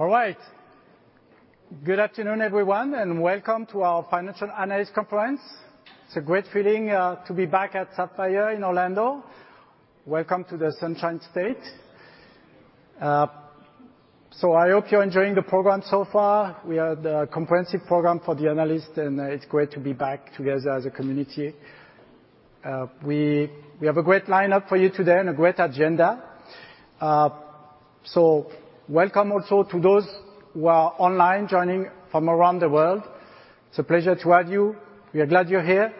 All right. Good afternoon, everyone, and welcome to our financial analyst conference. It's a great feeling to be back at SAP Sapphire in Orlando. Welcome to the Sunshine State. I hope you're enjoying the program so far. We had a comprehensive program for the analyst, and it's great to be back together as a community. We have a great lineup for you today and a great agenda. Welcome also to those who are online joining from around the world. It's a pleasure to have you. We are glad you're here.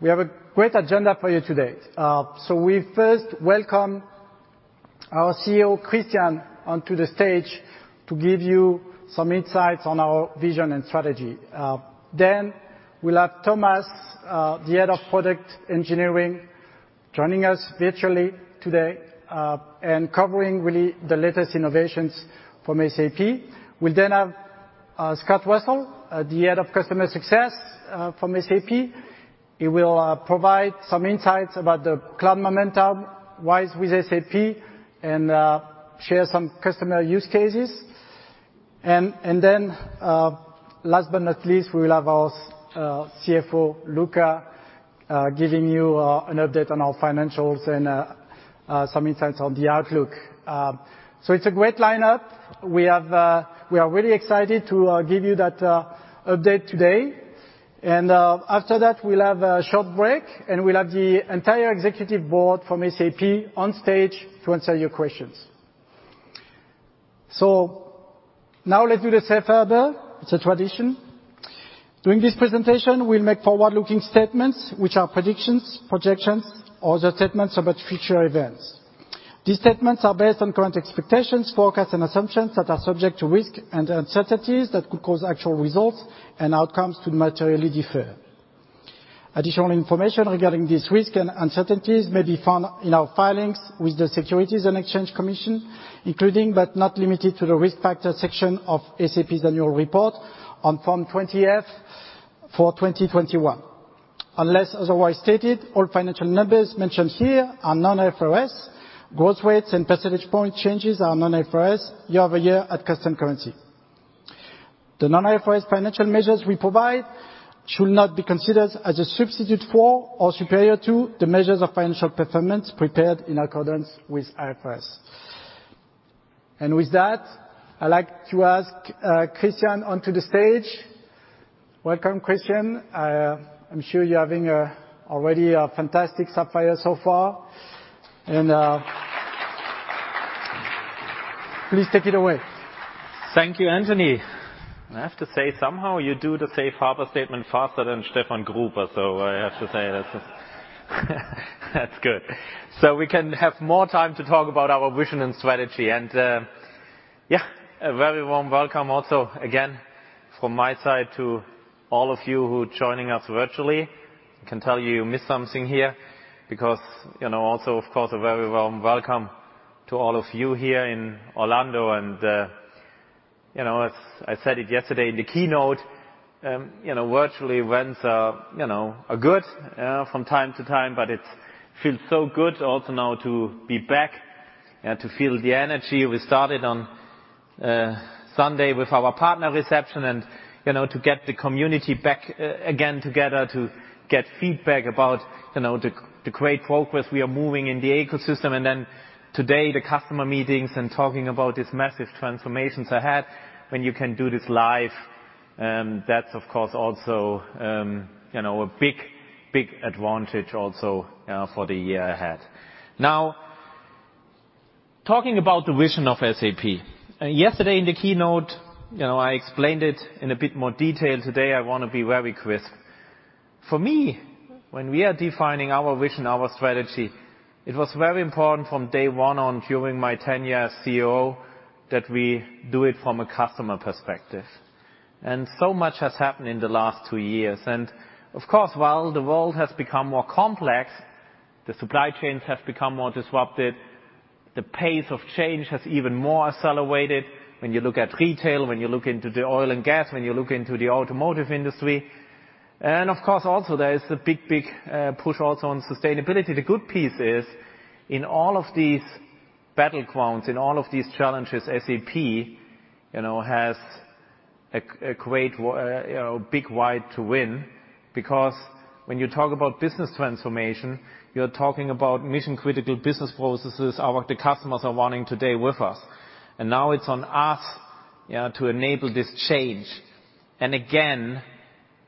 We have a great agenda for you today. We first welcome our CEO, Christian, onto the stage to give you some insights on our vision and strategy. We'll have Thomas, the Head of Product Engineering, joining us virtually today, and covering really the latest innovations from SAP. We'll then have Scott Russell, the Head of Customer Success, from SAP. He will provide some insights about the cloud momentum, RISE with SAP and share some customer use cases. Last but not least, we will have our CFO, Luka, giving you an update on our financials and some insights on the outlook. It's a great lineup. We are really excited to give you that update today. After that, we'll have a short break, and we'll have the entire executive board from SAP on stage to answer your questions. Now let's do the safe harbor. It's a tradition. During this presentation, we'll make forward-looking statements, which are predictions, projections, or other statements about future events. These statements are based on current expectations, forecasts, and assumptions that are subject to risk and uncertainties that could cause actual results and outcomes to materially differ. Additional information regarding these risks and uncertainties may be found in our filings with the Securities and Exchange Commission, including but not limited to the Risk Factors section of SAP's annual report on Form 20-F for 2021. Unless otherwise stated, all financial numbers mentioned here are non-IFRS. Growth rates and percentage point changes are non-IFRS year over year at constant currency. The non-IFRS financial measures we provide should not be considered as a substitute for or superior to the measures of financial performance prepared in accordance with IFRS. With that, I'd like to ask Christian onto the stage. Welcome, Christian. I'm sure you're having already a fantastic Sapphire so far. Please take it away. Thank you, Anthony. I have to say, somehow you do the safe harbor statement faster than Stefan Gruber, so I have to say that's good. We can have more time to talk about our vision and strategy. Yeah, a very warm welcome also, again, from my side to all of you who's joining us virtually. I can tell you miss something here because, also, of course, a very warm welcome to all of you here in Orlando. You know, as I said it yesterday in the keynote, virtual events are good from time to time, but it feels so good also now to be back and to feel the energy. We started on Sunday with our partner reception, and to get the community back again together to get feedback about, the great progress we are moving in the ecosystem. Today, the customer meetings and talking about these massive transformations ahead when you can do this live, that's of course also, a big advantage also for the year ahead. Now, talking about the vision of SAP. Yesterday in the keynote, I explained it in a bit more detail. Today, I wanna be very crisp. For me, when we are defining our vision, our strategy, it was very important from day one on during my tenure as CEO that we do it from a customer perspective. So much has happened in the last two years. Of course, while the world has become more complex, the supply chains have become more disrupted, the pace of change has even more accelerated when you look at retail, when you look into the oil and gas, when you look into the automotive industry. Of course, also there is a big push also on sustainability. The good piece is, in all of these battlegrounds, in all of these challenges, SAP, has a great, big why to win because when you talk about business transformation, you're talking about mission-critical business processes the customers are wanting today with us. Now it's on us, yeah, to enable this change. Again,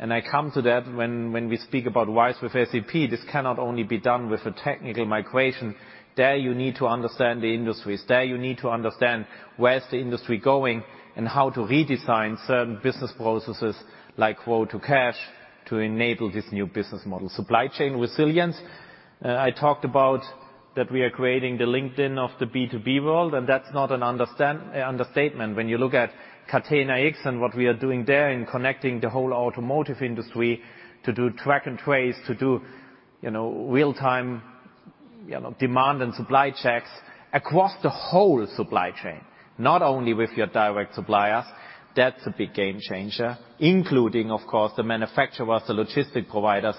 I come to that when we speak about RISE with SAP, this cannot only be done with a technical migration. There, you need to understand the industries. You need to understand where's the industry going and how to redesign certain business processes like quote to cash to enable this new business model. Supply chain resilience. I talked about that we are creating the LinkedIn of the B2B world, and that's not an understatement. When you look at Catena-X and what we are doing there in connecting the whole automotive industry to do track and trace, to do real-time demand and supply checks across the whole supply chain, not only with your direct suppliers. That's a big game changer, including of course, the manufacturers, the logistics providers,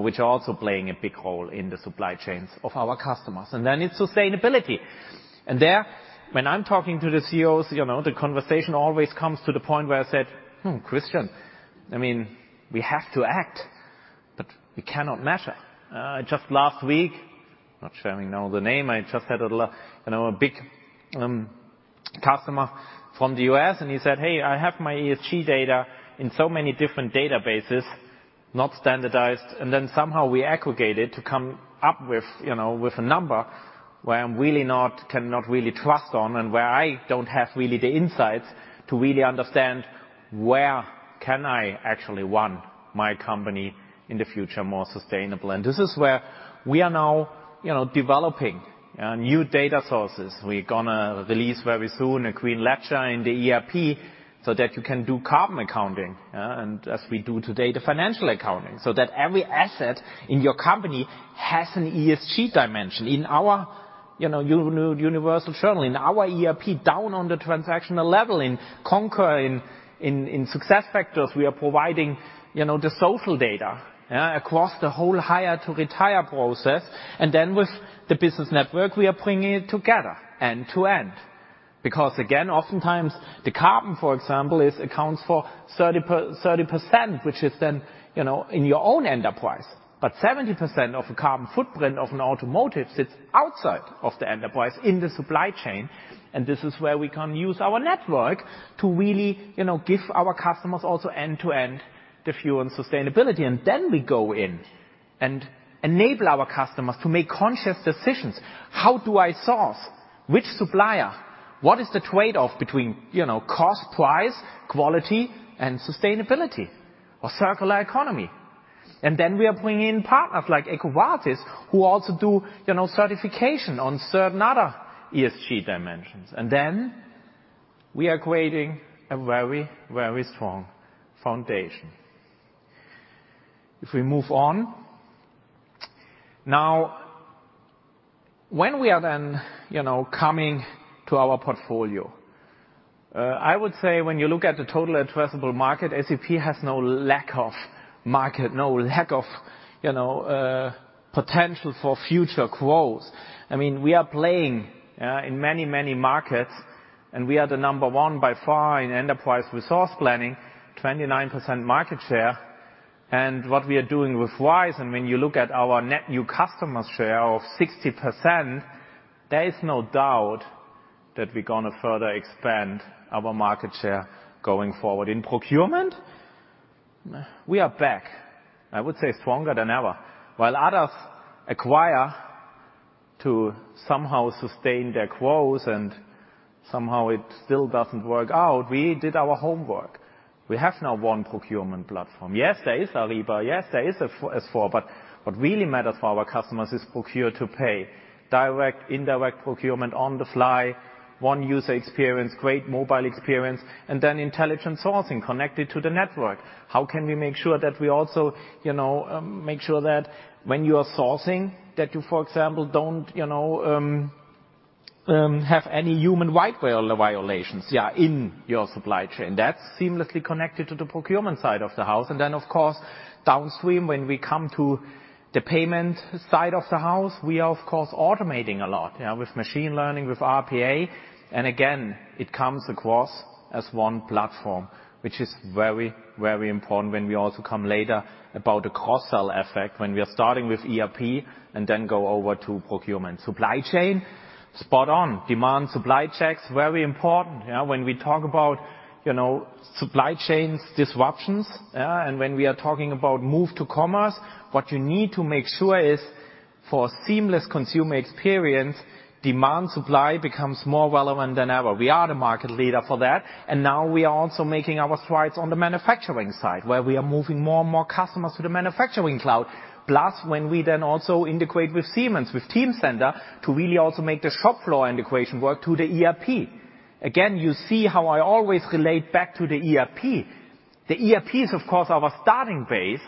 which are also playing a big role in the supply chains of our customers. It's sustainability. There, when I'm talking to the CEOs, the conversation always comes to the point where I said, "Oh, Christian, I mean, we have to act, but we cannot measure." Just last week, not sharing now the name, I just had a big customer from the U.S., and he said, "Hey, I have my ESG data in so many different databases, not standardized, and then somehow we aggregate it to come up with a number where I cannot really trust on, and where I don't have really the insights to really understand where can I actually run my company in the future more sustainable." This is where we are now developing new data sources. We're gonna release very soon a green ledger in the ERP so that you can do carbon accounting, and as we do today, the financial accounting, so that every asset in your company has an ESG dimension. In our universal journal, in our ERP, down on the transactional level, in Concur, in SuccessFactors, we are providing the social data, yeah, across the whole hire to retire process. With the business network, we are bringing it together end to end. Because again, oftentimes the carbon, for example, accounts for 30%, which is then in your own enterprise. 70% of the carbon footprint of an automotive sits outside of the enterprise in the supply chain, and this is where we can use our network to really give our customers also end-to-end the full and sustainability. We go in and enable our customers to make conscious decisions. How do I source which supplier? What is the trade-off between cost, price, quality and sustainability or circular economy? We are bringing in partners like EcoVadis, who also do certification on certain other ESG dimensions. We are creating a very, very strong foundation. If we move on. Now, when we are then coming to our portfolio, I would say when you look at the total addressable market, SAP has no lack of market, no lack of potential for future growth. I mean, we are playing, yeah, in many, many markets, and we are the number one by far in enterprise resource planning, 29% market share. What we are doing with RISE, and when you look at our net new customer share of 60%, there is no doubt that we're gonna further expand our market share going forward. In procurement, we are back, I would say, stronger than ever. While others acquire to somehow sustain their growth and somehow it still doesn't work out, we did our homework. We have now one procurement platform. Yes, there is Ariba. Yes, there is S/4HANA. But what really matters for our customers is procure to pay. Direct, indirect procurement on the fly, one user experience, great mobile experience, and then intelligent sourcing connected to the network. How can we make sure that we also make sure that when you are sourcing, that you, for example, don't have any human rights violations, yeah, in your supply chain. That's seamlessly connected to the procurement side of the house. Of course, downstream, when we come to the payment side of the house, we are of course automating a lot, yeah, with machine learning, with RPA. It comes across as one platform, which is very, very important when we also come later about the cross-sell effect, when we are starting with ERP and then go over to procurement. Supply chain, spot on. Demand supply checks, very important. When we talk about supply chain disruptions, yeah, and when we are talking about move to commerce, what you need to make sure is for seamless consumer experience. Demand supply becomes more relevant than ever. We are the market leader for that, and now we are also making our strides on the manufacturing side, where we are moving more and more customers to the manufacturing cloud. Plus, when we then also integrate with Siemens, with Teamcenter, to really also make the shop floor integration work to the ERP. Again, you see how I always relate back to the ERP. The ERP is of course our starting base,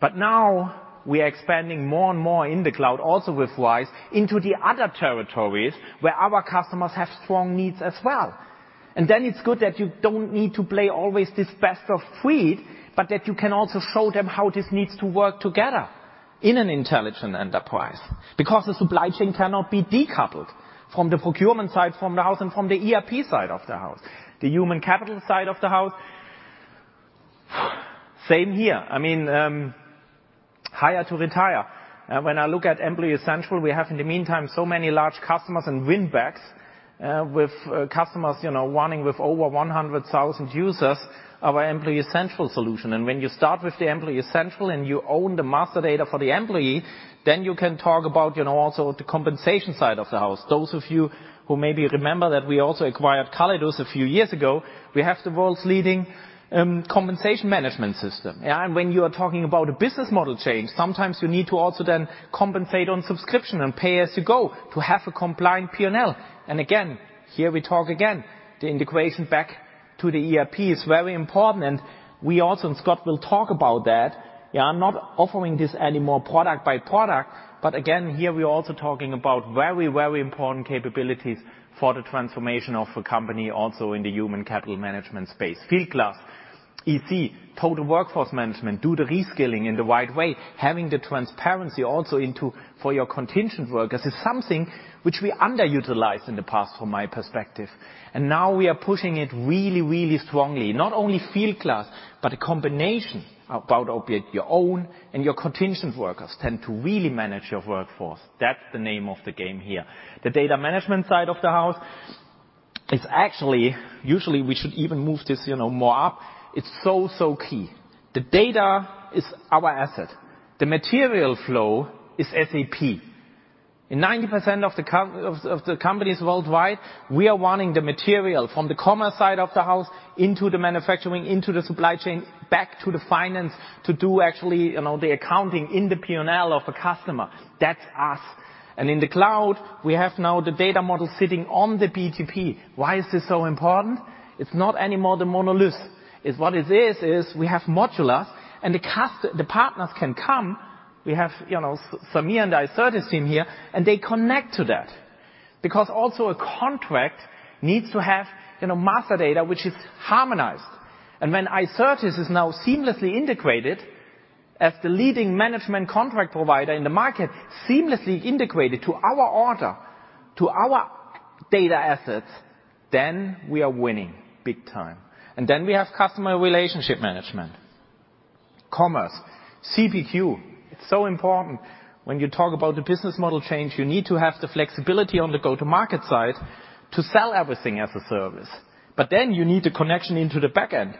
but now we are expanding more and more in the cloud, also with RISE, into the other territories where our customers have strong needs as well. It's good that you don't need to play always this best of breed, but that you can also show them how this needs to work together in an Intelligent Enterprise. Because the supply chain cannot be decoupled from the procurement side from the house and from the ERP side of the house. The human capital side of the house, same here. I mean, hire to retire. When I look at Employee Central, we have in the meantime so many large customers and win backs, with customers running with over 100,000 users our Employee Central solution. When you start with the Employee Central and you own the master data for the employee, then you can talk about, you know, also the compensation side of the house. Those of you who maybe remember that we also acquired CallidusCloud a few years ago, we have the world's leading compensation management system. When you are talking about a business model change, sometimes you need to also then compensate on subscription and pay as you go to have a compliant P&L. Again, here we talk again, the integration back to the ERP is very important. We also, and Scott will talk about that. I'm not offering this anymore product by product, but again, here we are also talking about very, very important capabilities for the transformation of a company also in the human capital management space. Fieldglass, Employee Central, total workforce management, do the reskilling in the right way, having the transparency also into, for your contingent workers is something which we underutilized in the past, from my perspective. Now we are pushing it really, really strongly. Not only Fieldglass, but a combination to operate your own and your contingent workers to really manage your workforce. That's the name of the game here. The data management side of the house is actually usually we should even move this more up. It's so key. The data is our asset. The material flow is SAP. In 90% of the companies worldwide, we are owning the material from the commerce side of the house into the manufacturing, into the supply chain, back to the finance to do actually, you know, the accounting in the P&L of a customer. That's us. In the cloud, we have now the data model sitting on the BTP. Why is this so important? It's not anymore the monolith. What it is is we have modular, and the partners can come. We have Saueressig and I serve as a team here, and they connect to that. Because also a contract needs to have master data, which is harmonized. When I say, this is now seamlessly integrated as the leading contract management provider in the market, seamlessly integrated to our order, to our data assets, then we are winning big time. We have customer relationship management. Commerce. CPQ. It's so important when you talk about the business model change, you need to have the flexibility on the go-to-market side to sell everything as a service. Then you need the connection into the back end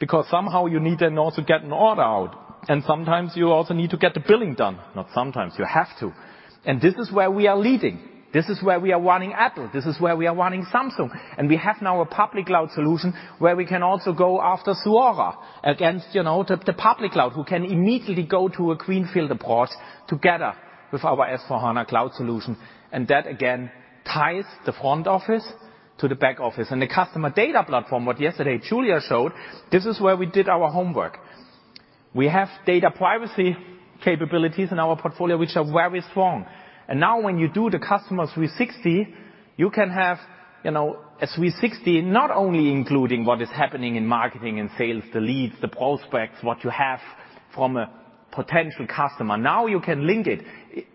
because somehow you need to also get an order out. Sometimes you also need to get the billing done. Not sometimes, you have to. This is where we are leading. This is where we are wanting Apple, this is where we are wanting Samsung. We have now a public cloud solution where we can also go after Zuora against, the public cloud, who can immediately go to a greenfield approach together with our S/4HANA Cloud solution. That again, ties the front office to the back office. The customer data platform, what yesterday Julia showed, this is where we did our homework. We have data privacy capabilities in our portfolio, which are very strong. Now when you do the customer 360, you can have a 360, not only including what is happening in marketing and sales, the leads, the prospects, what you have from a potential customer. Now you can link it.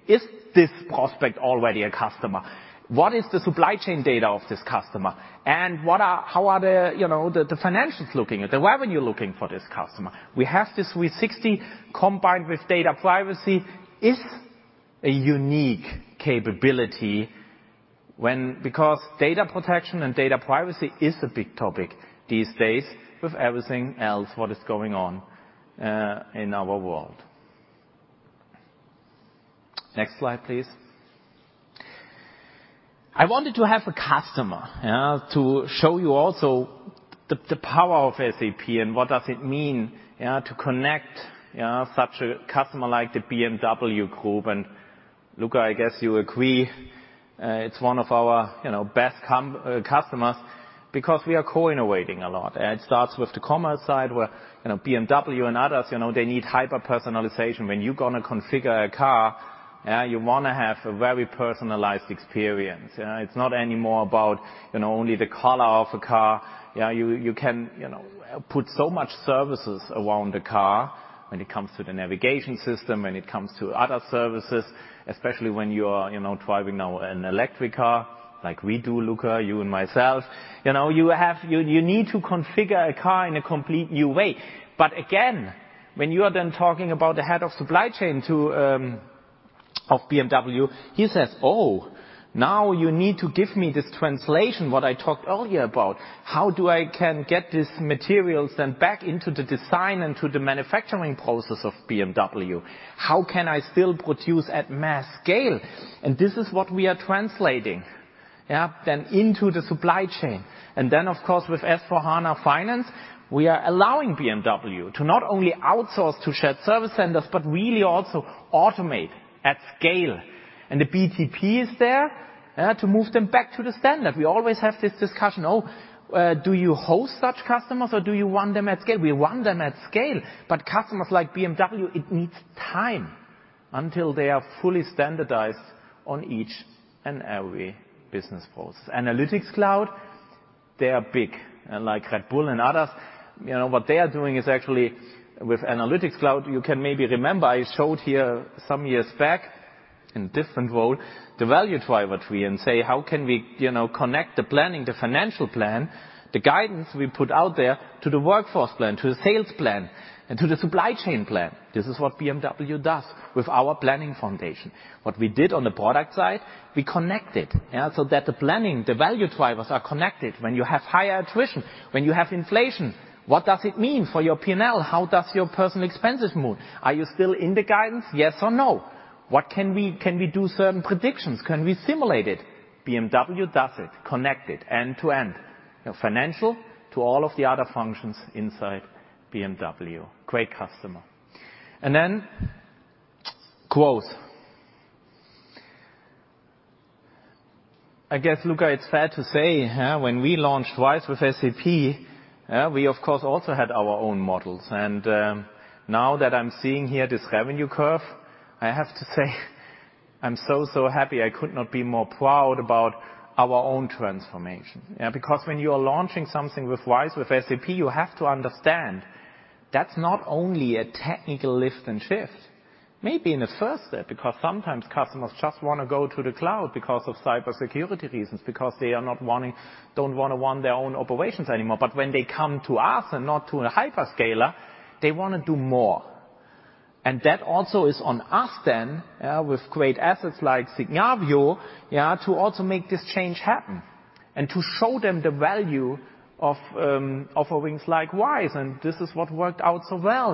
Is this prospect already a customer? What is the supply chain data of this customer? How are the financials looking, the revenue looking for this customer? We have this 360 combined with data privacy is a unique capability because data protection and data privacy is a big topic these days with everything else, what is going on in our world. Next slide, please. I wanted to have a customer, yeah, to show you also the power of SAP and what does it mean, yeah, to connect, yeah, such a customer like the BMW Group. Luka, I guess you agree, it's one of our, you know, best customers because we are co-innovating a lot. It starts with the commerce side, where BMW and others, you know, they need hyper-personalization. When you're gonna configure a car, you wanna have a very personalized experience, yeah? It's not anymore about only the color of a car. Yeah, you can, you know, put so much services around the car when it comes to the navigation system, when it comes to other services, especially when you are driving now an electric car like we do, Luka, you and myself. You need to configure a car in a complete new way. Again, when you are then talking about the head of supply chain, too, of BMW, he says, "Oh, now you need to give me this translation," what I talked earlier about. "How do I can get this materials then back into the design and to the manufacturing process of BMW? How can I still produce at mass scale?" This is what we are translating, then into the supply chain. Then, of course, with S/4HANA Finance, we are allowing BMW to not only outsource to shared service centers, but really also automate at scale. The BTP is there, to move them back to the standard. We always have this discussion, "Oh, do you host such customers or do you want them at scale?" We want them at scale. Customers like BMW, it needs time until they are fully standardized on each and every business process. Analytics Cloud, they are big. Like Red Bull and others, what they are doing is actually with SAP Analytics Cloud. You can maybe remember I showed here some years back in a different role, the value driver tree and say, how can we connect the planning, the financial plan, the guidance we put out there to the workforce plan, to the sales plan, and to the supply chain plan. This is what BMW does with our planning foundation. What we did on the product side, we connected, yeah, so that the planning, the value drivers are connected. When you have higher attrition, when you have inflation, what does it mean for your P&L? How does your personnel expenses move? Are you still in the guidance, yes or no? Can we do certain predictions? Can we simulate it? BMW does it, connect it end to end. Financial to all of the other functions inside BMW. Great customer. Then growth. I guess, Luka, it's fair to say, yeah, when we launched RISE with SAP, we of course also had our own models. Now that I'm seeing here this revenue curve, I have to say, I'm so happy. I could not be more proud about our own transformation. Because when you are launching something with RISE with SAP, you have to understand that's not only a technical lift and shift. Maybe in the first step, because sometimes customers just wanna go to the cloud because of cybersecurity reasons, because they don't wanna run their own operations anymore. When they come to us and not to a hyperscaler, they wanna do more. That also is on us then with great assets like Signavio, yeah, to also make this change happen, and to show them the value of offerings like RISE, and this is what worked out so well.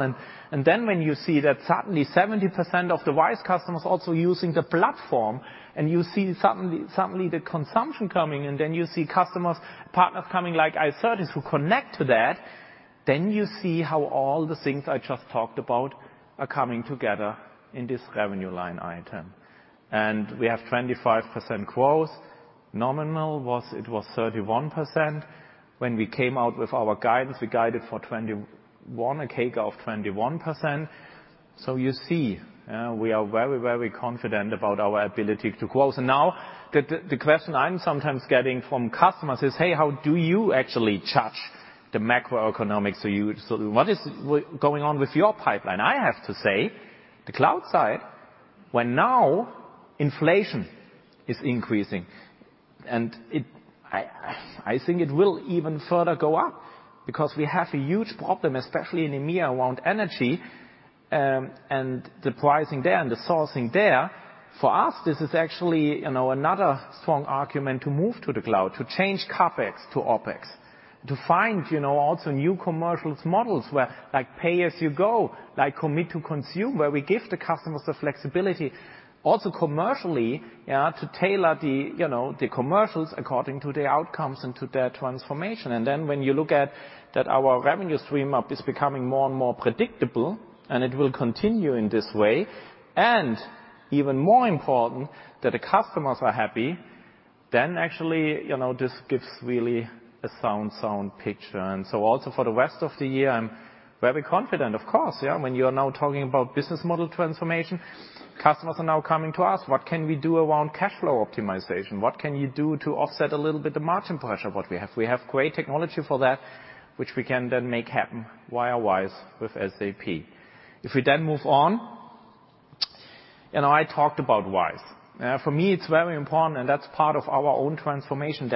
Then when you see that suddenly 70% of the RISE customers are also using the platform, and you see suddenly the consumption coming, and then you see customers, partners coming, like Icertis, who connect to that, then you see how all the things I just talked about are coming together in this revenue line item. We have 25% growth. Nominal was, it was 31%. When we came out with our guidance, we guided for 21%, a CAGR of 21%. You see, we are very confident about our ability to grow. Now the question I'm sometimes getting from customers is, "Hey, how do you actually judge the macroeconomics you use? So what is going on with your pipeline?" I have to say, the cloud side, when now inflation is increasing, and I think it will even further go up because we have a huge problem, especially in EMEA, around energy, and the pricing there and the sourcing there. For us, this is actually another strong argument to move to the cloud, to change CapEx to OpEx, to also find new commercial models where like pay as you go, like commit to consume, where we give the customers the flexibility also commercially, yeah, to tailor the commercials according to their outcomes and to their transformation. When you look at that our revenue stream up is becoming more and more predictable, and it will continue in this way, and even more important, that the customers are happy, then actually this gives really a sound picture. Also for the rest of the year, I'm very confident. Of course, yeah, when you are now talking about business model transformation, customers are now coming to us. What can we do around cash flow optimization? What can you do to offset a little bit the margin pressure what we have? We have great technology for that, which we can then make happen via RISE with SAP. If we then move on, I talked about RISE. For me it's very important, and that's part of our own transformation,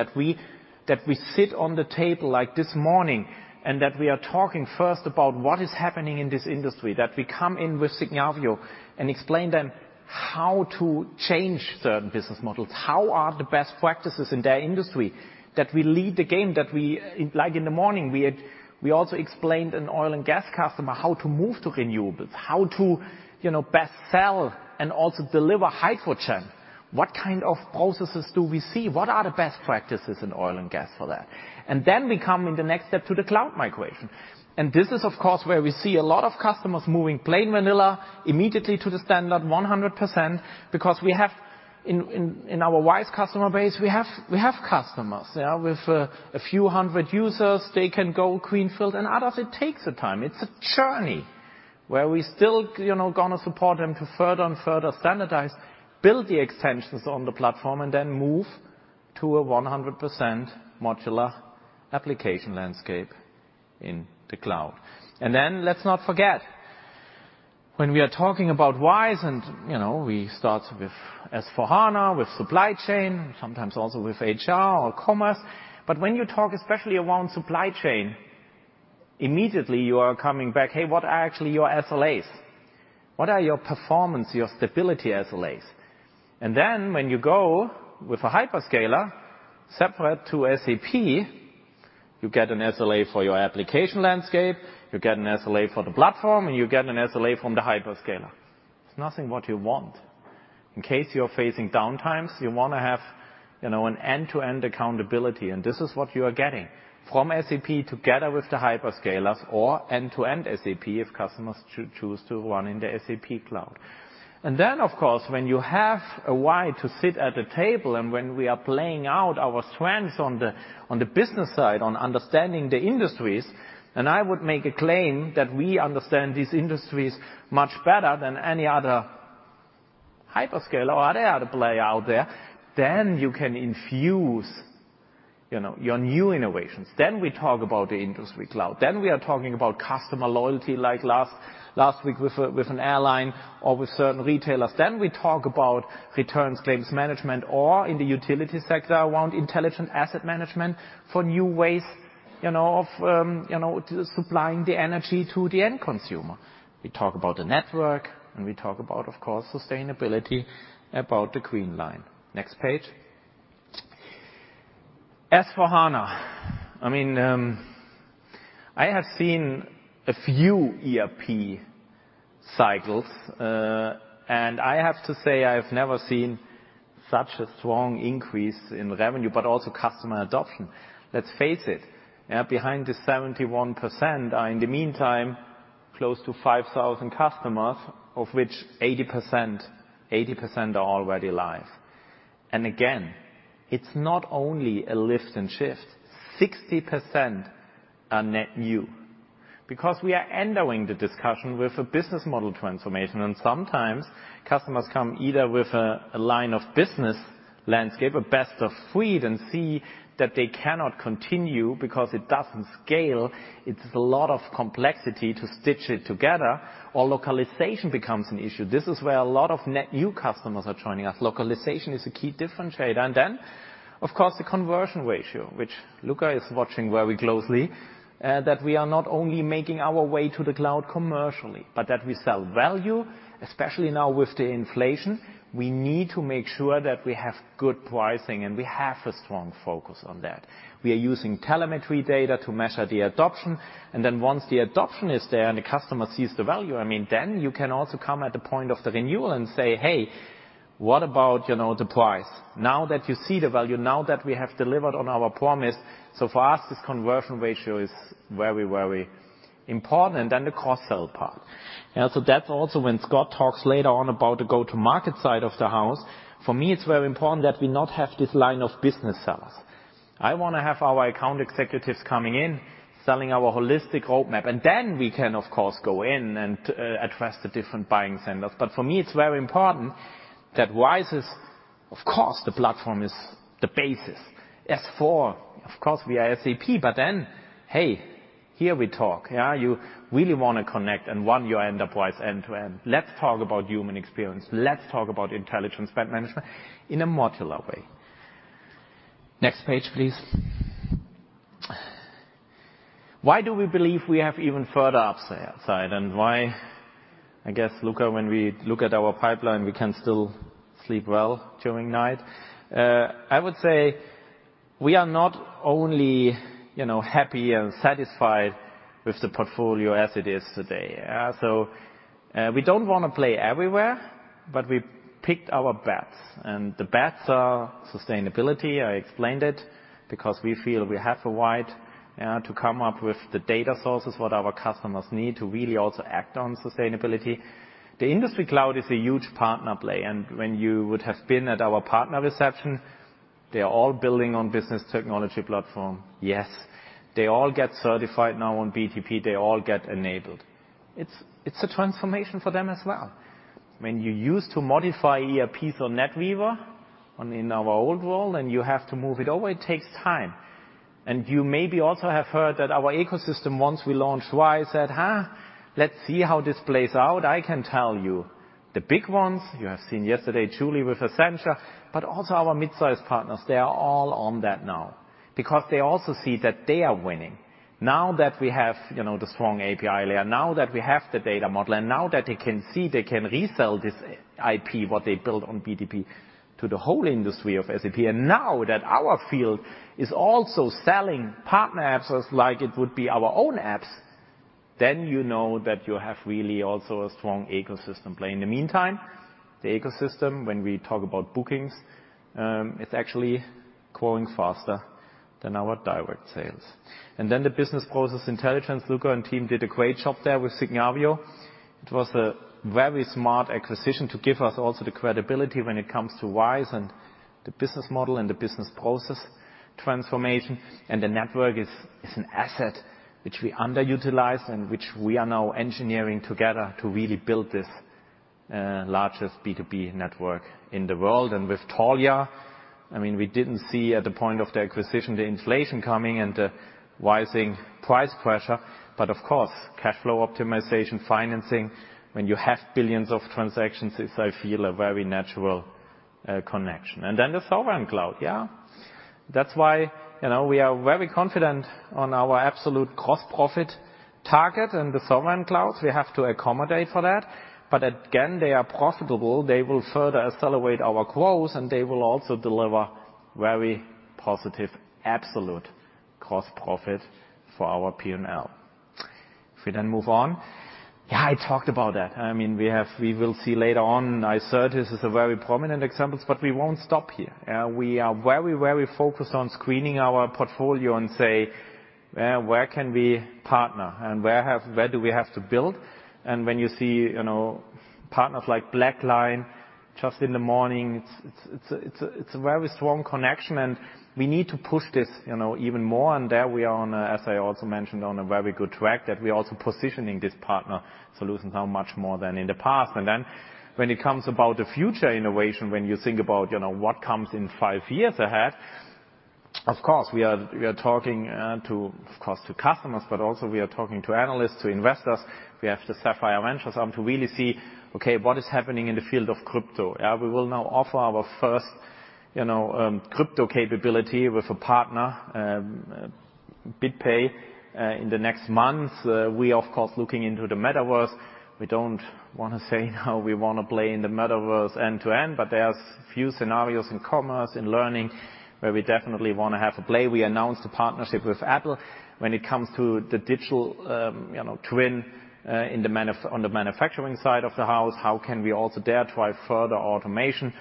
that we sit on the table, like this morning, and that we are talking first about what is happening in this industry, that we come in with Signavio and explain them how to change certain business models. How are the best practices in their industry? That we lead the game, that we, like in the morning, we also explained an oil and gas customer how to move to renewables, how to best sell and also deliver hydrogen. What kind of processes do we see? What are the best practices in oil and gas for that? Then we come in the next step to the cloud migration. This is of course where we see a lot of customers moving plain vanilla immediately to the standard 100% because we have in our RISE customer base, we have customers with a few hundred users. They can go greenfield. Others, it takes a time. It's a journey where we still gonna support them to further and further standardize, build the extensions on the platform, and then move to a 100% modular application landscape in the cloud. Then let's not forget, when we are talking about RISE, and we start with S/4HANA, with supply chain, sometimes also with HR or commerce, but when you talk especially around supply chain, immediately you are coming back, "Hey, what are actually your SLAs? What are your performance, your stability SLAs?" Then when you go with a hyperscaler separate to SAP, you get an SLA for your application landscape, you get an SLA for the platform, and you get an SLA from the hyperscaler. It's not what you want. In case you're facing downtimes, you wanna have, an end-to-end accountability, and this is what you are getting from SAP together with the hyperscalers, or end-to-end SAP if customers choose to run in the SAP cloud. Then of course, when you have a right to sit at the table and when we are playing out our strengths on the business side, on understanding the industries, and I would make a claim that we understand these industries much better than any other hyperscaler or other player out there, then you can infuse, your new innovations. We talk about the Industry Cloud. We are talking about customer loyalty, like last week with an airline or with certain retailers. We talk about returns claims management, or in the utilities sector around intelligent asset management for new ways, you know, of, you know, to supplying the energy to the end consumer. We talk about the network, and we talk about, of course, sustainability, about the green ledger. Next page. S/4HANA. I mean, I have seen a few ERP cycles, and I have to say I've never seen such a strong increase in revenue, but also customer adoption. Let's face it, behind the 71% are in the meantime close to 5,000 customers, of which 80% are already live. Again, it's not only a lift and shift. 60% are net new. Because we are entering the discussion with a business model transformation, and sometimes customers come either with a line of business landscape, a best of suite, and see that they cannot continue because it doesn't scale. It's a lot of complexity to stitch it together, or localization becomes an issue. This is where a lot of net new customers are joining us. Localization is a key differentiator. And then, of course, the conversion ratio, which Luka is watching very closely. That we are not only making our way to the cloud commercially, but that we sell value, especially now with the inflation. We need to make sure that we have good pricing, and we have a strong focus on that. We are using telemetry data to measure the adoption, and then once the adoption is there and the customer sees the value, I mean, then you can also come at the point of the renewal and say, "Hey, what about, you know, the price? Now that you see the value, now that we have delivered on our promise." For us, this conversion ratio is very, very important. The cross-sell part. That's also when Scott talks later on about the go-to-market side of the house. For me, it's very important that we not have this line of business sellers. I wanna have our account executives coming in, selling our holistic roadmap, and then we can of course go in and address the different buying centers. For me, it's very important that RISE is. Of course, the platform is the basis. S/4HANA, of course we are SAP, but then, hey, here we talk. You really wanna connect and run your enterprise end-to-end. Let's talk about human experience. Let's talk about intelligent spend management in a modular way. Next page, please. Why do we believe we have even further upside, and why, I guess, Luka, when we look at our pipeline, we can still sleep well during night? I would say we are not only, you know, happy and satisfied with the portfolio as it is today. We don't wanna play everywhere, but we picked our bets. The bets are sustainability, I explained it, because we feel we have a wide to come up with the data sources what our customers need to really also act on sustainability. The Industry Cloud is a huge partner play, and when you would have been at our partner reception, they are all building on SAP Business Technology Platform. Yes. They all get certified now on BTP. They all get enabled. It's a transformation for them as well. When you used to modify ERPs on SAP NetWeaver in our old world, and you have to move it over, it takes time. You maybe also have heard that our ecosystem, once we launched RISE with SAP, said, "Huh, let's see how this plays out." I can tell you the big ones, you have seen yesterday Julia White with Accenture, but also our midsize partners, they are all on that now. Because they also see that they are winning. Now that we have the strong API layer, now that we have the data model, and now that they can see they can resell this IP, what they built on BTP, to the whole industry of SAP. Now that our field is also selling partner apps as like it would be our own apps, then you know that you have really also a strong ecosystem play. In the meantime, the ecosystem, when we talk about bookings, it's actually growing faster than our direct sales. Then the Business Process Intelligence, Luka and team did a great job there with Signavio. It was a very smart acquisition to give us also the credibility when it comes to RISE and the business model and the business process transformation. The network is an asset which we underutilize and which we are now engineering together to really build this largest B2B network in the world. With Taulia, I mean, we didn't see at the point of the acquisition the inflation coming and the rising price pressure, but of course, cash flow optimization, financing, when you have billions of transactions, it's I feel a very natural connection. Then the sovereign cloud, yeah. That's why we are very confident on our absolute gross-profit target in the sovereign cloud. We have to accommodate for that. But again, they are profitable. They will further accelerate our growth, and they will also deliver very positive absolute gross-profit for our P&L. If we move on. Yeah, I talked about that. I mean, we will see later on. I said this is a very prominent example, but we won't stop here. We are very, very focused on screening our portfolio and say, "where can we partner, and where do we have to build?" When you see partners like BlackLine just in the morning, it's a very strong connection, and we need to push this even more. There we are on a, as I also mentioned, on a very good track, that we're also positioning these partner solutions now much more than in the past. When it comes about the future innovation, when you think about, what comes in five years ahead, of course, we are talking to customers, but also we are talking to analysts, to investors. We have the Sapphire Ventures arm to really see, okay, what is happening in the field of crypto? We will now offer our first, crypto capability with a partner, BitPay, in the next month. We of course looking into the metaverse. We don't wanna say how we wanna play in the metaverse end-to-end, but there's a few scenarios in commerce and learning where we definitely wanna have a play. We announced a partnership with Apple when it comes to the digital, you know, twin, on the manufacturing side of the house. How can we also there drive further automation,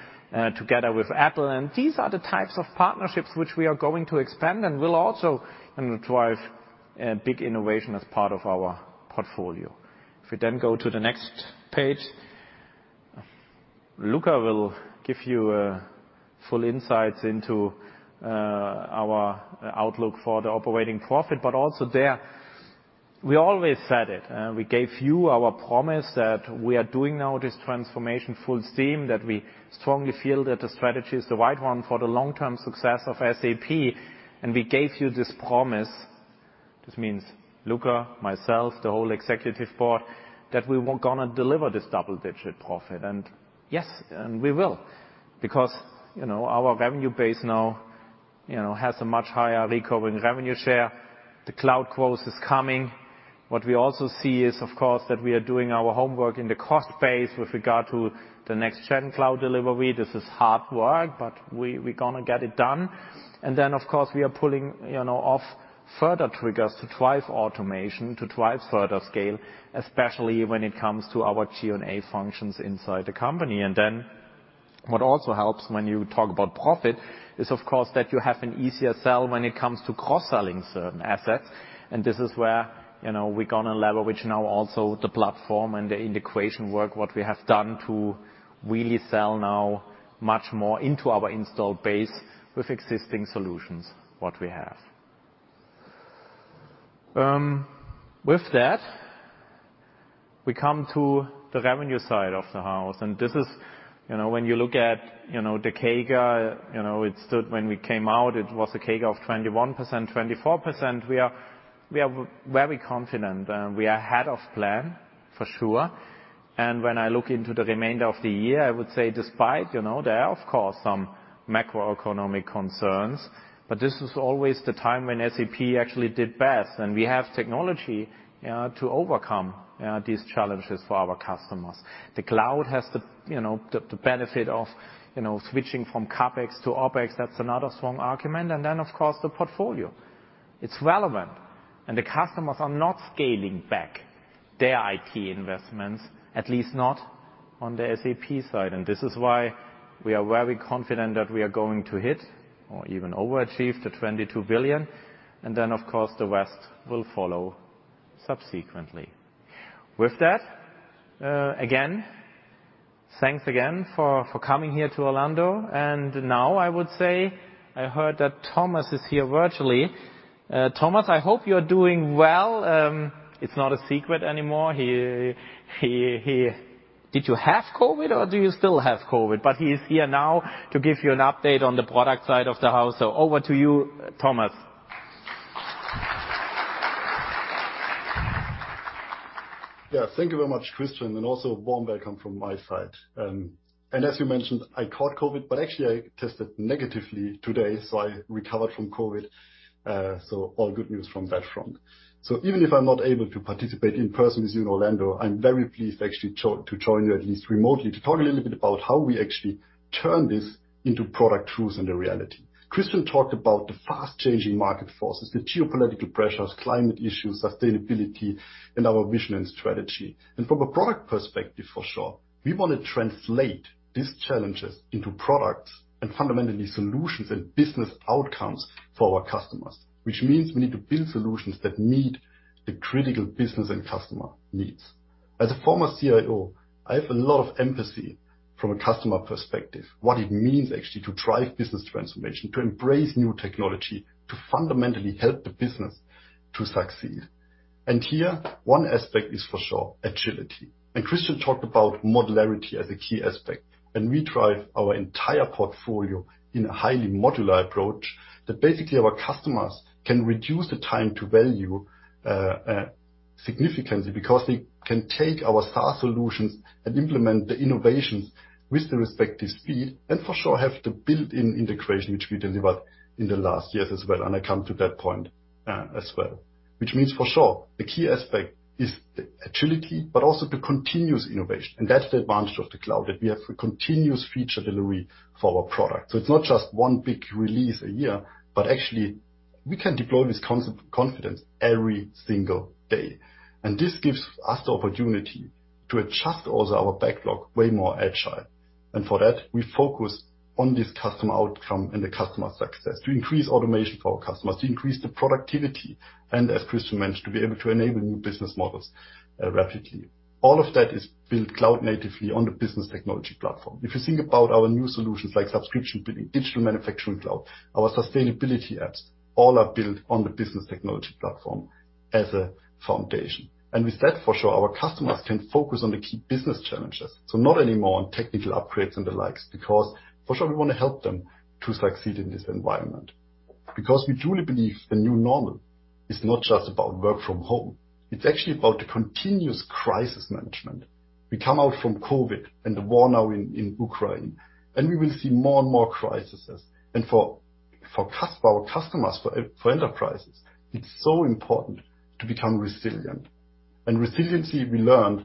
together with Apple? These are the types of partnerships which we are going to expand and will also drive big innovation as part of our portfolio. If we then go to the next page. Luka will give you full insights into our outlook for the operating profit. Also there, we always said it. We gave you our promise that we are doing now this transformation full steam, that we strongly feel that the strategy is the right one for the long-term success of SAP. We gave you this promise. This means Luka, myself, the whole executive board, that we were gonna deliver this double-digit profit. Yes, we will, because you know, our revenue base now has a much higher recurring revenue share. The cloud growth is coming. What we also see is, of course, that we are doing our homework in the cost base with regard to the next gen cloud delivery. This is hard work, but we gonna get it done. Of course, we are pulling off further triggers to drive automation, to drive further scale, especially when it comes to our G&A functions inside the company. What also helps when you talk about profit is, of course, that you have an easier sell when it comes to cross-selling certain assets. This is where we're gonna leverage now also the platform and the integration work, what we have done to really sell now much more into our installed base with existing solutions, what we have. With that, we come to the revenue side of the house. This is, you know, when you look at, you know, the CAGR, it stood when we came out, it was a CAGR of 21%, 24%. We are very confident, and we are ahead of plan, for sure. When I look into the remainder of the year, I would say despite that there are, of course, some macroeconomic concerns, but this is always the time when SAP actually did best. We have technology to overcome these challenges for our customers. The cloud has the benefit of switching from CapEx to OpEx, that's another strong argument. Then, of course, the portfolio. It's relevant. The customers are not scaling back their IT investments, at least not on the SAP side. This is why we are very confident that we are going to hit or even overachieve the 22 billion. Then, of course, the rest will follow subsequently. With that, again, thanks again for coming here to Orlando. Now I would say I heard that Thomas is here virtually. Thomas, I hope you're doing well. It's not a secret anymore. Did you have COVID or do you still have COVID? He is here now to give you an update on the product side of the house. Over to you, Thomas. Thank you very much, Christian, and also warm welcome from my side. As you mentioned, I caught COVID, but actually I tested negatively today, so I recovered from COVID. All good news from that front. Even if I'm not able to participate in person with you in Orlando, I'm very pleased actually to join you at least remotely to talk a little bit about how we actually turn this into product truth and a reality. Christian talked about the fast-changing market forces, the geopolitical pressures, climate issues, sustainability, and our vision and strategy. From a product perspective, for sure, we wanna translate these challenges into products and fundamentally solutions and business outcomes for our customers, which means we need to build solutions that meet the critical business and customer needs. As a former CIO, I have a lot of empathy from a customer perspective, what it means actually to drive business transformation, to embrace new technology, to fundamentally help the business to succeed. Here one aspect is for sure, agility. Christian talked about modularity as a key aspect, and we drive our entire portfolio in a highly modular approach that basically our customers can reduce the time to value significantly because they can take our SaaS solutions and implement the innovations with the respective speed and for sure have the built-in integration, which we delivered in the last years as well. I come to that point as well. Which means for sure, the key aspect is agility, but also the continuous innovation. That's the advantage of the cloud, that we have a continuous feature delivery for our product. It's not just one big release a year, but actually we can deploy this confidence every single day. This gives us the opportunity to adjust also our backlog way more agile. For that, we focus on this customer outcome and the customer success to increase automation for our customers, to increase the productivity, and as Christian mentioned, to be able to enable new business models, rapidly. All of that is built cloud natively on the business technology platform. If you think about our new solutions like subscription billing, digital manufacturing cloud, our sustainability apps, all are built on the business technology platform as a foundation. With that, for sure, our customers can focus on the key business challenges. Not anymore on technical upgrades and the likes, because for sure we wanna help them to succeed in this environment. Because we truly believe the new normal is not just about work from home, it's actually about the continuous crisis management. We come out from COVID and the war now in Ukraine, and we will see more and more crises. For our customers, for enterprises, it's so important to become resilient. Resiliency we learned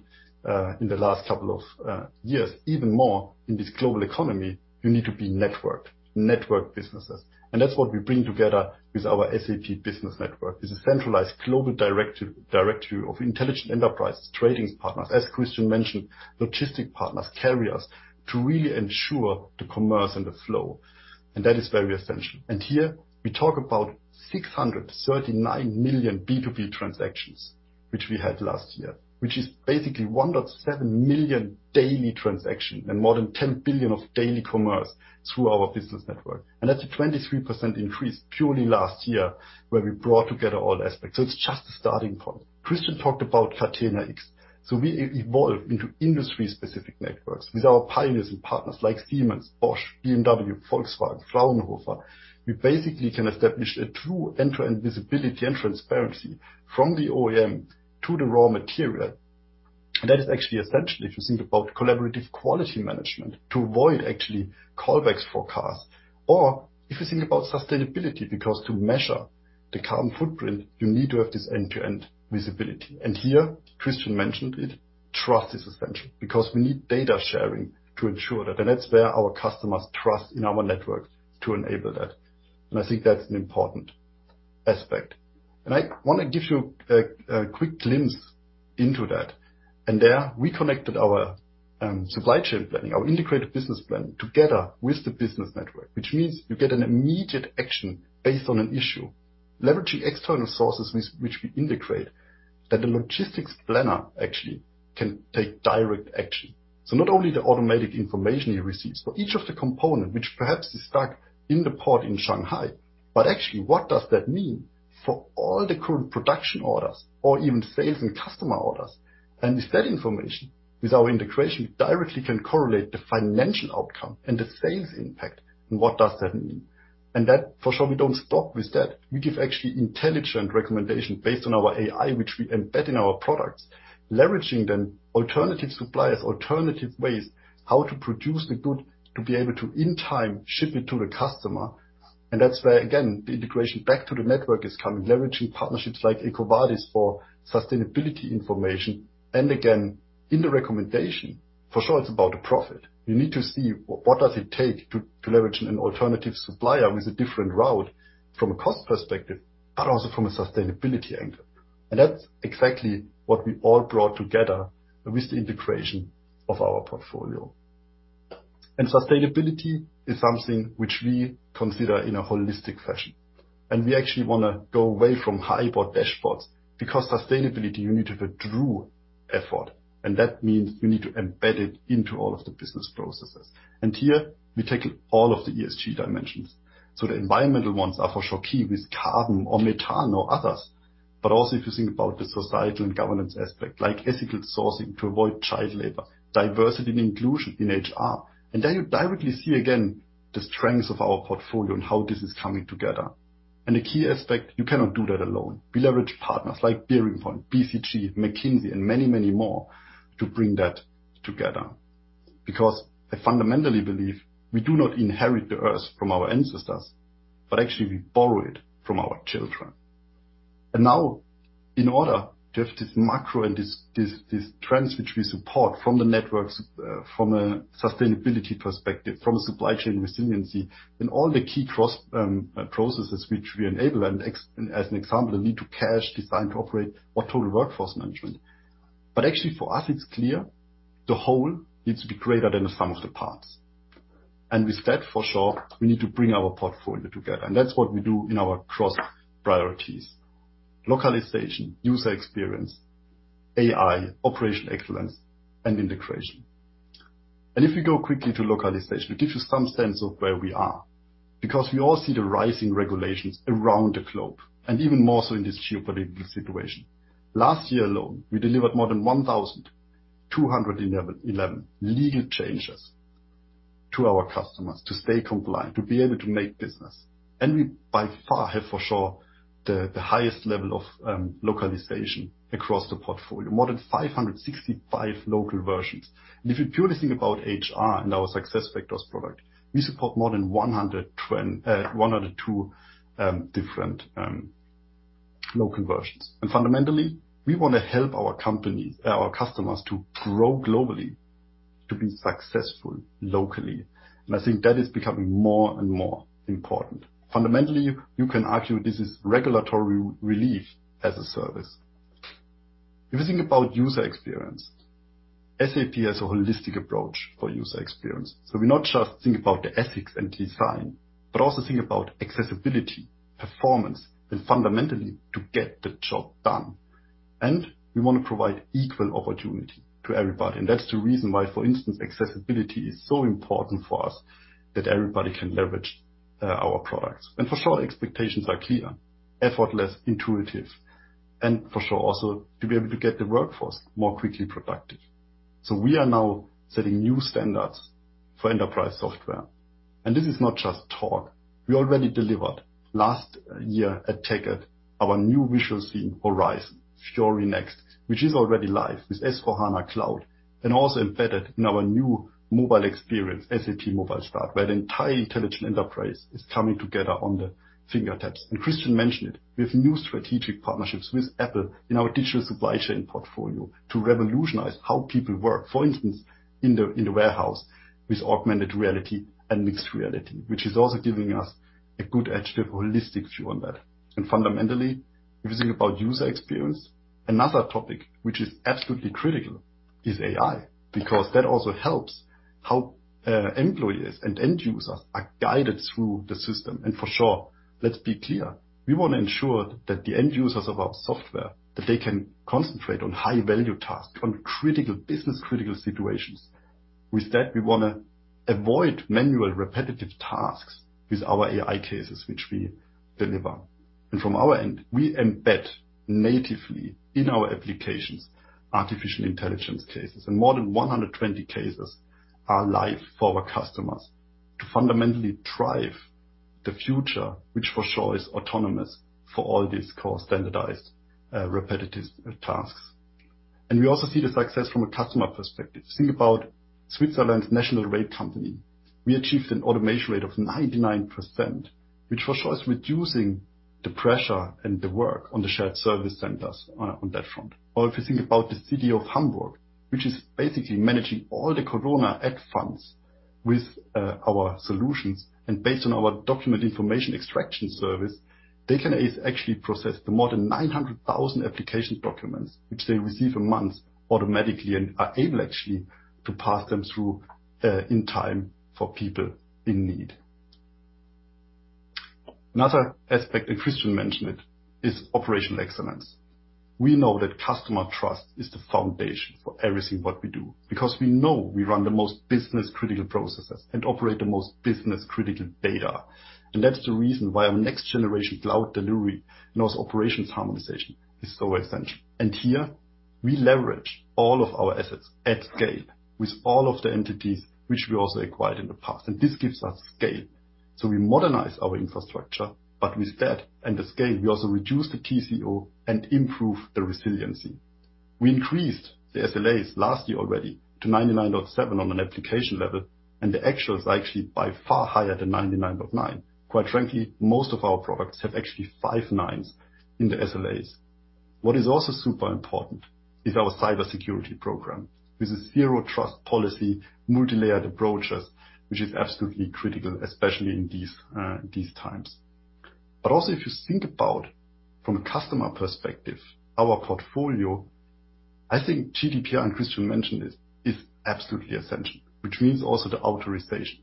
in the last couple of years, even more in this global economy, you need to be networked businesses. That's what we bring together with our SAP Business Network, is a centralized global directory of intelligent enterprises, trading partners, as Christian mentioned, logistic partners, carriers, to really ensure the commerce and the flow. That is very essential. Here we talk about 639 million B2B transactions, which we had last year, which is basically 1.7 million daily transaction and more than 10 billion of daily commerce through our business network. That's a 23% increase purely last year where we brought together all aspects. It's just a starting point. Christian talked about Catena-X. We evolved into industry-specific networks with our pioneers and partners like Siemens, Bosch, BMW, Volkswagen, Fraunhofer. We basically can establish a true end-to-end visibility and transparency from the OEM to the raw material. That is actually essential if you think about collaborative quality management to avoid actually callbacks forecast. Or if you think about sustainability, because to measure the carbon footprint, you need to have this end-to-end visibility. Here, Christian mentioned it, trust is essential because we need data sharing to ensure that. That's where our customers trust in our network to enable that. I think that's an important aspect. I wanna give you a quick glimpse into that. There we connected our supply chain planning, our integrated business plan, together with the business network, which means you get an immediate action based on an issue, leveraging external sources which we integrate, that the logistics planner actually can take direct action. So not only the automatic information he receives for each of the component, which perhaps is stuck in the port in Shanghai, but actually what does that mean for all the current production orders or even sales and customer orders? With that information, with our integration, we directly can correlate the financial outcome and the sales impact, and what does that mean? That for sure, we don't stop with that. We give actually intelligent recommendation based on our AI, which we embed in our products, leveraging the alternative suppliers, alternative ways how to produce the good to be able to, in time, ship it to the customer. That's where again, the integration back to the network is coming, leveraging partnerships like EcoVadis for sustainability information. Again, in the recommendation, for sure it's about the profit. You need to see what does it take to leverage an alternative supplier with a different route from a cost perspective, but also from a sustainability angle. That's exactly what we all brought together with the integration of our portfolio. Sustainability is something which we consider in a holistic fashion. We actually wanna go away from hybrid dashboards because sustainability, you need to have a true effort, and that means we need to embed it into all of the business processes. Here we take all of the ESG dimensions. The environmental ones are for sure key with carbon or methane or others. Also if you think about the societal and governance aspect, like ethical sourcing to avoid child labor, diversity and inclusion in HR. There you directly see again the strengths of our portfolio and how this is coming together. A key aspect, you cannot do that alone. We leverage partners like BearingPoint, BCG, McKinsey, and many, many more to bring that together. I fundamentally believe we do not inherit the Earth from our ancestors, but actually we borrow it from our children. Now in order to have this macro and this trends which we support from the networks, from a sustainability perspective, from a supply chain resiliency, and all the key cross processes which we enable. As an example, the [order] to cash, design to operate or total workforce management. Actually for us it's clear the whole needs to be greater than the sum of the parts. With that, for sure, we need to bring our portfolio together. That's what we do in our cross priorities, localization, user experience, AI, operational excellence, and integration. If we go quickly to localization, to give you some sense of where we are, because we all see the rising regulations around the globe and even more so in this geopolitical situation. Last year alone, we delivered more than 1,211 legal changes to our customers to stay compliant, to be able to make business. We by far have for sure the highest level of localization across the portfolio, more than 565 local versions. If you purely think about HR and our SuccessFactors product, we support more than 102 different local versions. Fundamentally, we wanna help our companies, our customers to grow globally, to be successful locally. I think that is becoming more and more important. Fundamentally, you can argue this is regulatory relief as a service. If you think about user experience, SAP has a holistic approach for user experience. We not just think about the ethics and design, but also think about accessibility, performance, and fundamentally to get the job done. We wanna provide equal opportunity to everybody. That's the reason why, for instance, accessibility is so important for us that everybody can leverage our products. Expectations are clear: effortless, intuitive, and for sure, also to be able to get the workforce more quickly productive. We are now setting new standards for enterprise software. This is not just talk. We already delivered. Last year at SAP TechEd, our new visual theme, Horizon, Fiori Next, which is already live with S/4HANA Cloud and also embedded in our new mobile experience, SAP Mobile Start, where the entire Intelligent Enterprise is coming together at the fingertips. Christian mentioned it. We have new strategic partnerships with Apple in our digital supply chain portfolio to revolutionize how people work, for instance, in the warehouse with augmented reality and mixed reality, which is also giving us a good edge to have a holistic view on that. Fundamentally, if you think about user experience, another topic which is absolutely critical is AI, because that also helps how employees and end users are guided through the system. For sure, let's be clear, we wanna ensure that the end users of our software, that they can concentrate on high-value tasks, on business critical situations. With that, we wanna avoid manual repetitive tasks with our AI cases which we deliver. From our end, we embed natively in our applications, artificial intelligence cases, and more than 120 cases are live for our customers to fundamentally drive the future, which for sure is autonomous for all these core standardized, repetitive, tasks. We also see the success from a customer perspective. Think about Switzerland's national rail company. We achieved an automation rate of 99%, which for sure is reducing the pressure and the work on the shared service centers on that front. Or if you think about the city of Hamburg, which is basically managing all the corona aid funds with, our solutions, and based on our document information extraction service, they can actually process the more than 900,000 application documents which they receive a month automatically and are able, actually, to pass them through, in time for people in need. Another aspect, and Christian mentioned it, is operational excellence. We know that customer trust is the foundation for everything what we do, because we know we run the most business critical processes and operate the most business critical data. That's the reason why our next generation cloud delivery and those operations harmonization is so essential. Here we leverage all of our assets at scale with all of the entities which we also acquired in the past, and this gives us scale. We modernize our infrastructure, but with that and the scale, we also reduce the TCO and improve the resiliency. We increased the SLAs last year already to 99.7% on an application level, and the actuals are actually by far higher than 99.9%. Quite frankly, most of our products have actually five 9s in the SLAs. What is also super important is our cybersecurity program. This is zero trust policy, multilayered approaches, which is absolutely critical, especially in these times. But also if you think about from a customer perspective, our portfolio, I think GDPR, and Christian mentioned this, is absolutely essential, which means also the authorization.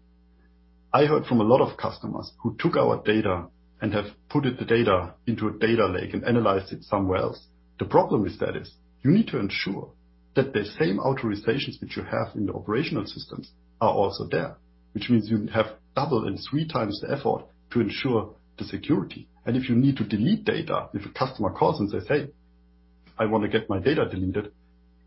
I heard from a lot of customers who took our data and have put it the data into a data lake and analyzed it somewhere else. The problem with that is you need to ensure that the same authorizations which you have in the operational systems are also there, which means you have double and three times the effort to ensure the security. If you need to delete data, if a customer calls and says, "Hey, I wanna get my data deleted,"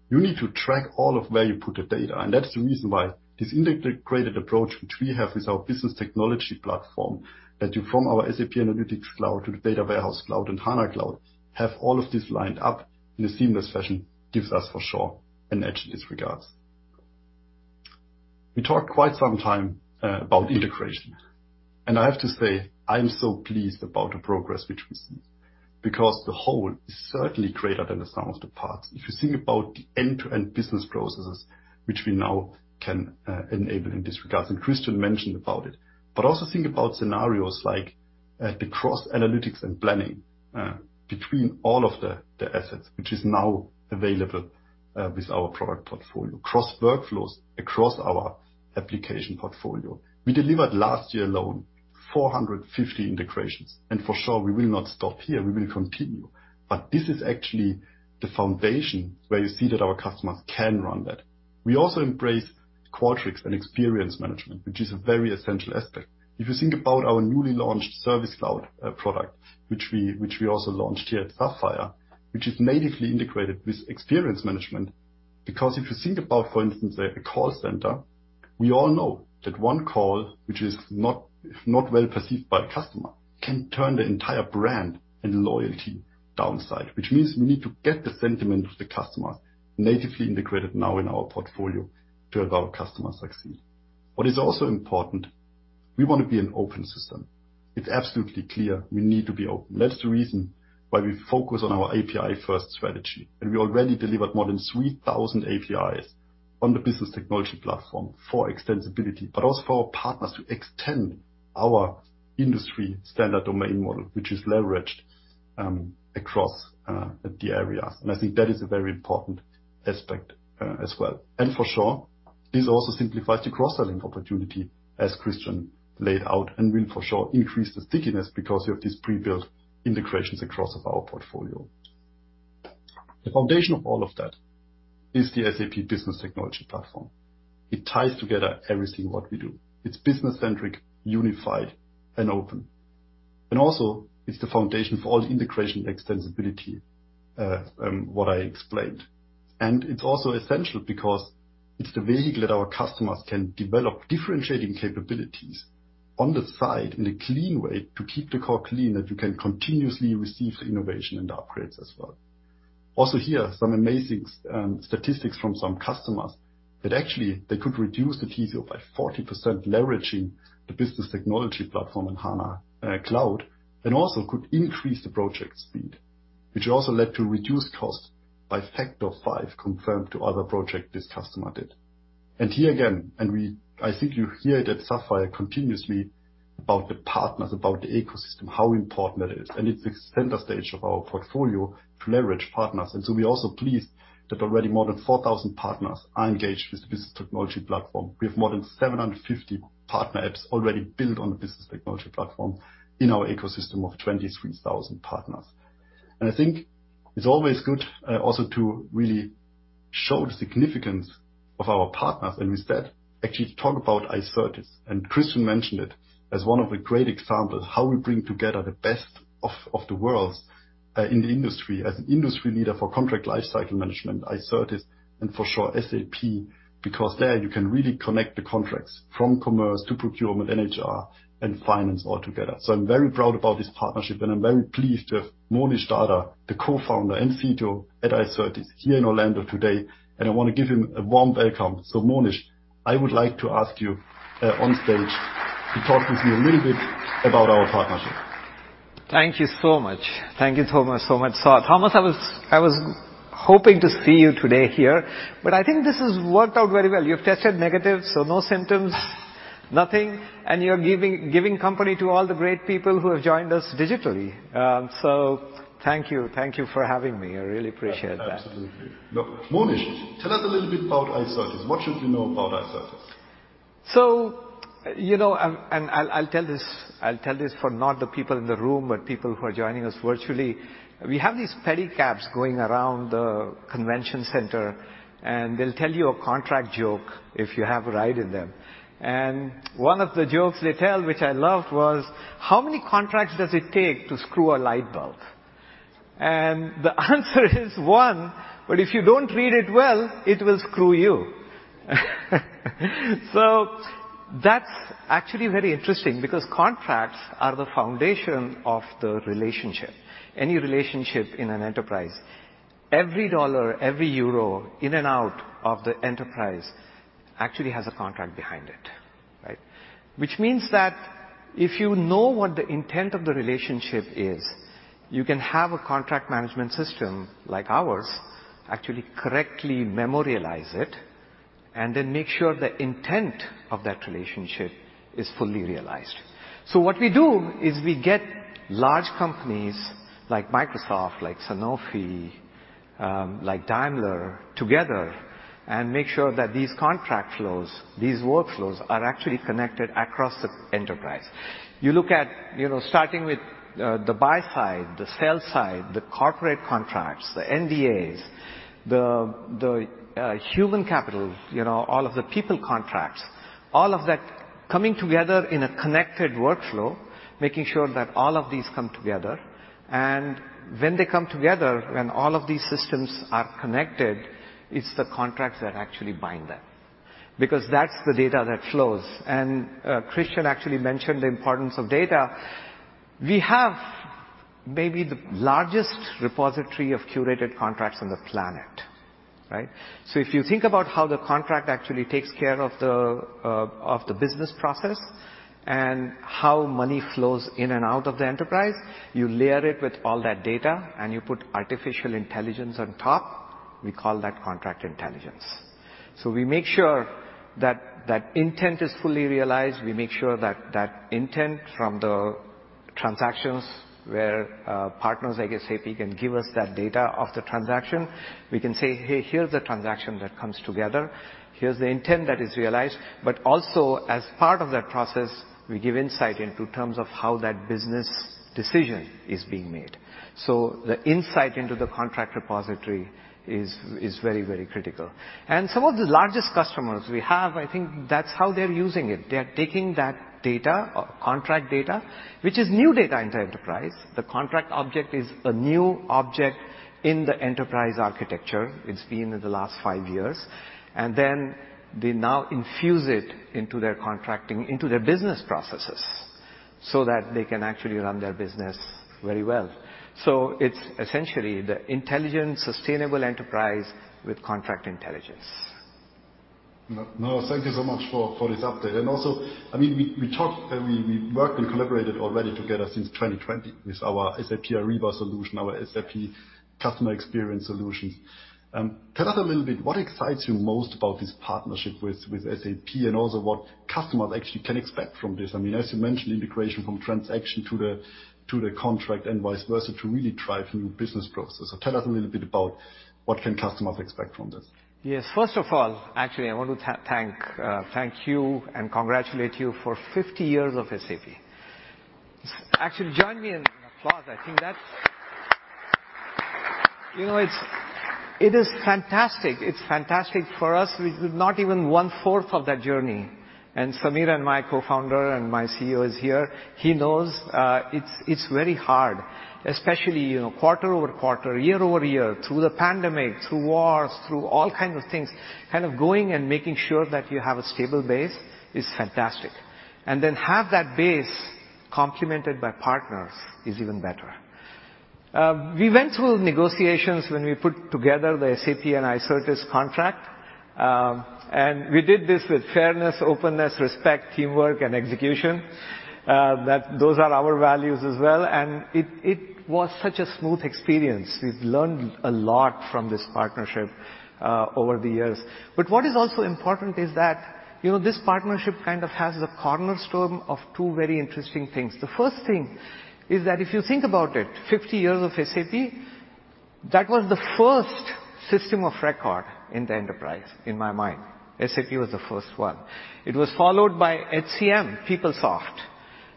you need to track all of where you put the data. That's the reason why this integrated approach which we have with our SAP Business Technology Platform, that goes from our SAP Analytics Cloud to the SAP Data Warehouse Cloud, and SAP HANA Cloud, have all of this lined up in a seamless fashion, gives us for sure an edge in this regard. We talked quite some time about integration, and I have to say I'm so pleased about the progress which we see because the whole is certainly greater than the sum of the parts. If you think about the end-to-end business processes which we now can enable in this regard, and Christian mentioned about it. But also think about scenarios like the cross analytics and planning between all of the assets which is now available with our product portfolio. Cross workflows across our application portfolio. We delivered last year alone 450 integrations, and for sure we will not stop here, we will continue. This is actually the foundation where you see that our customers can run that. We also embrace Qualtrics and experience management, which is a very essential aspect. If you think about our newly launched SAP Service Cloud product, which we also launched here at SAP Sapphire, which is natively integrated with experience management. Because if you think about, for instance, a call center, we all know that one call, which is not, if not well perceived by the customer, can turn the entire brand and loyalty downside. Which means we need to get the sentiment of the customer natively integrated now in our portfolio to help our customers succeed. What is also important, we wanna be an open system. It's absolutely clear we need to be open. That's the reason why we focus on our API first strategy, and we already delivered more than 3,000 APIs on the SAP Business Technology Platform for extensibility, but also for our partners to extend our industry standard domain model, which is leveraged across the areas. I think that is a very important aspect, as well. For sure, this also simplifies the cross-selling opportunity as Christian laid out and will for sure increase the stickiness because you have these pre-built integrations across our portfolio. The foundation of all of that is the SAP Business Technology Platform. It ties together everything what we do. It's business centric, unified and open. Also it's the foundation for all the integration extensibility what I explained. It's also essential because it's the vehicle that our customers can develop differentiating capabilities on the side in a clean way to keep the core clean, and we can continuously receive the innovation and upgrades as well. Also here, some amazing statistics from some customers that actually they could reduce the TCO by 40%, leveraging the Business Technology Platform in HANA Cloud, and also could increase the project speed, which also led to reduced cost by factor of five compared to other project this customer did. Here again, I think you hear that Sapphire continuously about the partners, about the ecosystem, how important that is. It's the center stage of our portfolio to leverage partners. We're also pleased that already more than 4,000 partners are engaged with Business Technology Platform. We have more than 750 partner apps already built on the Business Technology Platform in our ecosystem of 23,000 partners. I think it's always good, also to really show the significance of our partners, and with that, actually talk about Icertis. Christian mentioned it as one of the great examples, how we bring together the best of the worlds in the industry. As an industry leader for contract lifecycle management, Icertis, and for sure SAP, because there you can really connect the contracts from commerce to procurement, HR and finance all together. I'm very proud about this partnership, and I'm very pleased to have Monish Darda, the Co-founder and CTO at Icertis, here in Orlando today, and I wanna give him a warm welcome. Monish, I would like to ask you on stage to talk with me a little bit about our partnership. Thank you so much. Thank you Thomas, so much. Thomas, I was hoping to see you today here, but I think this has worked out very well. You've tested negative, so no symptoms, nothing, and you're giving company to all the great people who have joined us digitally. So thank you. Thank you for having me. I really appreciate that. Absolutely. Monish, tell us a little bit about Icertis. What should we know about Icertis? You know, and I'll tell this, not the people in the room, but people who are joining us virtually. We have these pedicabs going around the convention center, and they'll tell you a contract joke if you have a ride in them. One of the jokes they tell, which I loved, was, "How many contracts does it take to screw a light bulb?" The answer is one, but if you don't read it well, it will screw you. That's actually very interesting because contracts are the foundation of the relationship, any relationship in an enterprise. Every dollar, every euro in and out of the enterprise actually has a contract behind it, right? Which means that if you know what the intent of the relationship is, you can have a contract management system like ours actually correctly memorialize it and then make sure the intent of that relationship is fully realized. What we do is we get large companies like Microsoft, like Sanofi, like Daimler together and make sure that these contract flows, these workflows, are actually connected across the enterprise. You look at, you know, starting with the buy side, the sell side, the corporate contracts, the NDAs, the human capital, all of the people contracts, all of that coming together in a connected workflow, making sure that all of these come together. When they come together, when all of these systems are connected, it's the contracts that actually bind them, because that's the data that flows. Christian actually mentioned the importance of data. We have maybe the largest repository of curated contracts on the planet, right? If you think about how the contract actually takes care of the, of the business process and how money flows in and out of the enterprise, you layer it with all that data, and you put artificial intelligence on top, we call that contract intelligence. We make sure that that intent is fully realized. We make sure that that intent from the transactions where, partners like SAP can give us that data of the transaction. We can say, "Hey, here's the transaction that comes together. Here's the intent that is realized." Also, as part of that process, we give insight into terms of how that business decision is being made. The insight into the contract repository is very, very critical. Some of the largest customers we have, I think that's how they're using it. They're taking that data, contract data, which is new data into enterprise. The contract object is a new object in the enterprise architecture. It's been in the last five years. They now infuse it into their contracting, into their business processes, so that they can actually run their business very well. It's essentially the Intelligent, Sustainable Enterprise with contract intelligence. No, thank you so much for this update. Also, I mean, we talked and we worked and collaborated already together since 2020 with our SAP Ariba solution, our SAP Customer Experience solutions. Tell us a little bit what excites you most about this partnership with SAP and also what customers actually can expect from this. I mean, as you mentioned, integration from transaction to the contract and vice versa to really drive new business processes. Tell us a little bit about what can customers expect from this. Yes. First of all, actually, I want to thank you and congratulate you for 50 years of SAP. Actually, join me in applause. I think that's fantastic. You know, it is fantastic. It's fantastic for us. We could not even 1/4 of that journey. Saueressig and my co-founder and my CEO is here. He knows, it's very hard, especially quarter-over-quarter, year-over-year, through the pandemic, through wars, through all kind of things. Kind of going and making sure that you have a stable base is fantastic. Then have that base complemented by partners is even better. We went through negotiations when we put together the SAP and Icertis contract, and we did this with fairness, openness, respect, teamwork, and execution. Those are our values as well, and it was such a smooth experience. We've learned a lot from this partnership over the years. What is also important is that, you know, this partnership kind of has the cornerstone of two very interesting things. The first thing is that if you think about it, 50 years of SAP. That was the first system of record in the enterprise, in my mind. SAP was the first one. It was followed by HCM, PeopleSoft.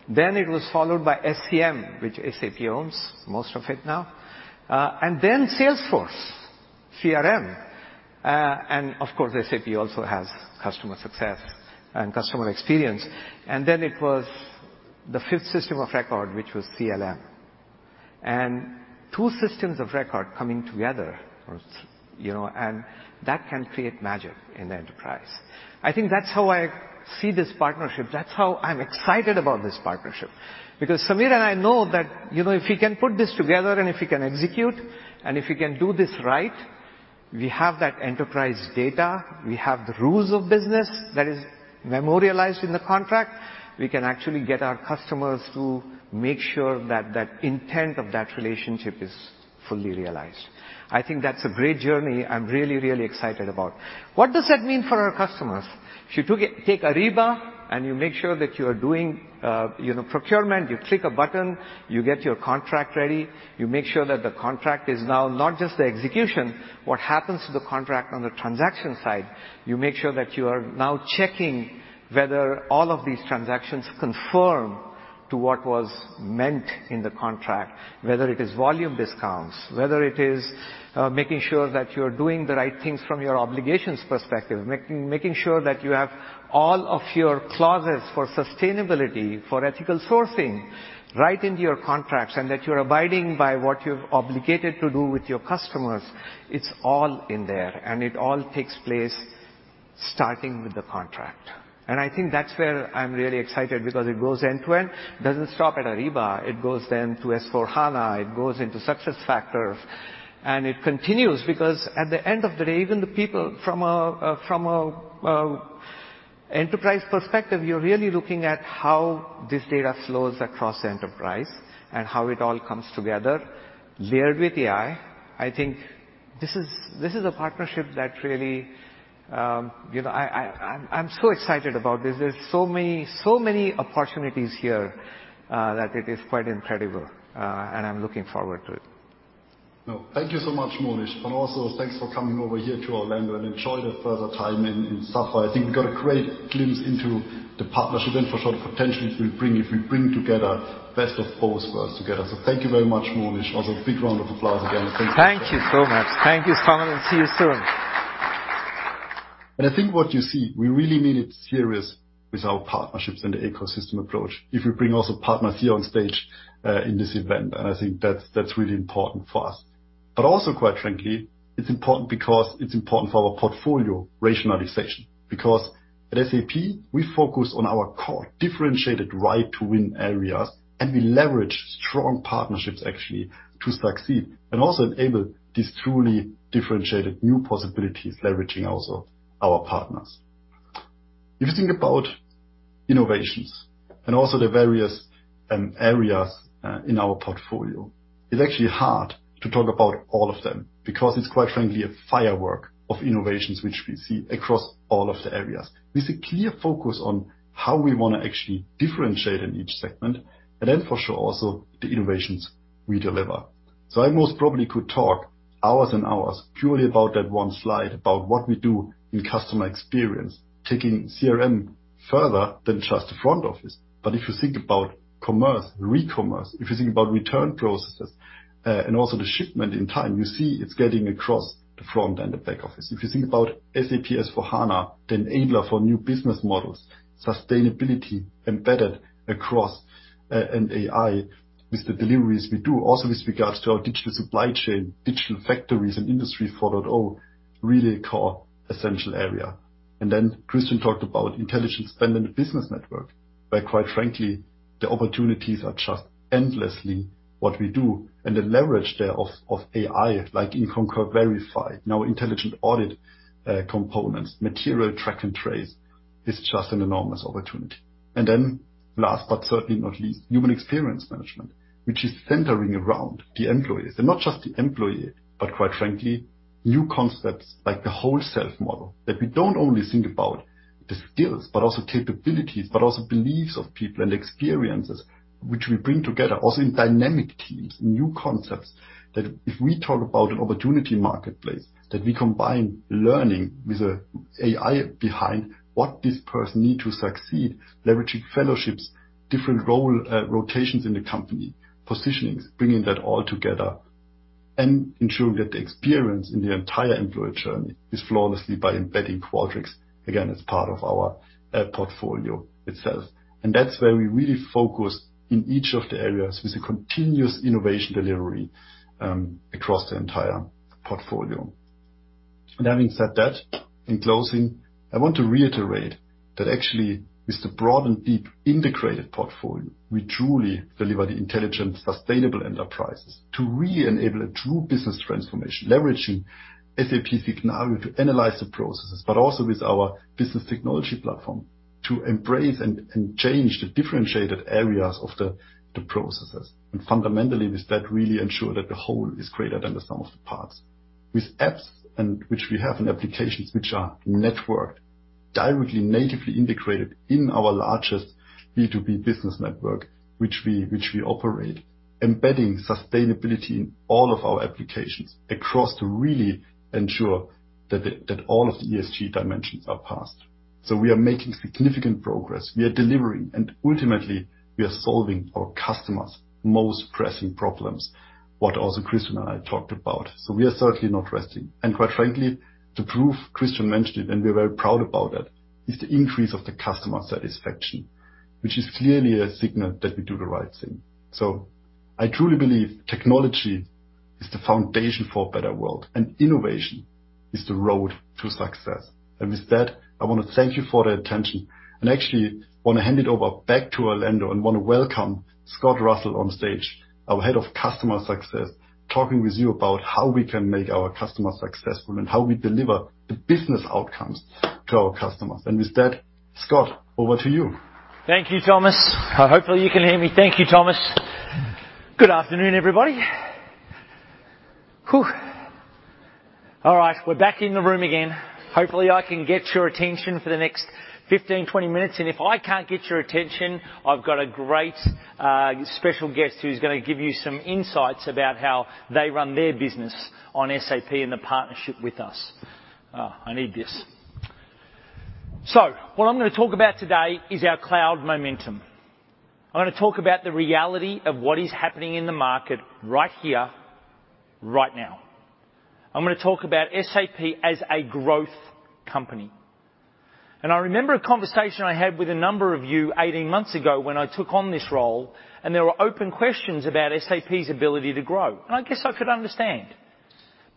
It was followed by SCM, which SAP owns most of it now. And then Salesforce, CRM, and of course, SAP also has customer success and customer experience. It was the fifth system of record, which was CLM. Two systems of record coming together, and that can create magic in the enterprise. I think that's how I see this partnership. That's how I'm excited about this partnership. Because Saueressig and I know that, you know, if we can put this together and if we can execute, and if we can do this right, we have that enterprise data, we have the rules of business that is memorialized in the contract, we can actually get our customers to make sure that that intent of that relationship is fully realized. I think that's a great journey I'm really, really excited about. What does that mean for our customers? If you take Ariba and you make sure that you are doing procurement, you click a button, you get your contract ready, you make sure that the contract is now not just the execution. What happens to the contract on the transaction side, you make sure that you are now checking whether all of these transactions confirm to what was meant in the contract, whether it is volume discounts, whether it is making sure that you're doing the right things from your obligations perspective, making sure that you have all of your clauses for sustainability, for ethical sourcing right into your contracts, and that you're abiding by what you've obligated to do with your customers. It's all in there, and it all takes place starting with the contract. I think that's where I'm really excited because it goes end-to-end. It doesn't stop at Ariba. It goes to S/4HANA, it goes into SuccessFactors, and it continues because at the end of the day, even the people from an enterprise perspective, you're really looking at how this data flows across the enterprise and how it all comes together. Layered with AI, I think this is a partnership that really. I'm so excited about this. There's so many opportunities here that it is quite incredible. I'm looking forward to it. No, thank you so much, Monish. Also thanks for coming over here to Orlando and enjoy the further time in SAP Sapphire. I think we got a great glimpse into the partnership and for sure the potential it will bring if we bring together best of both worlds together. Thank you very much, Monish. Also a big round of applause again. Thank you so much. Thank you, Saueressig, and see you soon. I think what you see, we really mean it seriously with our partnerships and the ecosystem approach. If we bring also partners here on stage, in this event, and I think that's really important for us. Also, quite frankly, it's important because it's important for our portfolio rationalization. Because at SAP, we focus on our core differentiated right to win areas, and we leverage strong partnerships actually to succeed and also enable these truly differentiated new possibilities, leveraging also our partners. If you think about innovations and also the various areas in our portfolio, it's actually hard to talk about all of them because it's quite frankly, a firework of innovations which we see across all of the areas. With a clear focus on how we wanna actually differentiate in each segment and then for sure, also the innovations we deliver. I most probably could talk hours and hours purely about that one slide, about what we do in customer experience, taking CRM further than just the front office. If you think about commerce and recommerce, if you think about return processes, and also the shipment in time, you see it's getting across the front and the back office. If you think about SAP S/4HANA, the enabler for new business models, sustainability embedded across, and AI with the deliveries we do also with regards to our digital supply chain, digital factories and Industry 4.0, really a core essential area. Then Christian talked about Intelligent Spend and the Business Network, where quite frankly, the opportunities are just endlessly what we do and the leverage thereof, of AI, like in Concur Verify. Now, intelligent audit components, material track and trace is just an enormous opportunity. Last but certainly not least, Human Experience Management, which is centering around the employees. Not just the employee, but quite frankly, new concepts like the whole self model, that we don't only think about the skills, but also capabilities, but also beliefs of people and experiences which we bring together also in dynamic teams. New concepts that if we talk about an opportunity marketplace, that we combine learning with an AI behind what this person need to succeed, leveraging fellowships, different role, rotations in the company, positionings, bringing that all together and ensuring that the experience in the entire employee journey is flawlessly by embedding Qualtrics again as part of our, portfolio itself. That's where we really focus in each of the areas with a continuous innovation delivery across the entire portfolio. Having said that, in closing, I want to reiterate that actually with the broad and deep integrated portfolio, we truly deliver the intelligent sustainable enterprises to re-enable a true business transformation. Leveraging SAP Signavio to analyze the processes, but also with our business technology platform to embrace and change the differentiated areas of the processes. Fundamentally, with that, really ensure that the whole is greater than the sum of the parts. With apps, which we have, and applications which are networked directly natively integrated in our largest B2B business network, which we operate, embedding sustainability in all of our applications across to really ensure that all of the ESG dimensions are addressed. We are making significant progress. We are delivering, and ultimately, we are solving our customers' most pressing problems, what also Christian and I talked about. We are certainly not resting. Quite frankly, the proof Christian mentioned, and we're very proud about it, is the increase of the customer satisfaction, which is clearly a signal that we do the right thing. I truly believe technology is the foundation for a better world, and innovation is the road to success. With that, I wanna thank you for the attention and actually wanna hand it over back to Orlando and wanna welcome Scott Russell on stage, our Head of Customer Success, talking with you about how we can make our customers successful and how we deliver the business outcomes to our customers. With that, Scott, over to you. Thank you, Thomas. Hopefully you can hear me. Thank you, Thomas. Good afternoon, everybody. All right, we're back in the room again. Hopefully, I can get your attention for the next 15, 20 minutes. If I can't get your attention, I've got a great special guest who's gonna give you some insights about how they run their business on SAP and the partnership with us. I need this. What I'm gonna talk about today is our cloud momentum. I want to talk about the reality of what is happening in the market right here, right now. I'm gonna talk about SAP as a growth company. I remember a conversation I had with a number of you 18 months ago when I took on this role, and there were open questions about SAP's ability to grow. I guess I could understand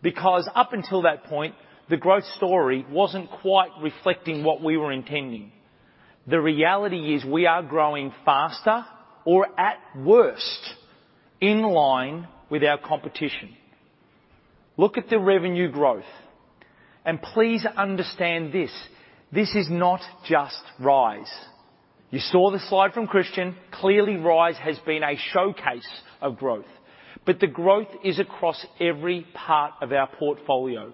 because up until that point, the growth story wasn't quite reflecting what we were intending. The reality is we are growing faster or at worst, in line with our competition. Look at the revenue growth, and please understand this. This is not just RISE. You saw the slide from Christian. Clearly, RISE has been a showcase of growth, but the growth is across every part of our portfolio.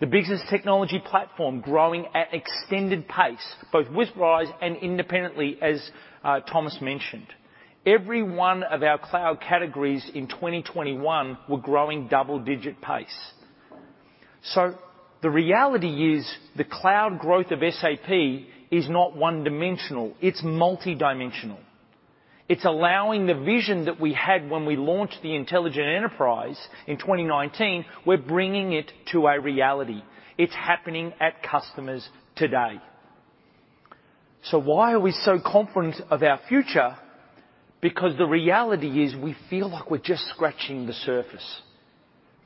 The Business Technology Platform growing at extended pace, both with RISE and independently, as Thomas mentioned. Every one of our cloud categories in 2021 were growing double-digit pace. The reality is the cloud growth of SAP is not one-dimensional, it's multi-dimensional. It's allowing the vision that we had when we launched the Intelligent Enterprise in 2019, we're bringing it to a reality. It's happening at customers today. Why are we so confident of our future? Because the reality is we feel like we're just scratching the surface.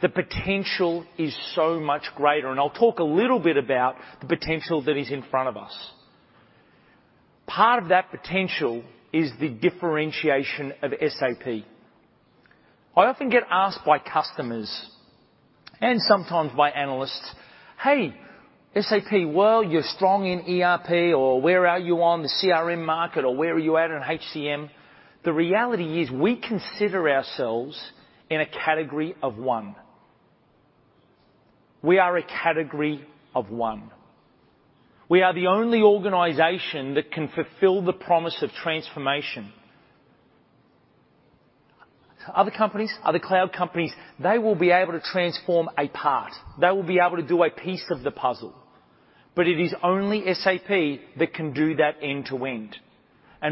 The potential is so much greater, and I'll talk a little bit about the potential that is in front of us. Part of that potential is the differentiation of SAP. I often get asked by customers and sometimes by analysts, "Hey, SAP, well, you're strong in ERP," or, "Where are you on the CRM market," or, "Where are you at in HCM?" The reality is we consider ourselves in a category of one. We are a category of one. We are the only organization that can fulfill the promise of transformation. Other companies, other cloud companies, they will be able to transform a part. They will be able to do a piece of the puzzle. It is only SAP that can do that end-to-end.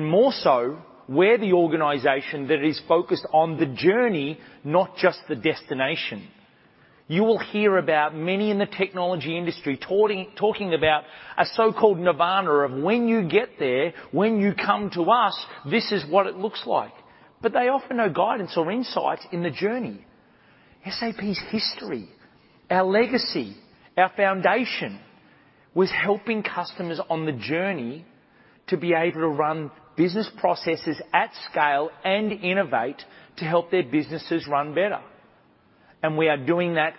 More so, we're the organization that is focused on the journey, not just the destination. You will hear about many in the technology industry talking about a so-called nirvana of when you get there, when you come to us, this is what it looks like. They offer no guidance or insights in the journey. SAP's history, our legacy, our foundation was helping customers on the journey to be able to run business processes at scale and innovate to help their businesses run better. We are doing that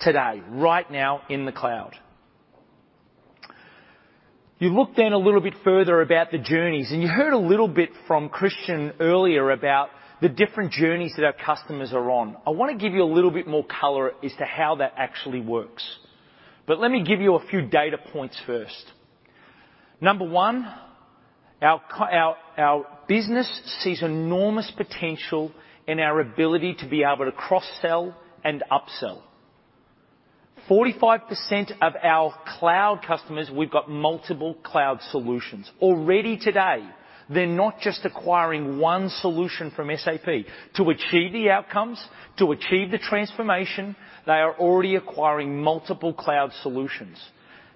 today, right now in the cloud. You look then a little bit further about the journeys, and you heard a little bit from Christian earlier about the different journeys that our customers are on. I wanna give you a little bit more color as to how that actually works. Let me give you a few data points first. Number one, our business sees enormous potential in our ability to be able to cross-sell and upsell. 45% of our cloud customers, we've got multiple cloud solutions. Already today, they're not just acquiring one solution from SAP. To achieve the outcomes, to achieve the transformation, they are already acquiring multiple cloud solutions.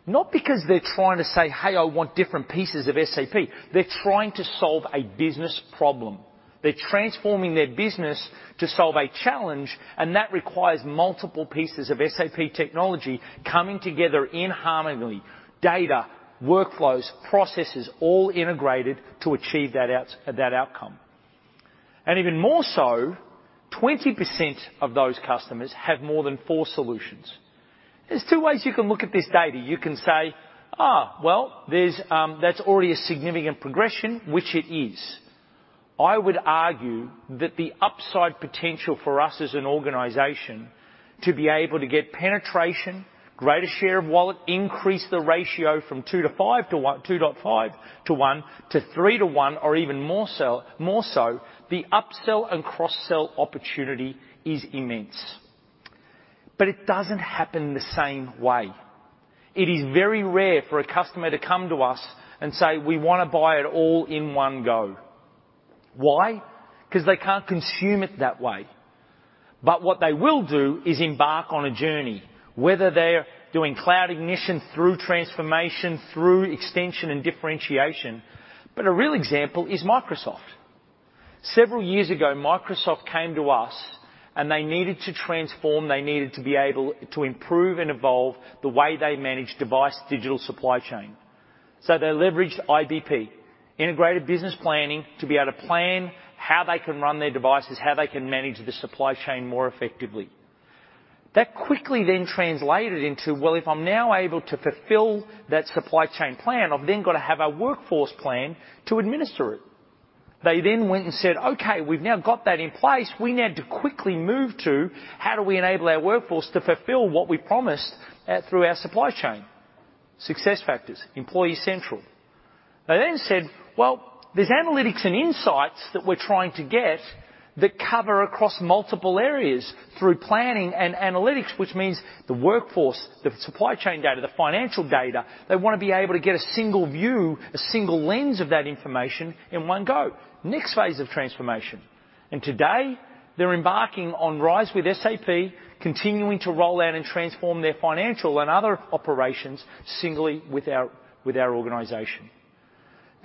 Not because they're trying to say, "Hey, I want different pieces of SAP." They're trying to solve a business problem. They're transforming their business to solve a challenge, and that requires multiple pieces of SAP technology coming together in harmony. Data, workflows, processes, all integrated to achieve that outcome. And even more so, 20% of those customers have more than four solutions. There's two ways you can look at this data. You can say, "That's already a significant progression," which it is. I would argue that the upside potential for us as an organization to be able to get penetration, greater share of wallet, increase the ratio from 2 to 5 to 1 to 3 to 1 or even more so the upsell and cross-sell opportunity is immense. It doesn't happen the same way. It is very rare for a customer to come to us and say, "We wanna buy it all in one go." Why? 'Cause they can't consume it that way. What they will do is embark on a journey, whether they're doing cloud ignition through transformation, through extension, and differentiation. A real example is Microsoft. Several years ago, Microsoft came to us, and they needed to transform. They needed to be able to improve and evolve the way they manage device digital supply chain. They leveraged IBP, Integrated Business Planning, to be able to plan how they can run their devices, how they can manage the supply chain more effectively. That quickly then translated into, well, if I'm now able to fulfill that supply chain plan, I've then gotta have a workforce plan to administer it. They then went and said, "Okay, we've now got that in place. We now need to quickly move to how do we enable our workforce to fulfill what we promised through our supply chain." SuccessFactors, Employee Central. They said, "Well, there's analytics and insights that we're trying to get that cover across multiple areas through planning and analytics," which means the workforce, the supply chain data, the financial data, they wanna be able to get a single view, a single lens of that information in one go. Next phase of transformation. Today, they're embarking on RISE with SAP, continuing to roll out and transform their financial and other operations singly with our, with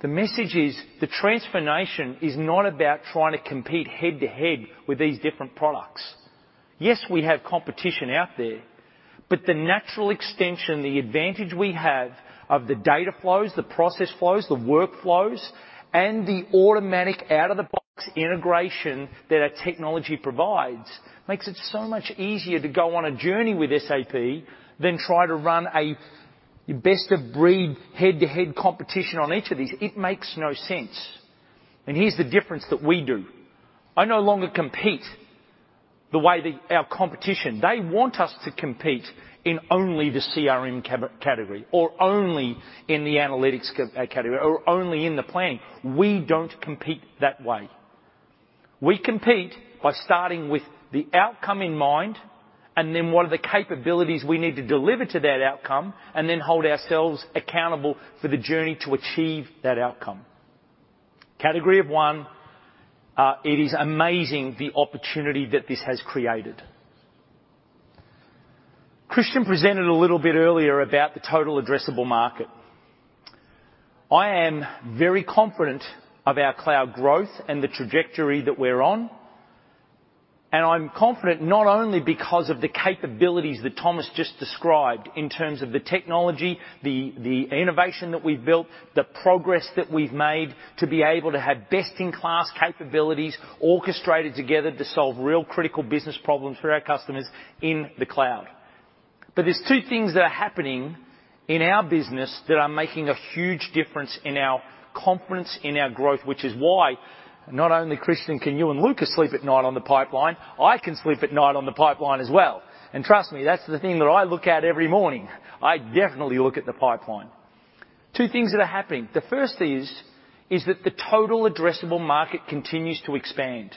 our organization. The message is the transformation is not about trying to compete head to head with these different products. Yes, we have competition out there, but the natural extension, the advantage we have of the data flows, the process flows, the workflows, and the automatic out-of-the-box integration that our technology provides makes it so much easier to go on a journey with SAP than try to run a best-of-breed head-to-head competition on each of these. It makes no sense. Here's the difference that we do. I no longer compete the way that our competition. They want us to compete in only the CRM category or only in the analytics category or only in the planning. We don't compete that way. We compete by starting with the outcome in mind, and then what are the capabilities we need to deliver to that outcome, and then hold ourselves accountable for the journey to achieve that outcome. Category of one, it is amazing the opportunity that this has created. Christian presented a little bit earlier about the total addressable market. I am very confident of our cloud growth and the trajectory that we're on, and I'm confident not only because of the capabilities that Thomas just described in terms of the technology, the innovation that we've built, the progress that we've made to be able to have best-in-class capabilities orchestrated together to solve real critical business problems for our customers in the cloud. There's two things that are happening in our business that are making a huge difference in our confidence, in our growth, which is why not only Christian, can you and Luka sleep at night on the pipeline, I can sleep at night on the pipeline as well. Trust me, that's the thing that I look at every morning. I definitely look at the pipeline. Two things that are happening. The first is that the total addressable market continues to expand.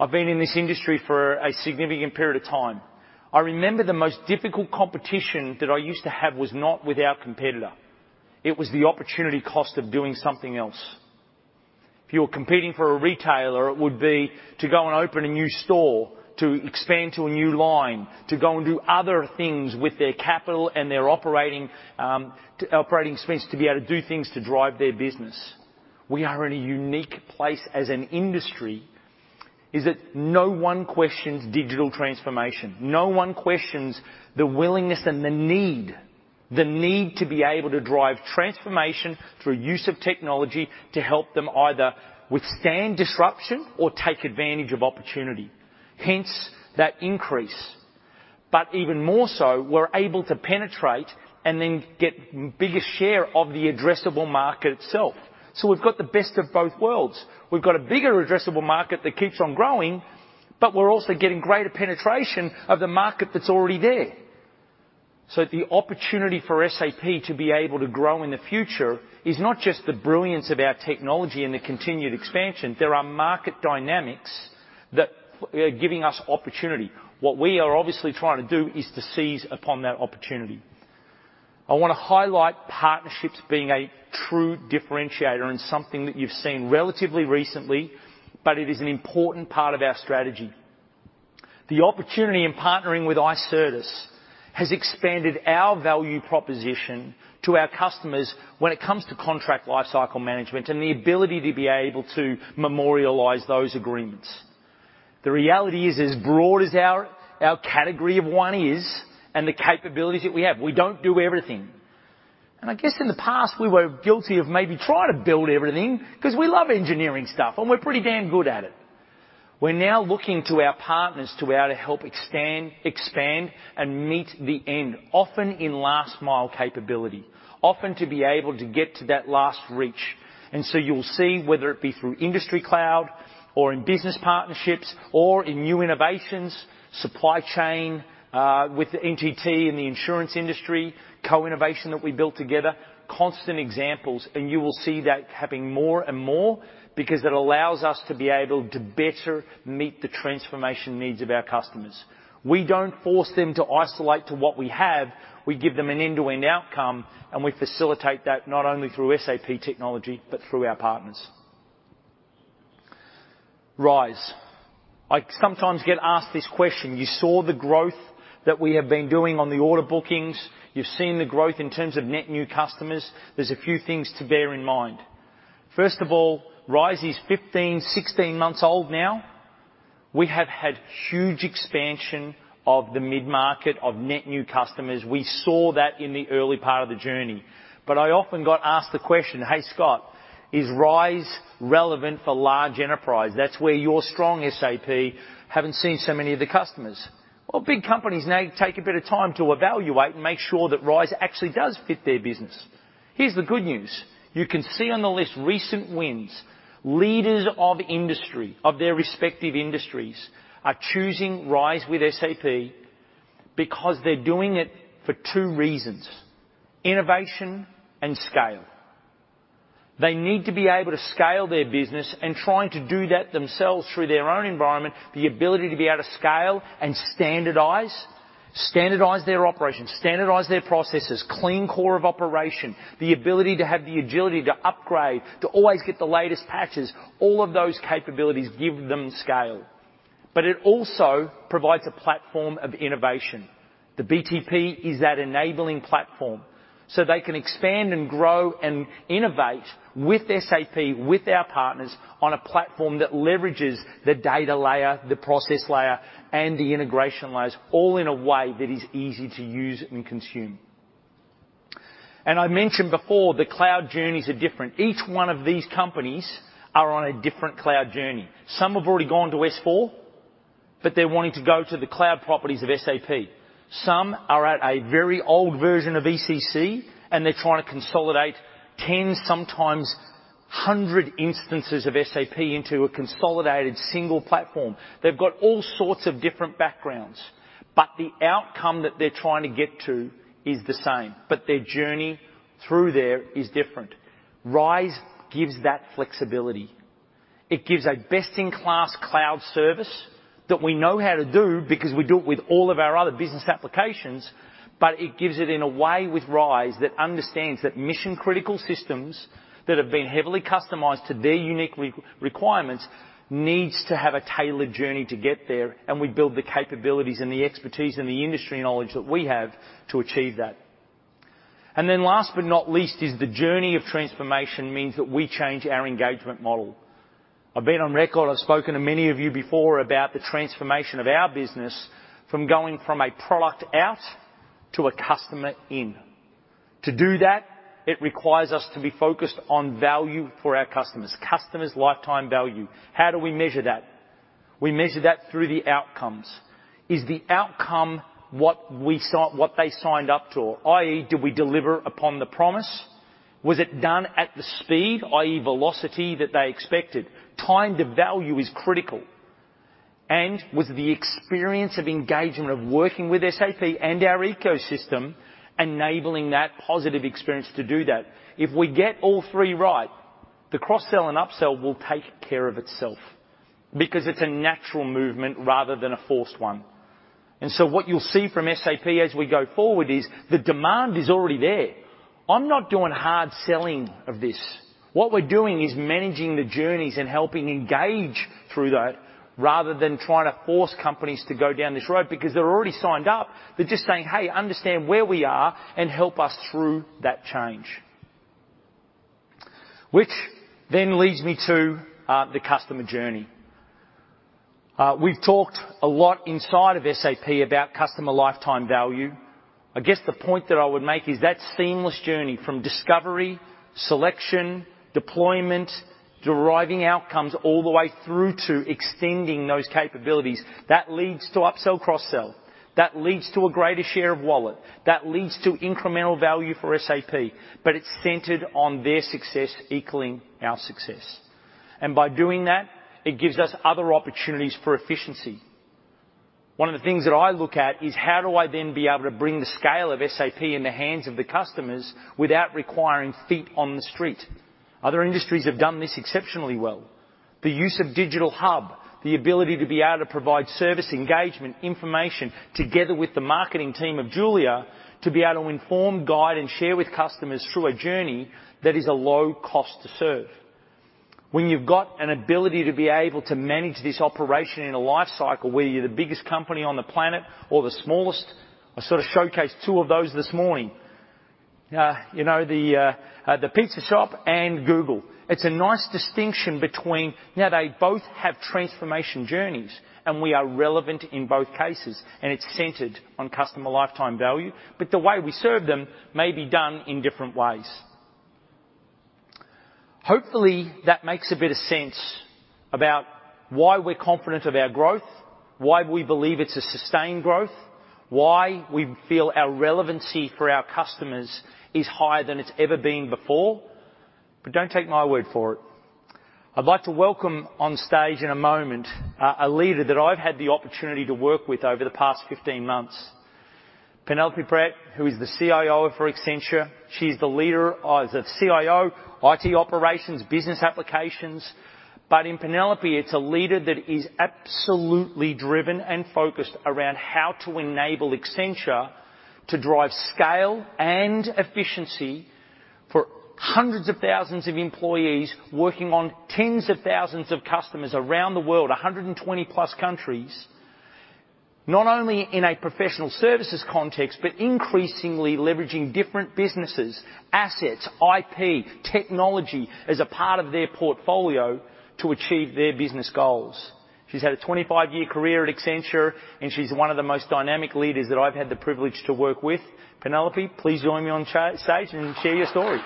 I've been in this industry for a significant period of time. I remember the most difficult competition that I used to have was not with our competitor. It was the opportunity cost of doing something else. If you were competing for a retailer, it would be to go and open a new store, to expand to a new line, to go and do other things with their capital and their operating expense to be able to do things to drive their business. We are in a unique place as an industry, in that no one questions digital transformation. No one questions the willingness and the need to be able to drive transformation through use of technology to help them either withstand disruption or take advantage of opportunity. Hence, that increase. Even more so, we're able to penetrate and then get bigger share of the addressable market itself. We've got the best of both worlds. We've got a bigger addressable market that keeps on growing, but we're also getting greater penetration of the market that's already there. The opportunity for SAP to be able to grow in the future is not just the brilliance of our technology and the continued expansion. There are market dynamics that are giving us opportunity. What we are obviously trying to do is to seize upon that opportunity. I wanna highlight partnerships being a true differentiator and something that you've seen relatively recently, but it is an important part of our strategy. The opportunity in partnering with Icertis has expanded our value proposition to our customers when it comes to contract lifecycle management and the ability to be able to memorialize those agreements. The reality is, as broad as our category of one is and the capabilities that we have, we don't do everything. I guess in the past, we were guilty of maybe trying to build everything 'cause we love engineering stuff, and we're pretty damn good at it. We're now looking to our partners to be able to help extend, expand, and meet the end, often in last mile capability, often to be able to get to that last reach. You'll see whether it be through Industry Cloud or in business partnerships or in new innovations, supply chain with the NGT and the insurance industry co-innovation that we built together, constant examples, and you will see that having more and more because it allows us to be able to better meet the transformation needs of our customers. We don't force them to isolate to what we have. We give them an end-to-end outcome, and we facilitate that not only through SAP technology but through our partners. RISE. I sometimes get asked this question. You saw the growth that we have been doing on the order bookings. You've seen the growth in terms of net new customers. There's a few things to bear in mind. First of all, RISE is 15, 16 months old now. We have had huge expansion of the mid-market of net new customers. We saw that in the early part of the journey. I often got asked the question, "Hey, Scott, is RISE relevant for large enterprise? That's where you're strong, SAP. Haven't seen so many of the customers." Well, big companies now take a bit of time to evaluate and make sure that RISE actually does fit their business. Here's the good news. You can see on the list recent wins. Leaders of industry, of their respective industries, are choosing RISE with SAP because they're doing it for two reasons, innovation and scale. They need to be able to scale their business and trying to do that themselves through their own environment, the ability to be able to scale and standardize their operations, standardize their processes, clean core of operation, the ability to have the agility to upgrade, to always get the latest patches. All of those capabilities give them scale. But it also provides a platform of innovation. The BTP is that enabling platform, so they can expand and grow and innovate with SAP, with our partners on a platform that leverages the data layer, the process layer, and the integration layers, all in a way that is easy to use and consume. I mentioned before, the cloud journeys are different. Each one of these companies are on a different cloud journey. Some have already gone to S/4HANA, but they're wanting to go to the cloud properties of SAP. Some are at a very old version of ECC, and they're trying to consolidate 10, sometimes 100 instances of SAP into a consolidated single platform. They've got all sorts of different backgrounds, but the outcome that they're trying to get to is the same, but their journey through there is different. RISE gives that flexibility. It gives a best-in-class cloud service that we know how to do because we do it with all of our other business applications, but it gives it in a way with RISE that understands that mission-critical systems that have been heavily customized to their unique requirements needs to have a tailored journey to get there, and we build the capabilities and the expertise and the industry knowledge that we have to achieve that. Then last but not least is the journey of transformation means that we change our engagement model. I've been on record, I've spoken to many of you before about the transformation of our business from going from a product out to a customer in. To do that, it requires us to be focused on value for our customers' lifetime value. How do we measure that? We measure that through the outcomes. Is the outcome what they signed up to? I.e., did we deliver upon the promise? Was it done at the speed, i.e., velocity that they expected? Time to value is critical. Was the experience of engagement of working with SAP and our ecosystem enabling that positive experience to do that? If we get all three right, the cross-sell and up-sell will take care of itself because it's a natural movement rather than a forced one. What you'll see from SAP as we go forward is the demand is already there. I'm not doing hard selling of this. What we're doing is managing the journeys and helping engage through that rather than trying to force companies to go down this road because they're already signed up. They're just saying, "Hey, understand where we are and help us through that change." Which then leads me to the customer journey. We've talked a lot inside of SAP about customer lifetime value. I guess the point that I would make is that seamless journey from discovery, selection, deployment, deriving outcomes all the way through to extending those capabilities, that leads to up-sell, cross-sell. That leads to a greater share of wallet. That leads to incremental value for SAP, but it's centered on their success equaling our success. By doing that, it gives us other opportunities for efficiency. One of the things that I look at is how do I then be able to bring the scale of SAP in the hands of the customers without requiring feet on the street. Other industries have done this exceptionally well. The use of digital hub, the ability to be able to provide service engagement, information together with the marketing team of Julia, to be able to inform, guide, and share with customers through a journey that is a low cost to serve. When you've got an ability to be able to manage this operation in a life cycle, whether you're the biggest company on the planet or the smallest, I sort of showcased two of those this morning. You know, the pizza shop and Google. It's a nice distinction between. Now they both have transformation journeys, and we are relevant in both cases, and it's centered on customer lifetime value, but the way we serve them may be done in different ways. Hopefully that makes a bit of sense about why we're confident of our growth, why we believe it's a sustained growth, why we feel our relevancy for our customers is higher than it's ever been before. Don't take my word for it. I'd like to welcome on stage in a moment a leader that I've had the opportunity to work with over the past 15 months, Penelope Prett, who is the CIO for Accenture. She's the leader or the CIO, IT operations, business applications. In Penelope, it's a leader that is absolutely driven and focused around how to enable Accenture to drive scale and efficiency for hundreds of thousands of employees working on tens of thousands of customers around the world, 120+ countries, not only in a professional services context, but increasingly leveraging different businesses, assets, IP, technology as a part of their portfolio to achieve their business goals. She's had a 25-year career at Accenture, and she's one of the most dynamic leaders that I've had the privilege to work with. Penelope, please join me on stage and share your story.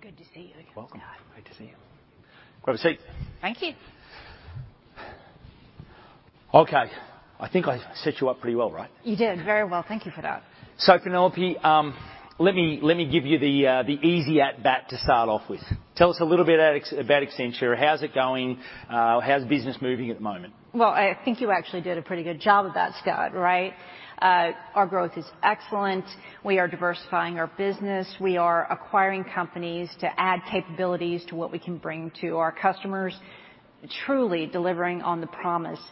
Good to see you again, Scott. Welcome. Great to see you. Grab a seat. Thank you. Okay. I think I set you up pretty well, right? You did very well. Thank you for that. Penelope, let me give you the easy at-bat to start off with. Tell us a little bit about Accenture. How's it going? How's business moving at the moment? Well, I think you actually did a pretty good job of that, Scott, right? Our growth is excellent. We are diversifying our business. We are acquiring companies to add capabilities to what we can bring to our customers, truly delivering on the promise of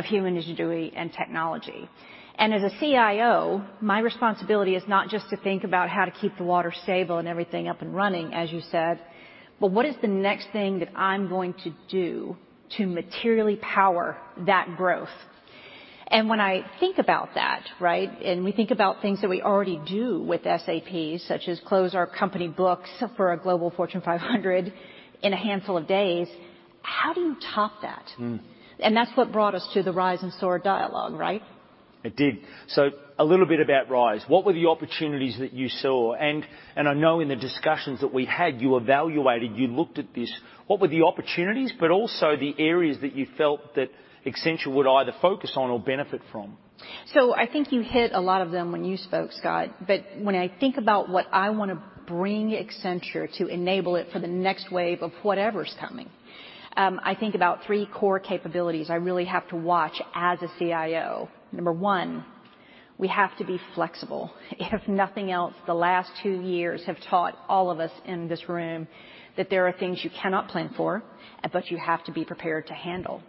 human ingenuity and technology. As a CIO, my responsibility is not just to think about how to keep the water stable and everything up and running, as you said, but what is the next thing that I'm going to do to materially power that growth? When I think about that, right, and we think about things that we already do with SAP, such as close our company books for a global Fortune 500 in a handful of days, how do you top that? That's what brought us to the RISE and SOAR dialog, right? It did. A little bit about RISE What were the opportunities that you saw? I know in the discussions that we had, you evaluated, you looked at this. What were the opportunities, but also the areas that you felt that Accenture would either focus on or benefit from? I think you hit a lot of them when you spoke, Scott, but when I think about what I wanna bring to Accenture to enable it for the next wave of whatever's coming, I think about three core capabilities I really have to watch as a CIO. Number one, we have to be flexible. If nothing else, the last two years have taught all of us in this room that there are things you cannot plan for, but you have to be prepared to handle.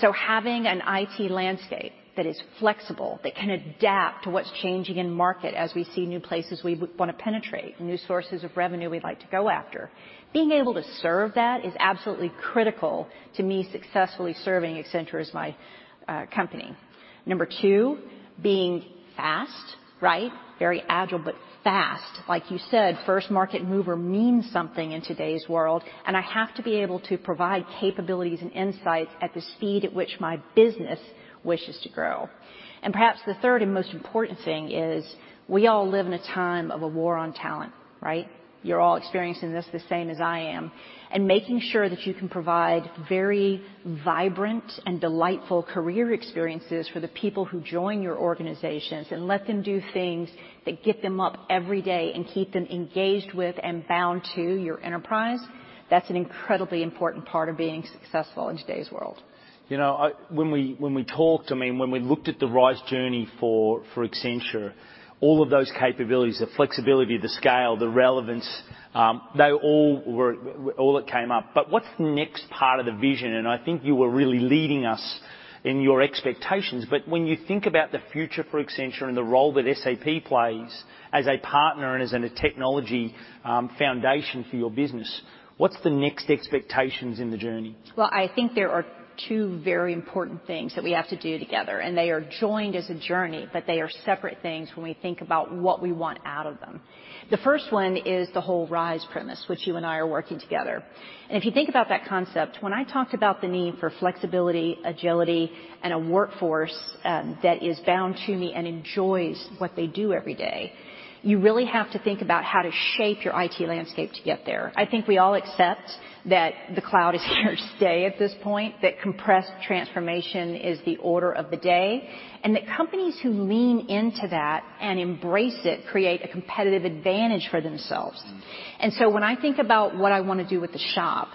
Having an IT landscape that is flexible, that can adapt to what's changing in market as we see new places we wanna penetrate, new sources of revenue we'd like to go after. Being able to serve that is absolutely critical to me successfully serving Accenture as my company. Number two, being fast, right? Very agile, but fast. Like you said, first market mover means something in today's world, and I have to be able to provide capabilities and insights at the speed at which my business wishes to grow. Perhaps the third and most important thing is we all live in a time of a war on talent, right? You're all experiencing this the same as I am. Making sure that you can provide very vibrant and delightful career experiences for the people who join your organizations and let them do things that get them up every day and keep them engaged with and bound to your enterprise. That's an incredibly important part of being successful in today's world. You know, when we talked, I mean, when we looked at the RISE journey for Accenture, all of those capabilities, the flexibility, the scale, the relevance, they all were all that came up. What's the next part of the vision? I think you were really leading us in your expectations, but when you think about the future for Accenture and the role that SAP plays as a partner and as a technology foundation for your business, what's the next expectations in the journey? Well, I think there are two very important things that we have to do together, and they are joined as a journey, but they are separate things when we think about what we want out of them. The first one is the whole RISE premise, which you and I are working together. If you think about that concept, when I talked about the need for flexibility, agility, and a workforce that is bound to me and enjoys what they do every day, you really have to think about how to shape your IT landscape to get there. I think we all accept that the cloud is here to stay at this point, that compressed transformation is the order of the day, and that companies who lean into that and embrace it create a competitive advantage for themselves. When I think about what I wanna do with the shop,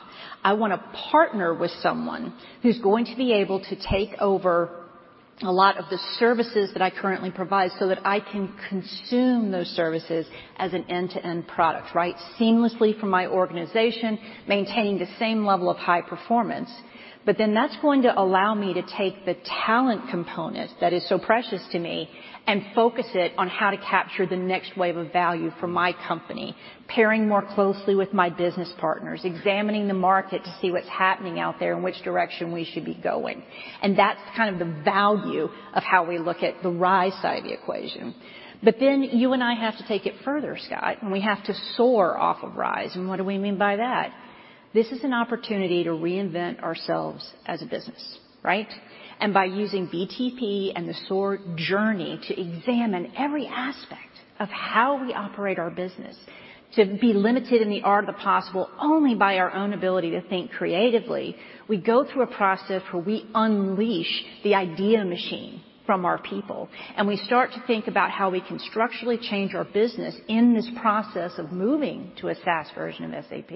I wanna partner with someone who's going to be able to take over a lot of the services that I currently provide so that I can consume those services as an end-to-end product, right? Seamlessly for my organization, maintaining the same level of high performance. That’s going to allow me to take the talent component that is so precious to me and focus it on how to capture the next wave of value for my company, pairing more closely with my business partners, examining the market to see what's happening out there and which direction we should be going. That’s kind of the value of how we look at the RISE side of the equation. You and I have to take it further, Scott, and we have to SOAR off of RISE. What do we mean by that? This is an opportunity to reinvent ourselves as a business, right? By using BTP and the SOAR journey to examine every aspect of how we operate our business, to be limited in the art of the possible only by our own ability to think creatively, we go through a process where we unleash the idea machine from our people, and we start to think about how we can structurally change our business in this process of moving to a SaaS version of SAP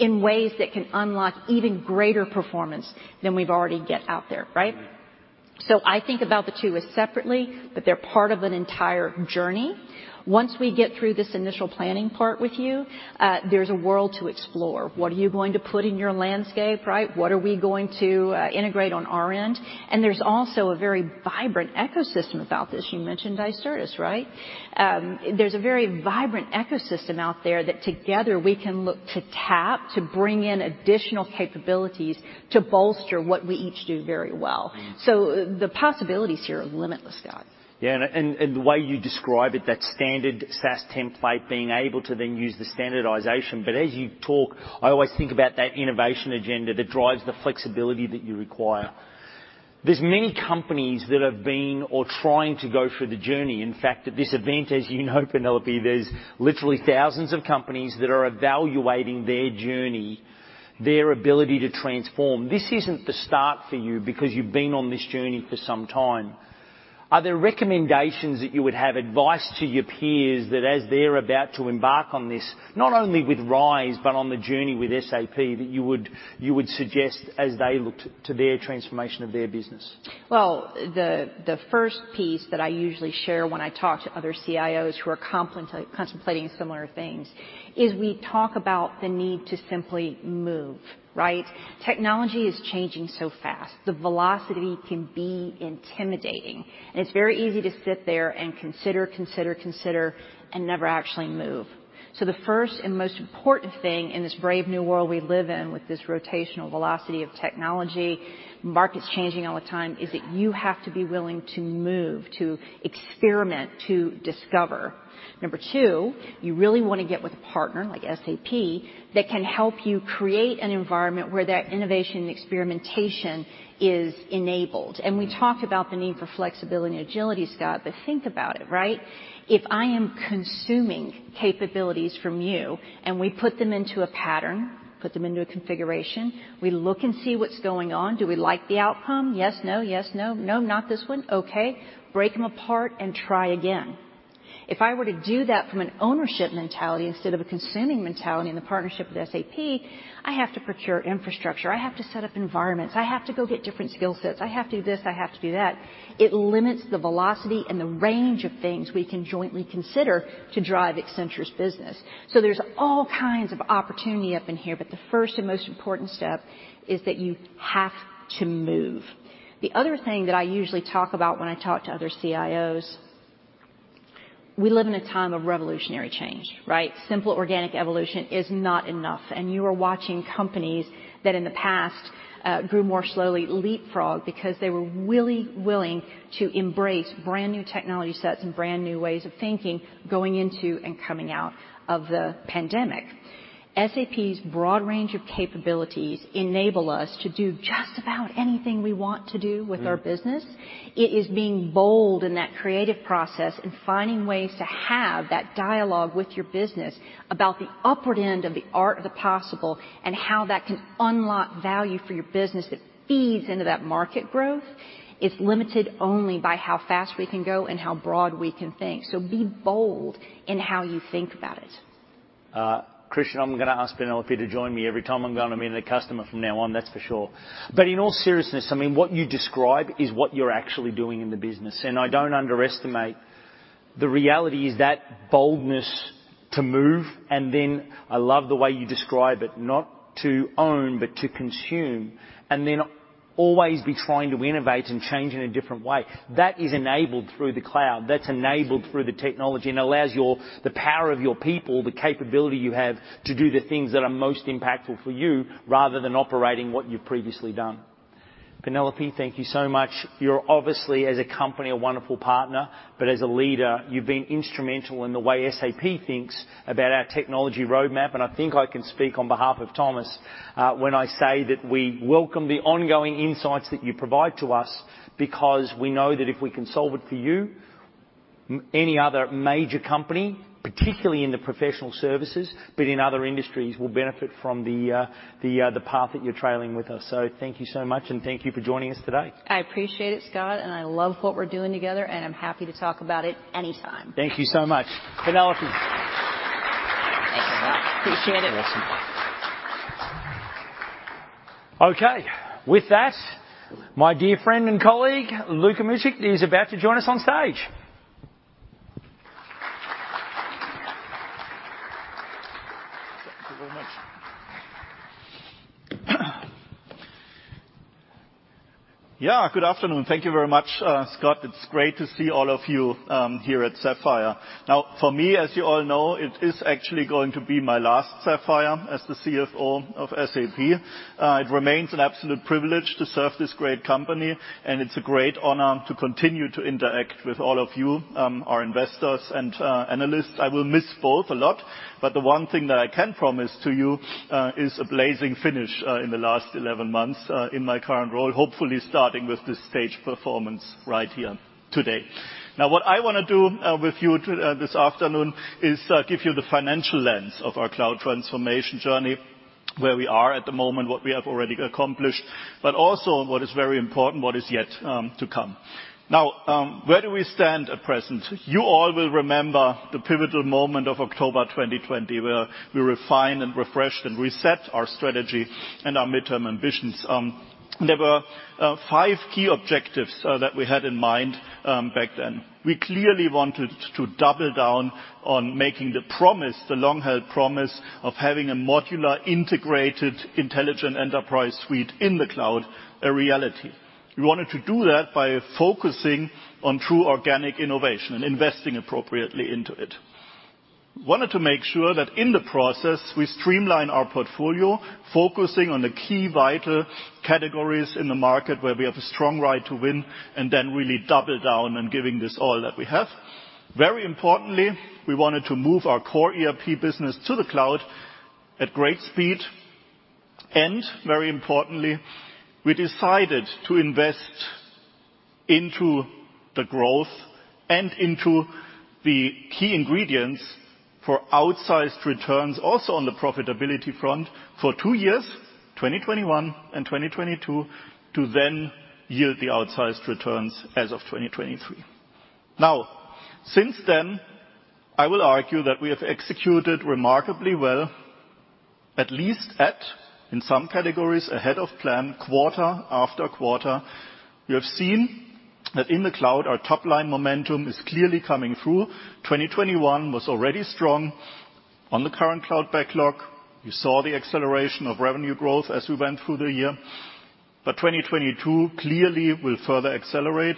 in ways that can unlock even greater performance than we've already get out there, right? I think about the two as separately, but they're part of an entire journey. Once we get through this initial planning part with you, there's a world to explore. What are you going to put in your landscape, right? What are we going to integrate on our end? There's also a very vibrant ecosystem about this. You mentioned Icertis, right? There's a very vibrant ecosystem out there that together we can look to tap to bring in additional capabilities to bolster what we each do very well. The possibilities here are limitless, Scott. Yeah, the way you describe it, that standard SaaS template, being able to then use the standardization. As you talk, I always think about that innovation agenda that drives the flexibility that you require. There's many companies that have been or trying to go through the journey. In fact, at this event, as you know, Penelope, there's literally thousands of companies that are evaluating their journey, their ability to transform. This isn't the start for you because you've been on this journey for some time. Are there recommendations that you would have, advice to your peers that as they're about to embark on this, not only with RISE, but on the journey with SAP, that you would suggest as they look to their transformation of their business? Well, the first piece that I usually share when I talk to other CIOs who are contemplating similar things, is we talk about the need to simply move, right? Technology is changing so fast. The velocity can be intimidating, and it's very easy to sit there and consider and never actually move. The first and most important thing in this brave new world we live in with this rotational velocity of technology, markets changing all the time, is that you have to be willing to move, to experiment, to discover. Number two, you really wanna get with a partner like SAP that can help you create an environment where that innovation and experimentation is enabled. We talked about the need for flexibility and agility, Scott, but think about it, right? If I am consuming capabilities from you and we put them into a pattern, put them into a configuration, we look and see what's going on. Do we like the outcome? Yes. No. Yes. No. No, not this one? Okay. Break them apart and try again. If I were to do that from an ownership mentality instead of a consuming mentality in the partnership with SAP, I have to procure infrastructure. I have to set up environments. I have to go get different skill sets. I have to do this. I have to do that. It limits the velocity and the range of things we can jointly consider to drive Accenture's business. There's all kinds of opportunity up in here, but the first and most important step is that you have to move. The other thing that I usually talk about when I talk to other CIOs, we live in a time of revolutionary change, right? Simple organic evolution is not enough. You are watching companies that in the past grew more slowly leapfrog because they were willing to embrace brand-new technology sets and brand-new ways of thinking going into and coming out of the pandemic. SAP's broad range of capabilities enable us to do just about anything we want to do with our business. It is being bold in that creative process and finding ways to have that dialogue with your business about the upward end of the art of the possible and how that can unlock value for your business that feeds into that market growth. It's limited only by how fast we can go and how broad we can think. Be bold in how you think about it. Christian, I'm gonna ask Penelope to join me every time I'm gonna meet a customer from now on, that's for sure. In all seriousness, I mean, what you describe is what you're actually doing in the business, and I don't underestimate the reality is that boldness to move. I love the way you describe it, not to own, but to consume and then always be trying to innovate and change in a different way. That is enabled through the cloud. That's enabled through the technology and allows you the power of your people, the capability you have to do the things that are most impactful for you rather than operating what you've previously done. Penelope, thank you so much. You're obviously, as a company, a wonderful partner, but as a leader, you've been instrumental in the way SAP thinks about our technology roadmap, and I think I can speak on behalf of Thomas when I say that we welcome the ongoing insights that you provide to us, because we know that if we can solve it for you, any other major company, particularly in the professional services, but in other industries, will benefit from the path that you're blazing with us. Thank you so much, and thank you for joining us today. I appreciate it, Scott, and I love what we're doing together, and I'm happy to talk about it anytime. Thank you so much, Penelope. Thank you, Scott. Appreciate it. Okay. With that, my dear friend and colleague, Luka Mucic, is about to join us on stage. Thank you very much. Yeah, good afternoon. Thank you very much, Scott. It's great to see all of you, here at Sapphire. Now, for me, as you all know, it is actually going to be my last Sapphire as the CFO of SAP. It remains an absolute privilege to serve this great company, and it's a great honor to continue to interact with all of you, our investors and analysts. I will miss both a lot. The one thing that I can promise to you is a blazing finish in the last 11 months in my current role, hopefully starting with this stage performance right here today. Now, what I want to do with you this afternoon is give you the financial lens of our cloud transformation journey, where we are at the moment, what we have already accomplished, but also what is very important, what is yet to come. Now, where do we stand at present? You all will remember the pivotal moment of October 2020, where we refined and refreshed and reset our strategy and our midterm ambitions. There were five key objectives that we had in mind back then. We clearly wanted to double down on making the promise, the long-held promise of having a modular, integrated, Intelligent Enterprise suite in the cloud a reality. We wanted to do that by focusing on true organic innovation and investing appropriately into it. Wanted to make sure that in the process, we streamline our portfolio, focusing on the key vital categories in the market where we have a strong right to win and then really double down on giving this all that we have. Very importantly, we wanted to move our core ERP business to the cloud at great speed. Very importantly, we decided to invest into the growth and into the key ingredients for outsized returns, also on the profitability front for two years, 2021 and 2022, to then yield the outsized returns as of 2023. Now, since then, I will argue that we have executed remarkably well, at least in some categories, ahead of plan, quarter after quarter. You have seen that in the cloud, our top line momentum is clearly coming through. 2021 was already strong on the current cloud backlog. You saw the acceleration of revenue growth as we went through the year. 2022 clearly will further accelerate,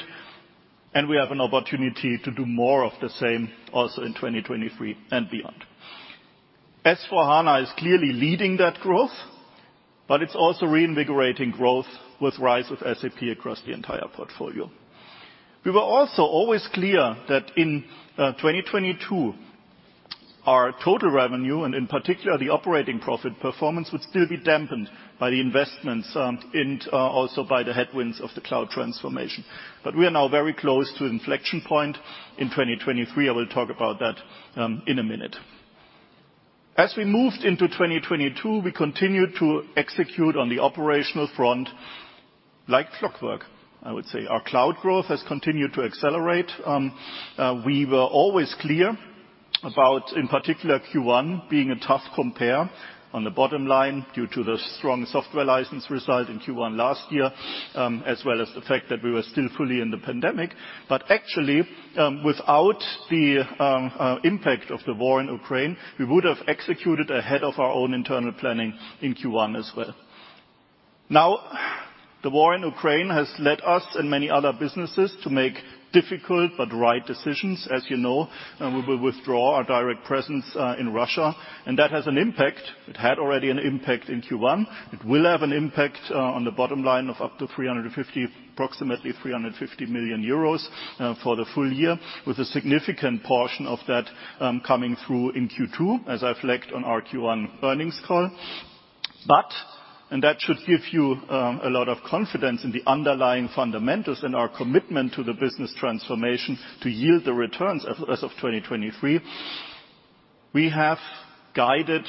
and we have an opportunity to do more of the same also in 2023 and beyond. S/4HANA is clearly leading that growth, but it's also reinvigorating growth with RISE with SAP across the entire portfolio. We were also always clear that in 2022, our total revenue, and in particular, the operating profit performance, would still be dampened by the investments in also by the headwinds of the cloud transformation. We are now very close to inflection point in 2023. I will talk about that in a minute. As we moved into 2022, we continued to execute on the operational front like clockwork, I would say. Our cloud growth has continued to accelerate. We were always clear about, in particular, Q1 being a tough compare on the bottom line due to the strong software license result in Q1 last year, as well as the fact that we were still fully in the pandemic. Actually, without the impact of the war in Ukraine, we would have executed ahead of our own internal planning in Q1 as well. Now, the war in Ukraine has led us and many other businesses to make difficult but right decisions. As you know, we will withdraw our direct presence in Russia, and that has an impact. It had already an impact in Q1. It will have an impact on the bottom line of up to approximately 350 million euros for the full year, with a significant portion of that coming through in Q2, as I flagged on our Q1 earnings call. That should give you a lot of confidence in the underlying fundamentals and our commitment to the business transformation to yield the returns as of 2023, we have guided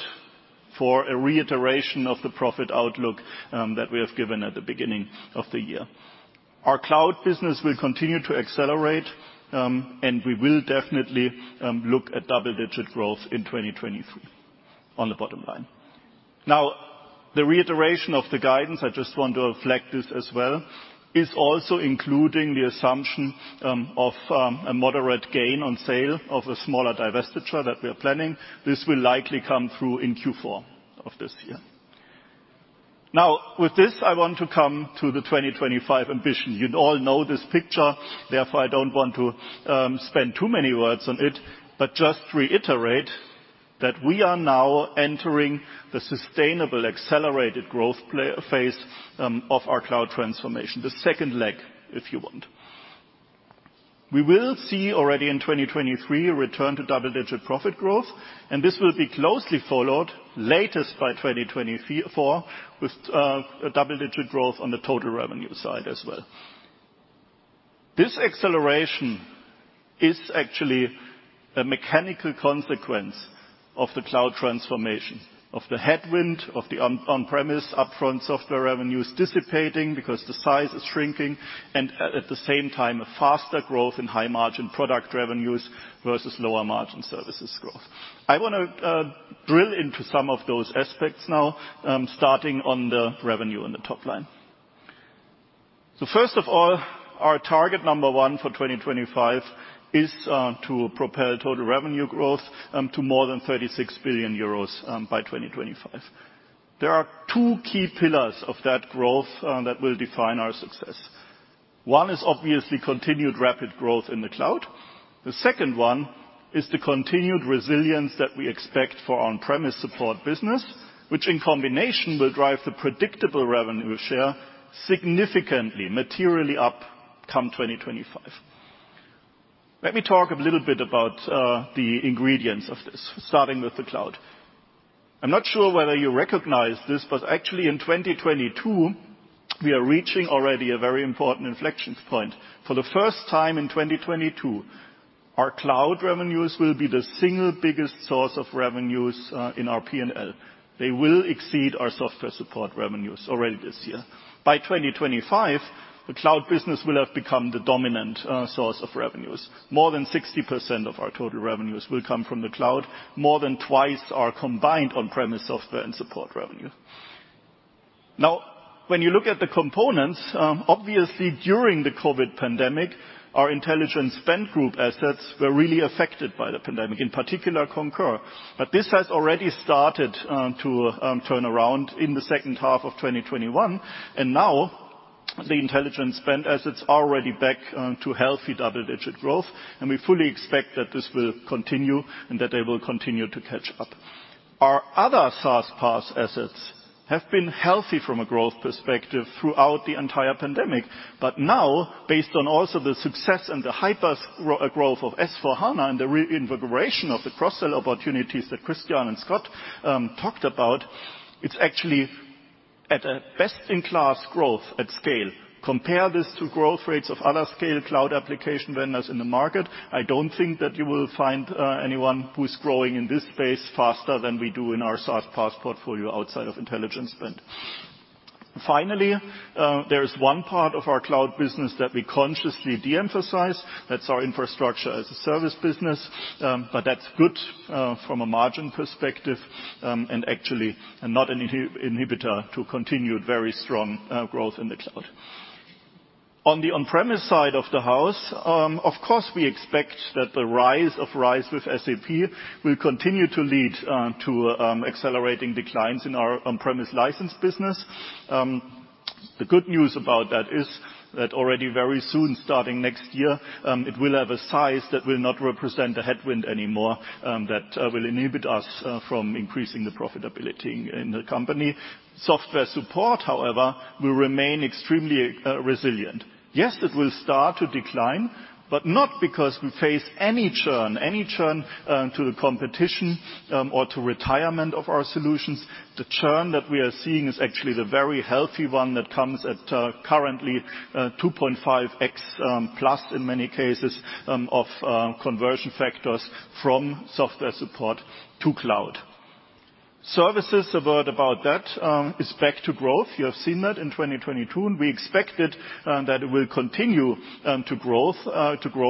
for a reiteration of the profit outlook that we have given at the beginning of the year. Our cloud business will continue to accelerate, and we will definitely look at double-digit growth in 2023 on the bottom line. Now, the reiteration of the guidance, I just want to reflect this as well, is also including the assumption of a moderate gain on sale of a smaller divestiture that we are planning. This will likely come through in Q4 of this year. Now, with this, I want to come to the 2025 ambition. You all know this picture, therefore, I don't want to spend too many words on it, but just reiterate that we are now entering the sustainable accelerated growth phase of our cloud transformation. The second leg, if you want. We will see already in 2023 a return to double-digit profit growth, and this will be closely followed latest by 2024, with a double-digit growth on the total revenue side as well. This acceleration is actually a mechanical consequence of the cloud transformation, of the headwind, of the on-premise upfront software revenues dissipating because the size is shrinking, and at the same time, a faster growth in high-margin product revenues versus lower-margin services growth. I want to drill into some of those aspects now, starting on the revenue on the top line. First of all, our target number one for 2025 is to propel total revenue growth to more than 36 billion euros by 2025. There are two key pillars of that growth that will define our success. One is obviously continued rapid growth in the cloud. The second one is the continued resilience that we expect for on-premise support business, which in combination will drive the predictable revenue share significantly, materially up come 2025. Let me talk a little bit about the ingredients of this, starting with the cloud. I'm not sure whether you recognize this, but actually in 2022 we are reaching already a very important inflection point. For the first time in 2022, our cloud revenues will be the single biggest source of revenues in our P&L. They will exceed our software support revenues already this year. By 2025, the cloud business will have become the dominant source of revenues. More than 60% of our total revenues will come from the cloud, more than twice our combined on-premise software and support revenue. Now, when you look at the components, obviously during the COVID pandemic, our Intelligent Spend group assets were really affected by the pandemic, in particular Concur. This has already started to turn around in the second half of 2021, and now the Intelligent Spend assets are already back to healthy double-digit growth. We fully expect that this will continue and that they will continue to catch up. Our other SaaS PaaS assets have been healthy from a growth perspective throughout the entire pandemic. Now, based on also the success and the hyper growth of S/4HANA and the reinvigoration of the cross-sell opportunities that Christian and Scott talked about, it's actually at a best-in-class growth at scale. Compare this to growth rates of other scale cloud application vendors in the market. I don't think that you will find anyone who's growing in this space faster than we do in our SaaS PaaS portfolio outside of Intelligent Spend. Finally, there is one part of our cloud business that we consciously de-emphasize. That's our infrastructure as a service business. But that's good from a margin perspective, and actually not an inhibitor to continued very strong growth in the cloud. On the on-premise side of the house, of course we expect that the rise of RISE with SAP will continue to lead to accelerating declines in our on-premise license business. The good news about that is that already very soon, starting next year, it will have a size that will not represent a headwind anymore, that will inhibit us from increasing the profitability in the company. Software support, however, will remain extremely resilient. Yes, it will start to decline, but not because we face any churn to the competition or to retirement of our solutions. The churn that we are seeing is actually the very healthy one that comes at currently 2.5x plus in many cases of conversion factors from software support to cloud. Services, a word about that, is back to growth. You have seen that in 2022, and we expected that it will continue to grow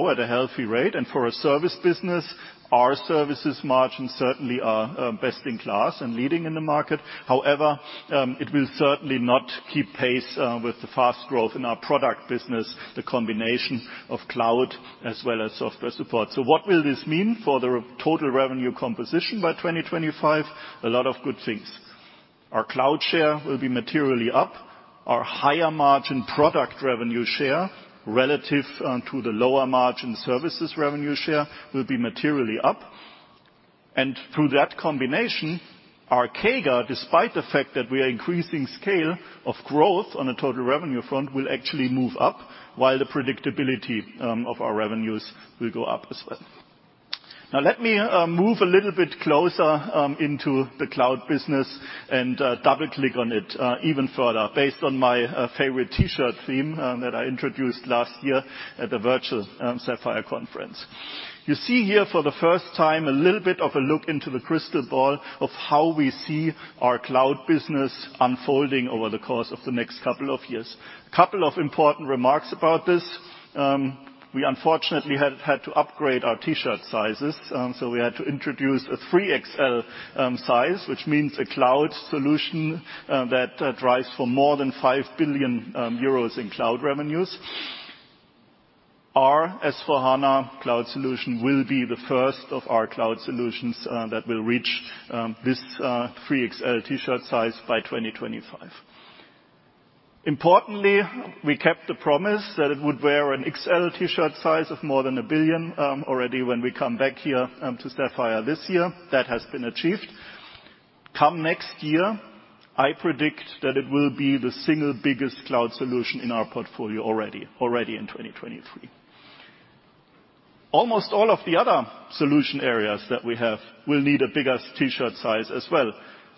at a healthy rate. For a service business, our services margins certainly are best in class and leading in the market. However, it will certainly not keep pace with the fast growth in our product business, the combination of cloud as well as software support. What will this mean for the total revenue composition by 2025? A lot of good things. Our cloud share will be materially up. Our higher margin product revenue share, relative to the lower margin services revenue share, will be materially up. Through that combination, our CAGR, despite the fact that we are increasing scale of growth on a total revenue front, will actually move up while the predictability of our revenues will go up as well. Now let me move a little bit closer into the cloud business and double-click on it even further, based on my favorite T-shirt theme that I introduced last year at the virtual Sapphire conference. You see here for the first time a little bit of a look into the crystal ball of how we see our cloud business unfolding over the course of the next couple of years. A couple of important remarks about this. We unfortunately had to upgrade our T-shirt sizes so we had to introduce a 3XL size, which means a cloud solution that drives for more than 5 billion euros in cloud revenues. Our S/4HANA cloud solution will be the first of our cloud solutions that will reach this 3XL T-shirt size by 2025. Importantly, we kept the promise that it would wear an XL T-shirt size of more than 1 billion already when we come back here to Sapphire this year. That has been achieved. Come next year, I predict that it will be the single biggest cloud solution in our portfolio already in 2023. Almost all of the other solution areas that we have will need a bigger T-shirt size as well.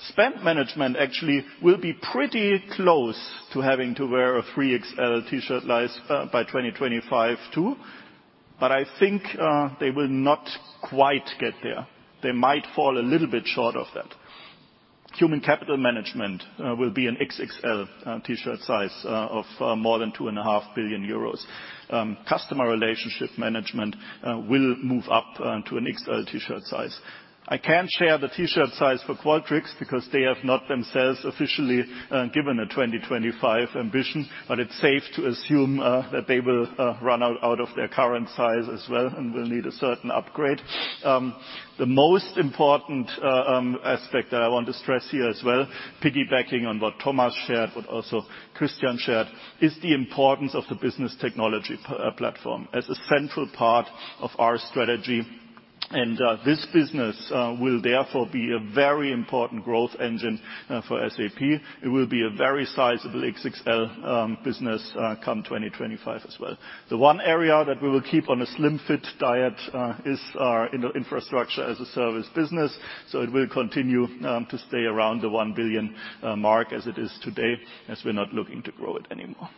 Spend management actually will be pretty close to having to wear a 3XL T-shirt size by 2025 too, but I think they will not quite get there. They might fall a little bit short of that. Human capital management will be an XXL T-shirt size of more than 2.5 billion euros. Customer relationship management will move up to an XL T-shirt size. I can't share the T-shirt size for Qualtrics because they have not themselves officially given a 2025 ambition. It's safe to assume that they will run out of their current size as well and will need a certain upgrade. The most important aspect that I want to stress here as well, piggybacking on what Thomas shared, but also Christian shared, is the importance of the business technology platform as a central part of our strategy. This business will therefore be a very important growth engine for SAP. It will be a very sizable XXL business come 2025 as well. The one area that we will keep on a slim fit diet is our infrastructure as a service business. It will continue to stay around the 1 billion mark as it is today, as we're not looking to grow it anymore.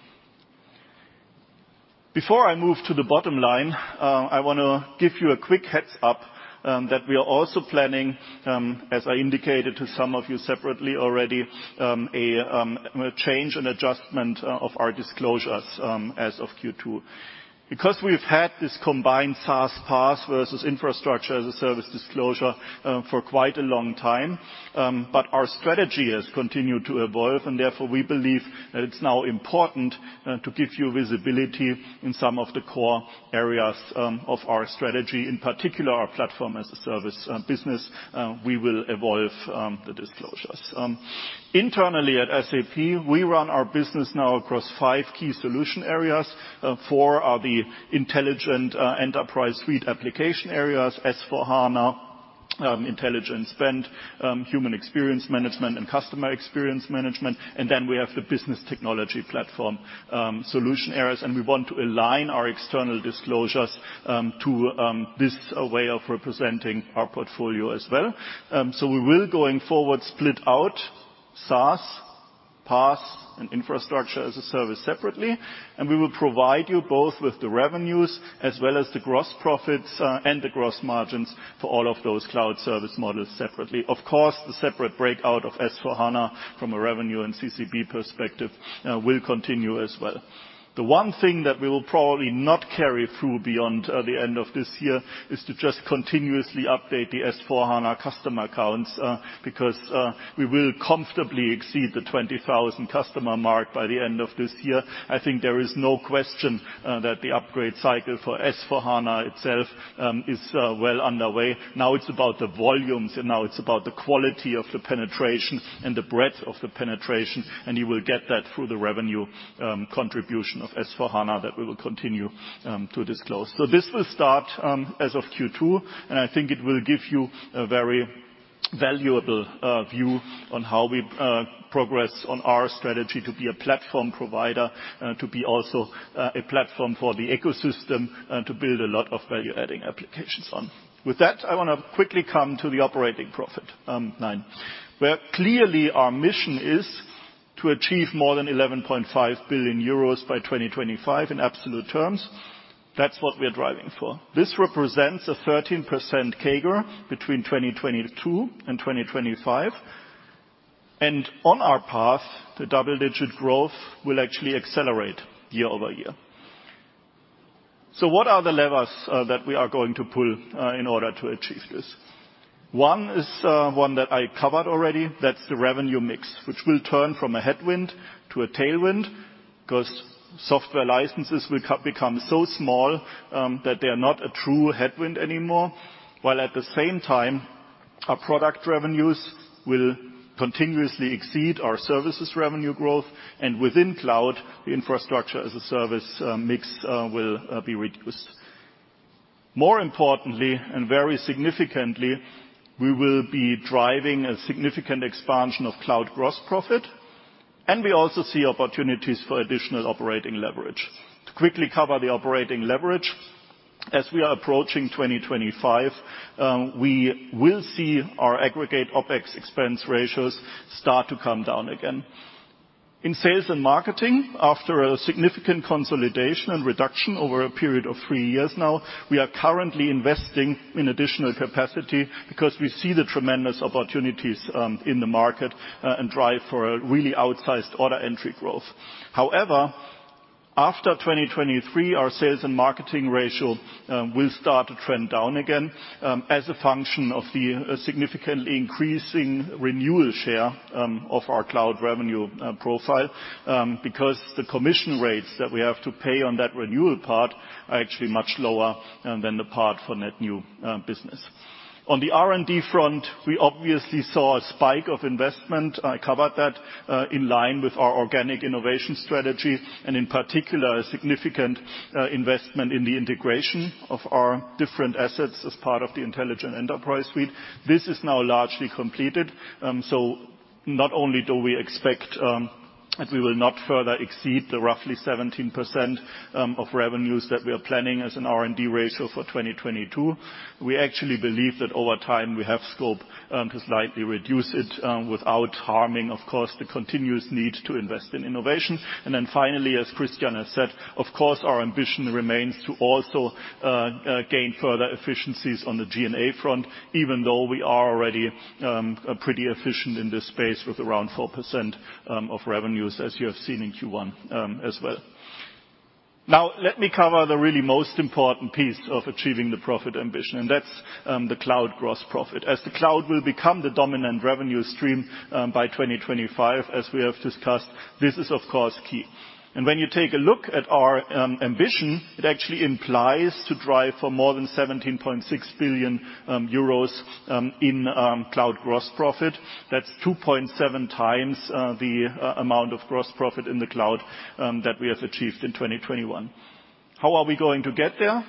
Before I move to the bottom line, I wanna give you a quick heads-up that we are also planning, as I indicated to some of you separately already, a change and adjustment of our disclosures as of Q2. Because we've had this combined SaaS, PaaS versus infrastructure as a service disclosure for quite a long time, but our strategy has continued to evolve, and therefore we believe that it's now important to give you visibility in some of the core areas of our strategy, in particular our platform as a service business, we will evolve the disclosures. Internally at SAP, we run our business now across five key solution areas. Four are the Intelligent Enterprise suite application areas, S/4HANA, Intelligent Spend, Human Experience Management, and Customer Experience Management. Then we have the business technology platform solution areas, and we want to align our external disclosures to this way of representing our portfolio as well. We will, going forward, split out SaaS, PaaS, and infrastructure as a service separately, and we will provide you both with the revenues as well as the gross profits and the gross margins for all of those cloud service models separately. Of course, the separate breakout of S/4HANA from a revenue and CCB perspective will continue as well. The one thing that we will probably not carry through beyond the end of this year is to just continuously update the S/4HANA customer counts because we will comfortably exceed the 20,000 customer mark by the end of this year. I think there is no question that the upgrade cycle for S/4HANA itself is well underway. Now it's about the volumes, and now it's about the quality of the penetration and the breadth of the penetration, and you will get that through the revenue contribution of S/4HANA that we will continue to disclose. This will start as of Q2, and I think it will give you a very valuable view on how we progress on our strategy to be a platform provider and to be also a platform for the ecosystem and to build a lot of value-adding applications on. With that, I wanna quickly come to the operating profit line, where clearly our mission is to achieve more than 11.5 billion euros by 2025 in absolute terms. That's what we are driving for. This represents a 13% CAGR between 2022 and 2025. On our path, the double-digit growth will actually accelerate year-over-year. What are the levers that we are going to pull in order to achieve this? One is, one that I covered already, that's the revenue mix, which will turn from a headwind to a tailwind, because software licenses will become so small, that they are not a true headwind anymore, while at the same time, our product revenues will continuously exceed our services revenue growth, and within cloud, the infrastructure as a service mix will be reduced. More importantly and very significantly, we will be driving a significant expansion of cloud gross profit, and we also see opportunities for additional operating leverage. To quickly cover the operating leverage, as we are approaching 2025, we will see our aggregate OpEx expense ratios start to come down again. In sales and marketing, after a significant consolidation and reduction over a period of three years now, we are currently investing in additional capacity because we see the tremendous opportunities in the market and drive for a really outsized order entry growth. However, after 2023, our sales and marketing ratio will start to trend down again as a function of the significantly increasing renewal share of our cloud revenue profile because the commission rates that we have to pay on that renewal part are actually much lower than the part for net new business. On the R&D front, we obviously saw a spike of investment. I covered that in line with our organic innovation strategy and in particular, a significant investment in the integration of our different assets as part of the Intelligent Enterprise suite. This is now largely completed. Not only do we expect that we will not further exceed the roughly 17% of revenues that we are planning as an R&D ratio for 2022, we actually believe that over time, we have scope to slightly reduce it without harming, of course, the continuous need to invest in innovation. Finally, as Christian has said, of course, our ambition remains to also gain further efficiencies on the G&A front, even though we are already pretty efficient in this space with around 4% of revenues, as you have seen in Q1, as well. Now, let me cover the really most important piece of achieving the profit ambition, and that's the cloud gross profit. As the cloud will become the dominant revenue stream by 2025, as we have discussed, this is of course key. When you take a look at our ambition, it actually implies to drive for more than 17.6 billion euros in cloud gross profit. That's 2.7x the amount of gross profit in the cloud that we have achieved in 2021. How are we going to get there?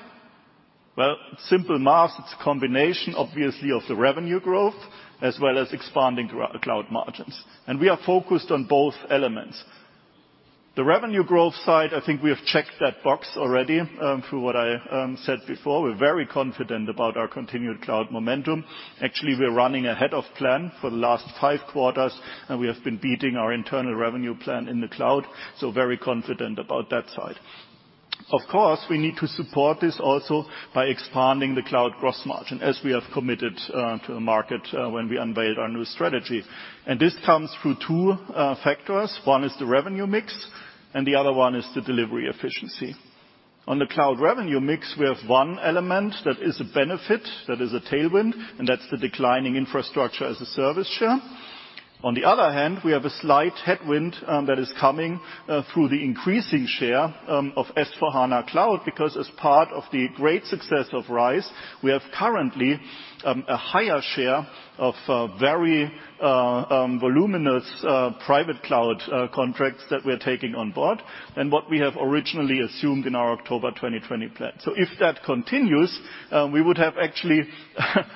Well, simple math. It's a combination, obviously, of the revenue growth as well as expanding cloud margins, and we are focused on both elements. The revenue growth side, I think we have checked that box already, through what I said before. We're very confident about our continued cloud momentum. Actually, we're running ahead of plan for the last five quarters, and we have been beating our internal revenue plan in the cloud, so very confident about that side. Of course, we need to support this also by expanding the cloud gross margin, as we have committed to the market when we unveiled our new strategy, and this comes through two factors. One is the revenue mix, and the other one is the delivery efficiency. On the cloud revenue mix, we have one element that is a benefit, that is a tailwind, and that's the declining infrastructure as a service share. On the other hand, we have a slight headwind that is coming through the increasing share of S/4HANA Cloud, because as part of the great success of RISE, we have currently a higher share of very voluminous private cloud contracts that we're taking on board and what we have originally assumed in our October 2020 plan. If that continues, we would have actually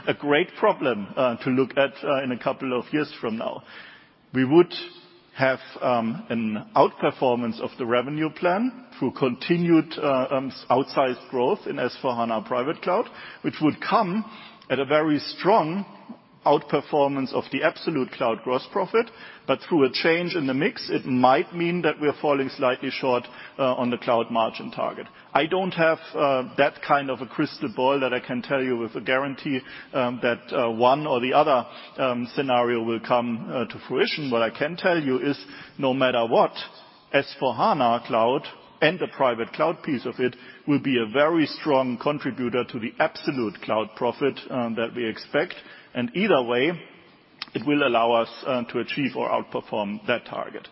a great problem to look at in a couple of years from now. We would have an outperformance of the revenue plan through continued outsized growth in S/4HANA Private Cloud, which would come at a very strong outperformance of the absolute cloud gross profit. Through a change in the mix, it might mean that we're falling slightly short on the cloud margin target. I don't have that kind of a crystal ball that I can tell you with a guarantee that one or the other scenario will come to fruition. What I can tell you is, no matter what, S/4HANA Cloud and the private cloud piece of it will be a very strong contributor to the absolute cloud profit that we expect. Either way, it will allow us to achieve or outperform that target.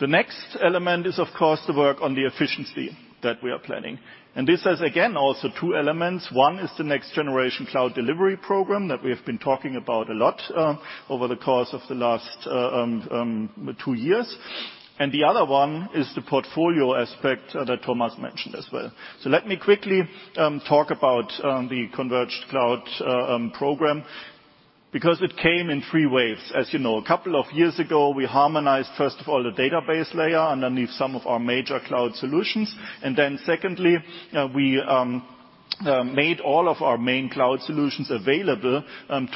The next element is, of course, the work on the efficiency that we are planning, and this has, again, also two elements. One is the next generation cloud delivery program that we have been talking about a lot over the course of the last two years. The other one is the portfolio aspect that Thomas mentioned as well. Let me quickly talk about the converged cloud program because it came in three waves. As you know, a couple of years ago, we harmonized, first of all, the database layer underneath some of our major cloud solutions. Then secondly, we made all of our main cloud solutions available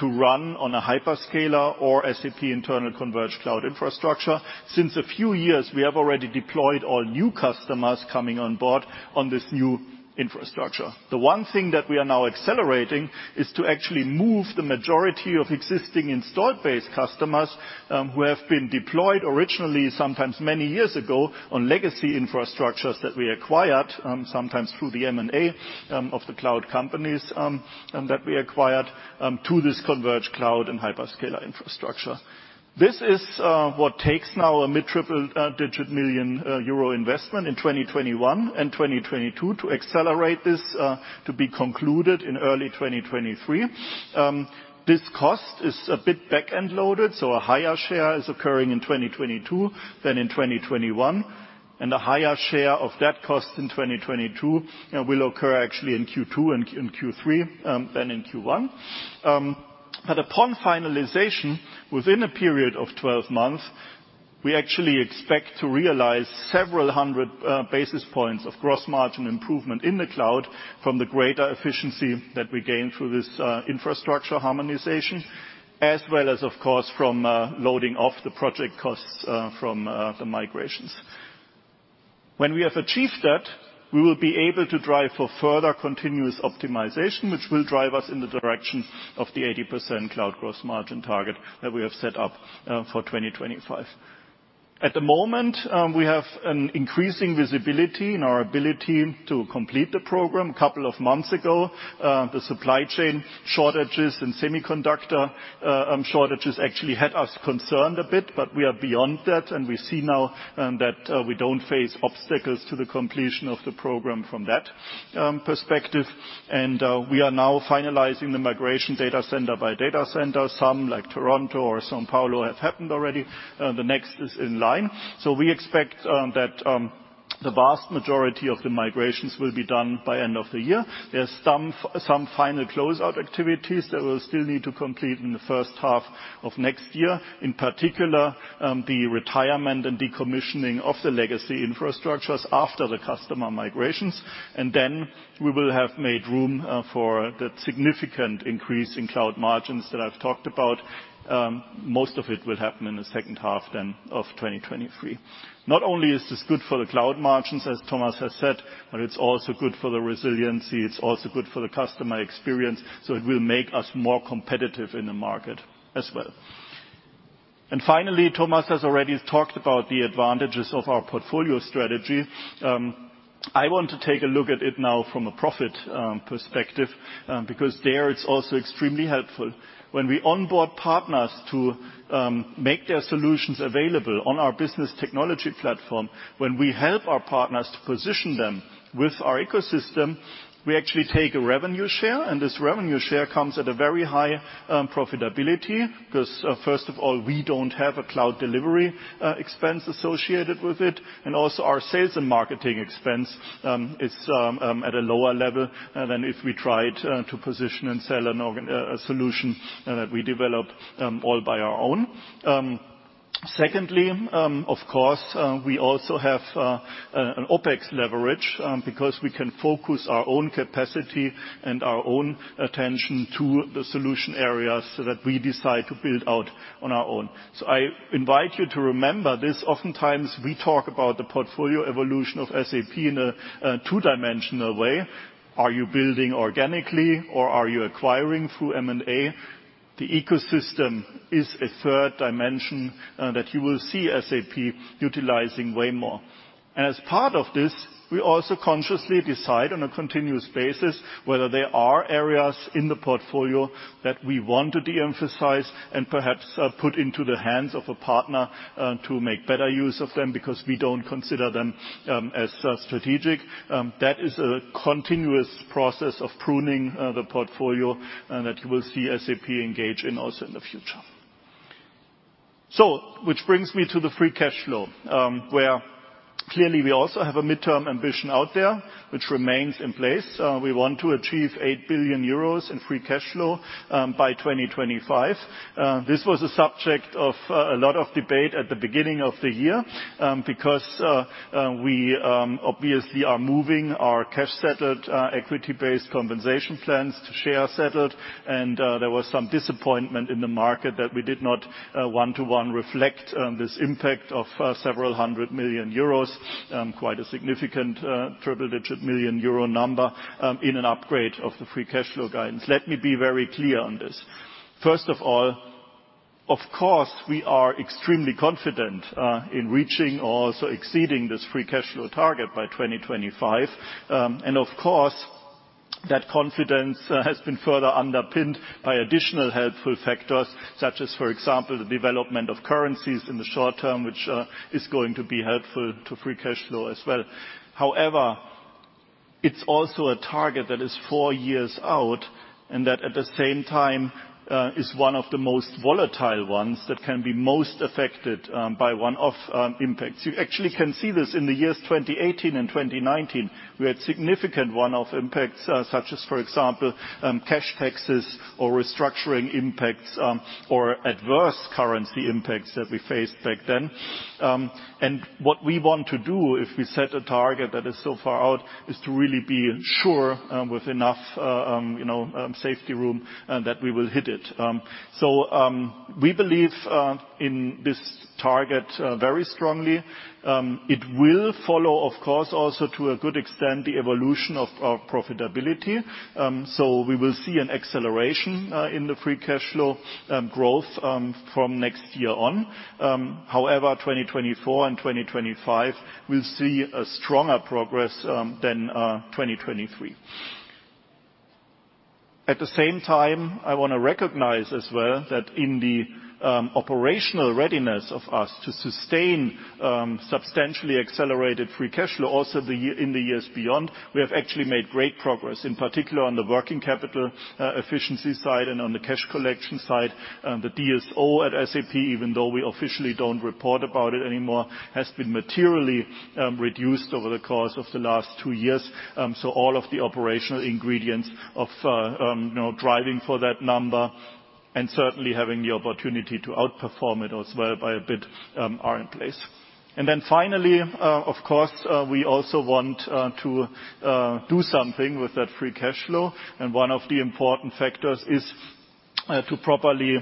to run on a hyperscaler or SAP internal converged cloud infrastructure. Since a few years, we have already deployed all new customers coming on board on this new infrastructure. The one thing that we are now accelerating is to actually move the majority of existing installed base customers who have been deployed originally, sometimes many years ago, on legacy infrastructures that we acquired sometimes through the M&A of the cloud companies that we acquired to this converged cloud and hyperscaler infrastructure. This is what takes now a mid triple-digit million euro investment in 2021 and 2022 to accelerate this to be concluded in early 2023. This cost is a bit back-end loaded, so a higher share is occurring in 2022 than in 2021, and a higher share of that cost in 2022 will occur actually in Q2 and Q3 than in Q1. Upon finalization, within a period of 12 months, we actually expect to realize several hundred basis points of gross margin improvement in the cloud from the greater efficiency that we gain through this infrastructure harmonization, as well as, of course, from offloading the project costs from the migrations. When we have achieved that, we will be able to drive for further continuous optimization, which will drive us in the direction of the 80% cloud gross margin target that we have set up for 2025. At the moment, we have an increasing visibility in our ability to complete the program. A couple of months ago, the supply chain shortages and semiconductor shortages actually had us concerned a bit, but we are beyond that, and we see now that we don't face obstacles to the completion of the program from that perspective. We are now finalizing the migration data center by data center. Some, like Toronto or São Paulo, have happened already. The next is in line. We expect that the vast majority of the migrations will be done by end of the year. There's some final closeout activities that we'll still need to complete in the first half of next year, in particular, the retirement and decommissioning of the legacy infrastructures after the customer migrations. Then we will have made room for that significant increase in cloud margins that I've talked about. Most of it will happen in the second half of 2023. Not only is this good for the cloud margins, as Thomas has said, but it's also good for the resiliency. It's also good for the customer experience, so it will make us more competitive in the market as well. Finally, Thomas has already talked about the advantages of our portfolio strategy. I want to take a look at it now from a profit perspective, because there it's also extremely helpful. When we onboard partners to make their solutions available on our business technology platform, when we help our partners to position them with our ecosystem, we actually take a revenue share, and this revenue share comes at a very high profitability. Because first of all, we don't have a cloud delivery expense associated with it, and also our sales and marketing expense is at a lower level than if we tried to position and sell a solution that we develop all by our own. Secondly, of course, we also have an OpEx leverage because we can focus our own capacity and our own attention to the solution areas so that we decide to build out on our own. I invite you to remember this. Oftentimes, we talk about the portfolio evolution of SAP in a two-dimensional way. Are you building organically, or are you acquiring through M&A? The ecosystem is a third dimension that you will see SAP utilizing way more. As part of this, we also consciously decide on a continuous basis whether there are areas in the portfolio that we want to de-emphasize and perhaps put into the hands of a partner to make better use of them because we don't consider them as strategic. That is a continuous process of pruning the portfolio that you will see SAP engage in also in the future. Which brings me to the free cash flow, where clearly we also have a midterm ambition out there which remains in place. We want to achieve 8 billion euros in Free Cash Flow by 2025. This was a subject of a lot of debate at the beginning of the year because we obviously are moving our cash-settled equity-based compensation plans to share settled. There was some disappointment in the market that we did not one-to-one reflect this impact of several hundred million euros, quite a significant triple-digit million euro number, in an upgrade of the free cash flow guidance. Let me be very clear on this. First of all, of course, we are extremely confident in reaching or also exceeding this Free Cash Flow target by 2025. Of course, that confidence has been further underpinned by additional helpful factors such as, for example, the development of currencies in the short term, which is going to be helpful to Free Cash Flow as well. However, it's also a target that is four years out, and that, at the same time, is one of the most volatile ones that can be most affected by one-off impacts. You actually can see this in the years 2018 and 2019. We had significant one-off impacts, such as, for example, cash taxes or restructuring impacts or adverse currency impacts that we faced back then. What we want to do if we set a target that is so far out is to really be sure with enough, you know, safety room that we will hit it. We believe in this target very strongly. It will follow, of course, also to a good extent the evolution of our profitability. We will see an acceleration in the Free Cash Flow growth from next year on. However, 2024 and 2025 will see a stronger progress than 2023. At the same time, I wanna recognize as well that in the operational readiness of us to sustain substantially accelerated Free Cash Flow in the years beyond, we have actually made great progress, in particular on the working capital efficiency side and on the cash collection side. The DSO at SAP, even though we officially don't report about it anymore, has been materially reduced over the course of the last two years. So all of the operational ingredients of you know driving for that number and certainly having the opportunity to outperform it as well by a bit are in place. Finally, of course, we also want to do something with that Free Cash Flow. One of the important factors is to properly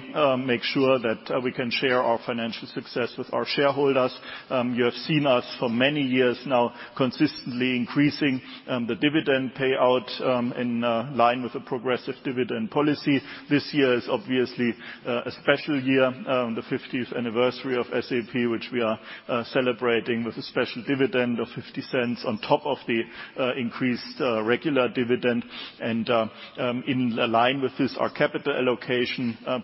make sure that we can share our financial success with our shareholders. You have seen us for many years now consistently increasing the dividend payout in line with a progressive dividend policy. This year is obviously a special year on the 50th anniversary of SAP, which we are celebrating with a special dividend of 0.50 on top of the increased regular dividend. In line with this, our capital allocation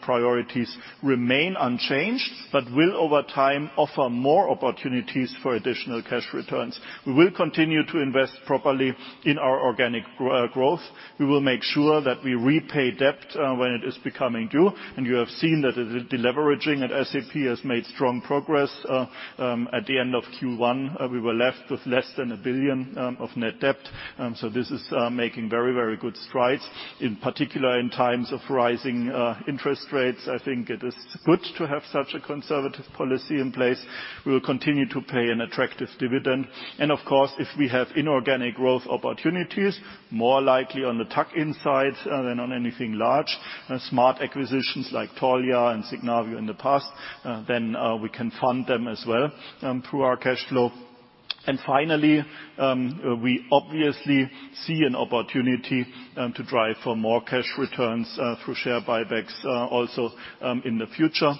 priorities remain unchanged, but will over time offer more opportunities for additional cash returns. We will continue to invest properly in our organic growth. We will make sure that we repay debt when it is becoming due. You have seen that the deleveraging at SAP has made strong progress. At the end of Q1, we were left with less than 1 billion of net debt. This is making very, very good strides, in particular in times of rising interest rates. I think it is good to have such a conservative policy in place. We will continue to pay an attractive dividend. Of course, if we have inorganic growth opportunities, more likely on the tuck-in side than on anything large, smart acquisitions like Taulia and Signavio in the past, then we can fund them as well through our cash flow. Finally, we obviously see an opportunity to drive for more cash returns through share buybacks also in the future.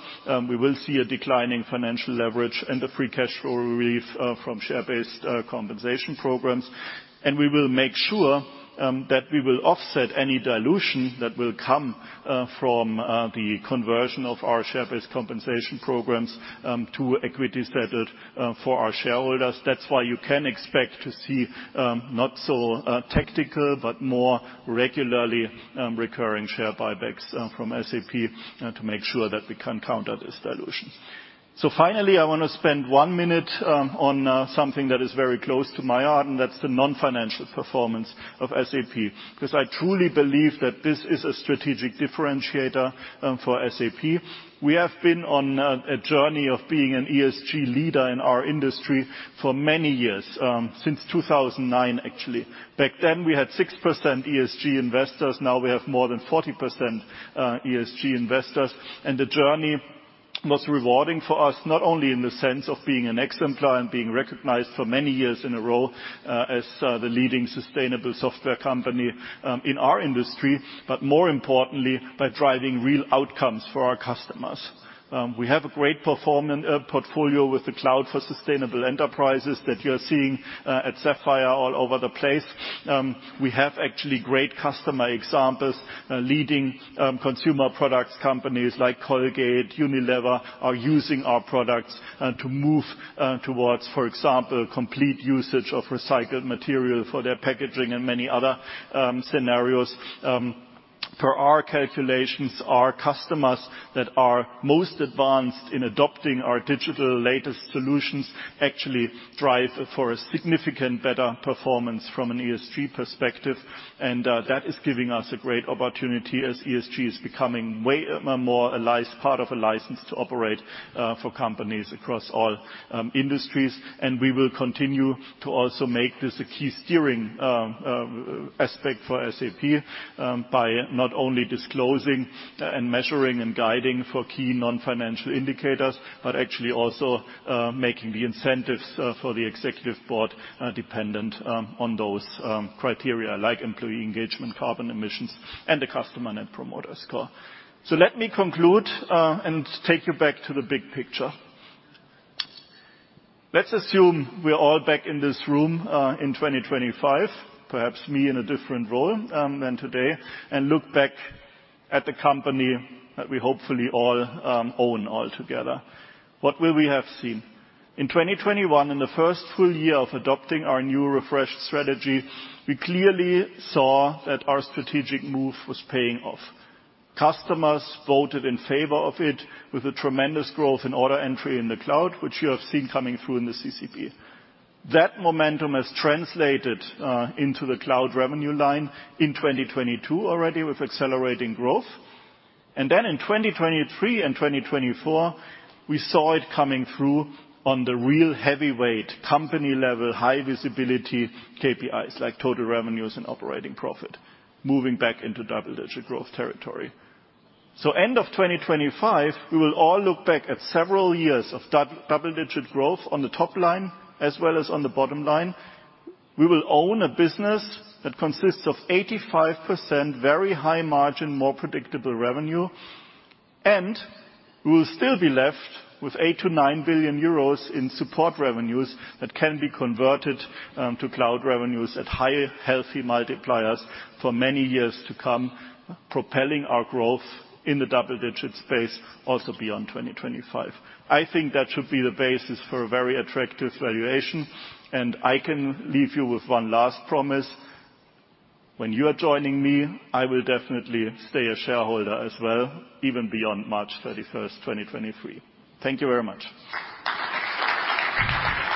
We will see a declining financial leverage and the free cash flow relief from share-based compensation programs. We will make sure that we will offset any dilution that will come from the conversion of our share-based compensation programs to equity-settled for our shareholders. That's why you can expect to see not so tactical, but more regularly recurring share buybacks from SAP to make sure that we can counter this dilution. Finally, I want to spend one minute on something that is very close to my heart, and that's the non-financial performance of SAP, because I truly believe that this is a strategic differentiator for SAP. We have been on a journey of being an ESG leader in our industry for many years since 2009, actually. Back then, we had 6% ESG investors. Now we have more than 40% ESG investors. The journey was rewarding for us, not only in the sense of being an exemplar and being recognized for many years in a row, as the leading sustainable software company in our industry, but more importantly, by driving real outcomes for our customers. We have a great portfolio with the cloud for sustainable enterprises that you're seeing at Sapphire all over the place. We have actually great customer examples, leading consumer products companies like Colgate, Unilever, are using our products to move towards, for example, complete usage of recycled material for their packaging and many other scenarios. Per our calculations, our customers that are most advanced in adopting our digital latest solutions actually drive for a significant better performance from an ESG perspective. That is giving us a great opportunity as ESG is becoming way more part of a license to operate for companies across all industries. We will continue to also make this a key steering aspect for SAP by not only disclosing and measuring and guiding for key non-financial indicators, but actually also making the incentives for the executive board dependent on those criteria like employee engagement, carbon emissions, and the customer Net Promoter Score. Let me conclude and take you back to the big picture. Let's assume we're all back in this room in 2025, perhaps me in a different role than today, and look back at the company that we hopefully all own all together. What will we have seen? In 2021, in the first full year of adopting our new refreshed strategy, we clearly saw that our strategic move was paying off. Customers voted in favor of it with a tremendous growth in order entry in the cloud, which you have seen coming through in the CCB. That momentum has translated into the cloud revenue line in 2022 already with accelerating growth. In 2023 and 2024, we saw it coming through on the real heavyweight, company level, high visibility KPIs like total revenues and operating profit, moving back into double-digit growth territory. End of 2025, we will all look back at several years of double-digit growth on the top line as well as on the bottom line. We will own a business that consists of 85% very high margin, more predictable revenue, and we will still be left with 8 billion-9 billion euros in support revenues that can be converted to cloud revenues at high, healthy multipliers for many years to come, propelling our growth in the double-digit space also beyond 2025. I think that should be the basis for a very attractive valuation, and I can leave you with one last promise. When you are joining me, I will definitely stay a shareholder as well, even beyond March 31st, 2023. Thank you very much. All right.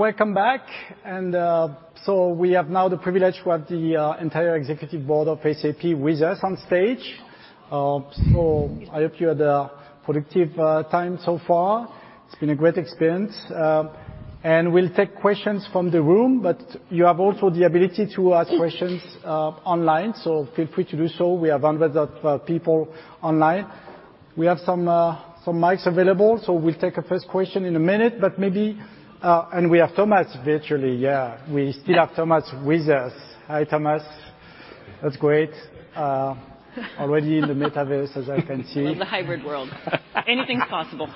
Welcome back. We have now the privilege to have the entire executive board of SAP with us on stage. I hope you had a productive time so far. It's been a great experience. We'll take questions from the room, but you have also the ability to ask questions online, so feel free to do so. We have hundreds of people online. We have some mics available, so we'll take a first question in a minute. Maybe we have Thomas virtually. Yeah, we still have Thomas with us. Hi, Thomas. That's great. Already in the metaverse, as I can see. In the hybrid world. Anything's possible.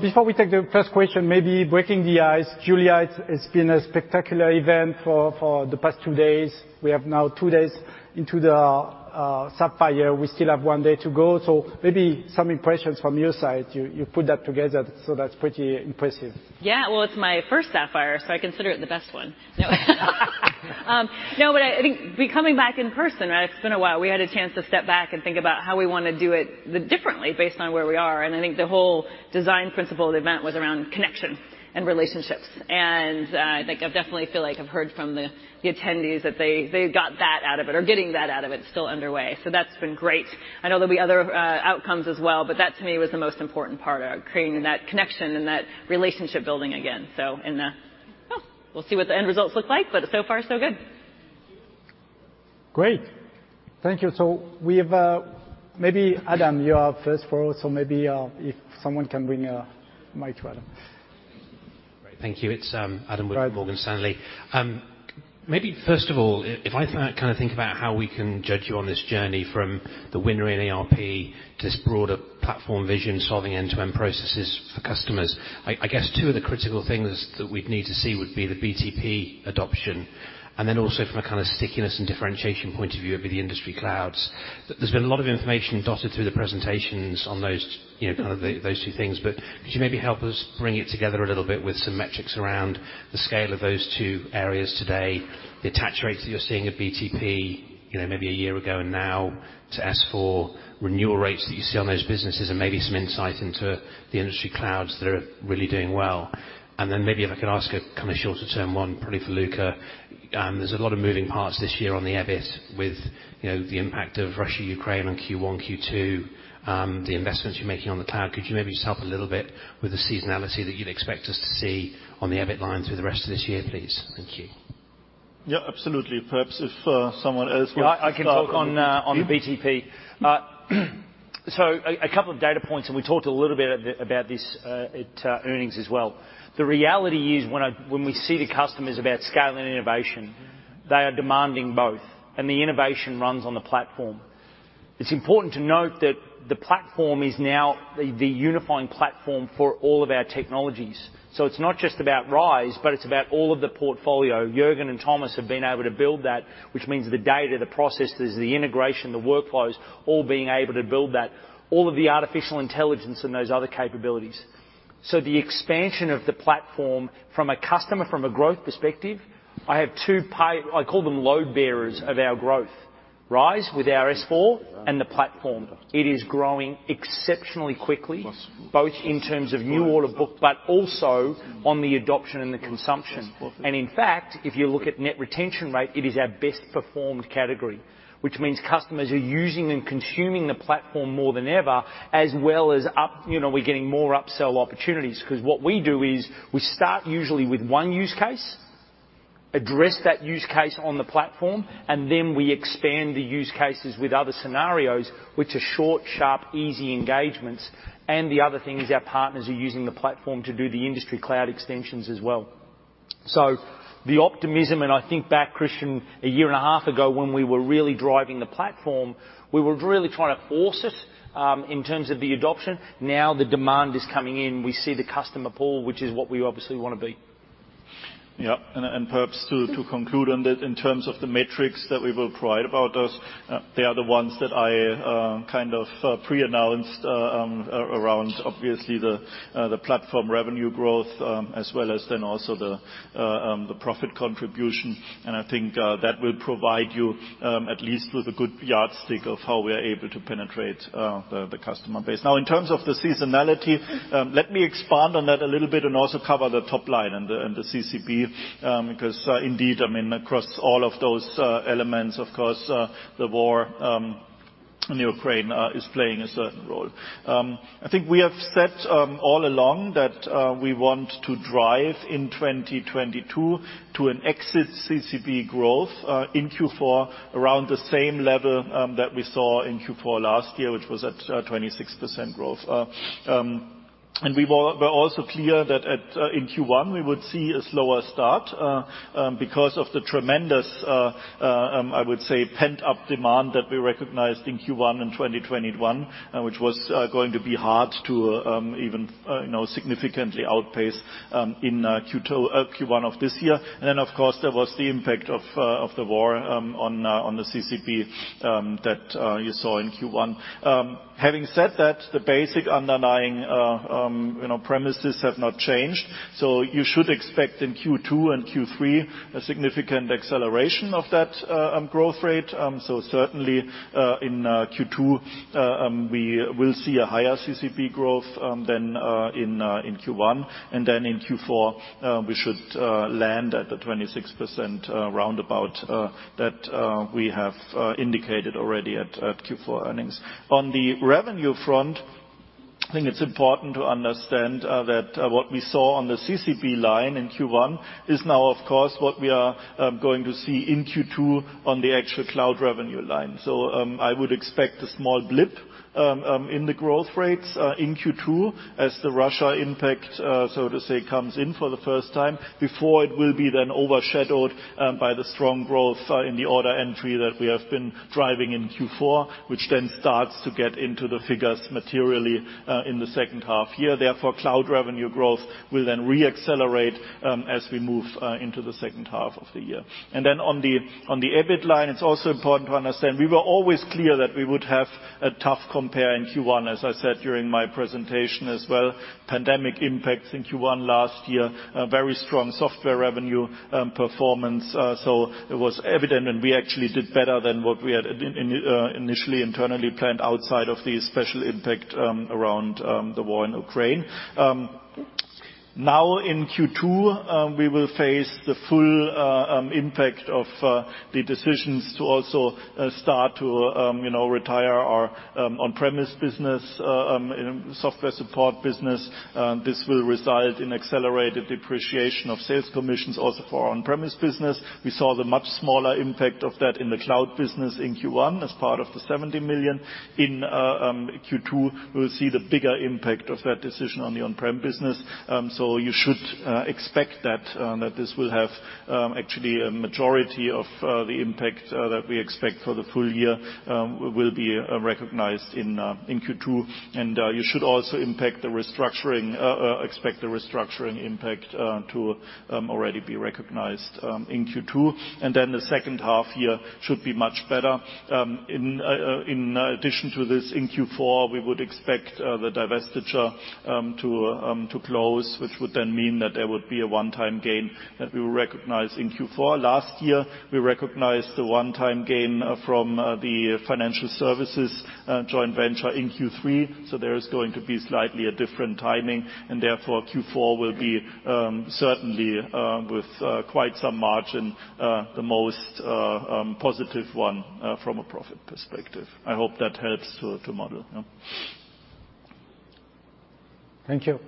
Before we take the first question, maybe breaking the ice. Julia, it's been a spectacular event for the past two days. We have now two days into the Sapphire. We still have one day to go. Maybe some impressions from your side. You put that together, so that's pretty impressive. Yeah. Well, it's my first Sapphire, so I consider it the best one. No, but I think we're coming back in person, right? It's been a while. We had a chance to step back and think about how we wanna do it differently based on where we are. I think the whole design principle of the event was around connection and relationships. I think I definitely feel like I've heard from the attendees that they got that out of it or getting that out of it. It's still underway. That's been great. I know there'll be other outcomes as well, but that to me was the most important part, creating that connection and that relationship building again. Well, we'll see what the end results look like, but so far so good. Great. Thank you. We have maybe, Adam, you are first for us. Maybe if someone can bring a mic to Adam. Great. Thank you. It's Adam Wood from Morgan Stanley. Maybe first of all, if I kinda think about how we can judge you on this journey from the winner in ERP to this broader platform vision, solving end-to-end processes for customers, I guess two of the critical things that we'd need to see would be the BTP adoption, and then also from a kind of stickiness and differentiation point of view, it'd be the industry clouds. There's been a lot of information dotted through the presentations on those, you know, kind of those two things, but could you maybe help us bring it together a little bit with some metrics around the scale of those two areas today, the attach rates that you're seeing at BTP, you know, maybe a year ago and now to S/4HANA, renewal rates that you see on those businesses, and maybe some insight into the industry clouds that are really doing well? Maybe if I could ask a kinda shorter term one, probably for Luka, there's a lot of moving parts this year on the EBIT with, the impact of Russia-Ukraine on Q1, Q2, the investments you're making on the cloud. Could you maybe just help a little bit with the seasonality that you'd expect us to see on the EBIT line through the rest of this year, please? Thank you. Yeah, absolutely. Perhaps if someone else wants to start. Yeah, I can talk on the BTP. So a couple of data points, and we talked a little bit about this at earnings as well. The reality is, when we see the customers about scale and innovation, they are demanding both, and the innovation runs on the platform. It's important to note that the platform is now the unifying platform for all of our technologies. So it's not just about RISE, but it's about all of the portfolio. Juergen and Thomas have been able to build that, which means the data, the processes, the integration, the workflows, all being able to build that, all of the artificial intelligence and those other capabilities. So the expansion of the platform from a customer, from a growth perspective, I have two pi... I call them load bearers of our growth. RISE with our S/4HANA and the platform. It is growing exceptionally quickly, both in terms of new order book but also on the adoption and the consumption. In fact, if you look at net retention rate, it is our best performed category, which means customers are using and consuming the platform more than ever. As well as up, you know, we're getting more upsell opportunities. 'Cause what we do is we start usually with one use case, address that use case on the platform, and then we expand the use cases with other scenarios, which are short, sharp, easy engagements. The other thing is our partners are using the platform to do the Industry Cloud extensions as well. The optimism, and I think back, Christian, a year and a half ago when we were really driving the platform, we were really trying to force it, in terms of the adoption. Now the demand is coming in. We see the customer pool, which is what we obviously wanna be. Yeah. Perhaps to conclude on that in terms of the metrics that we will provide about those, they are the ones that I kind of pre-announced around obviously the platform revenue growth, as well as then also the profit contribution. I think that will provide you at least with a good yardstick of how we are able to penetrate the customer base. Now in terms of the seasonality, let me expand on that a little bit and also cover the top line and the CCB, because indeed, I mean, across all of those elements, of course, the war in Ukraine is playing a certain role. I think we have said all along that we want to drive in 2022 to an exit CCB growth in Q4 around the same level that we saw in Q4 last year, which was at 26% growth. We're also clear that in Q1 we would see a slower start because of the tremendous pent-up demand that we recognized in Q1 in 2021, which was going to be hard to even you know significantly outpace in Q1 of this year. Of course, there was the impact of the war on the CCB that you saw in Q1. Having said that, the basic underlying, you know, premises have not changed. You should expect in Q2 and Q3 a significant acceleration of that growth rate. Certainly, in Q2, we will see a higher CCB growth than in Q1. In Q4, we should land at the 26%, roundabout, that we have indicated already at Q4 earnings. On the revenue front, I think it's important to understand that what we saw on the CCB line in Q1 is now of course what we are going to see in Q2 on the actual cloud revenue line. I would expect a small blip in the growth rates in Q2 as the Russia impact, so to say, comes in for the first time before it will be then overshadowed by the strong growth in the order entry that we have been driving in Q4, which then starts to get into the figures materially in the second half year. Therefore, cloud revenue growth will then re-accelerate as we move into the second half of the year. On the EBIT line, it's also important to understand we were always clear that we would have a tough compare in Q1, as I said during my presentation as well. Pandemic impacts in Q1 last year very strong software revenue performance. It was evident and we actually did better than what we had in initially internally planned outside of the special impact around the war in Ukraine. Now in Q2, we will face the full impact of the decisions to also start to you know retire our on-premise business you know software support business. This will result in accelerated depreciation of sales commissions also for our on-premise business. We saw the much smaller impact of that in the cloud business in Q1 as part of the 70 million. In Q2, we'll see the bigger impact of that decision on the on-prem business. You should expect that this will have actually a majority of the impact that we expect for the full year will be recognized in Q2. You should also expect the restructuring impact to already be recognized in Q2. The second half year should be much better. In addition to this, in Q4, we would expect the divestiture to close, which would then mean that there would be a one-time gain that we will recognize in Q4. Last year, we recognized the one-time gain from the financial services joint venture in Q3. There is going to be slightly different timing, and therefore, Q4 will be certainly with quite some margin the most positive one from a profit perspective. I hope that helps to model. Yeah. Thank you.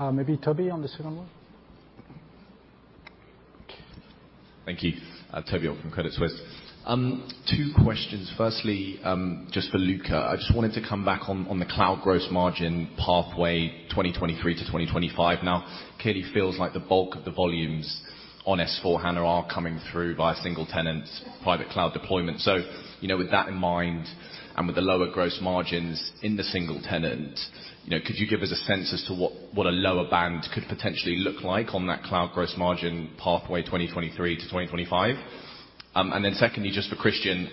Maybe Toby on the second one. Thank you. Toby Ogg from Credit Suisse. Two questions. Firstly, just for Luka. I just wanted to come back on the cloud gross margin pathway 2023-2025. Now, clearly feels like the bulk of the volumes on S/4HANA are coming through via single-tenant private cloud deployment. So, you know, with that in mind and with the lower gross margins in the single tenant, could you give us a sense as to what a lower band could potentially look like on that cloud gross margin pathway, 2023-2025? And then secondly, just for Christian.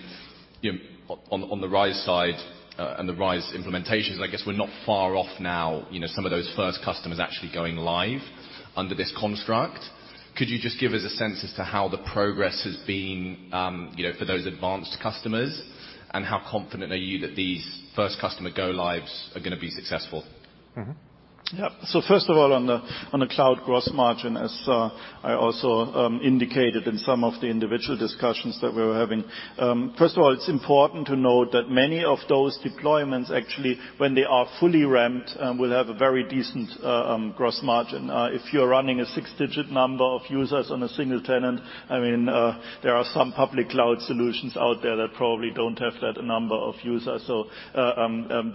On the RISE side, and the RISE implementations, I guess we're not far off now, you know, some of those first customers actually going live under this construct. Could you just give us a sense as to how the progress has been, you know, for those advanced customers, and how confident are you that these first customer go lives are gonna be successful? First of all, on the cloud gross margin, as I also indicated in some of the individual discussions that we were having. First of all, it's important to note that many of those deployments actually when they are fully ramped will have a very decent gross margin. If you're running a six-digit number of users on a single tenant, I mean, there are some public cloud solutions out there that probably don't have that number of users.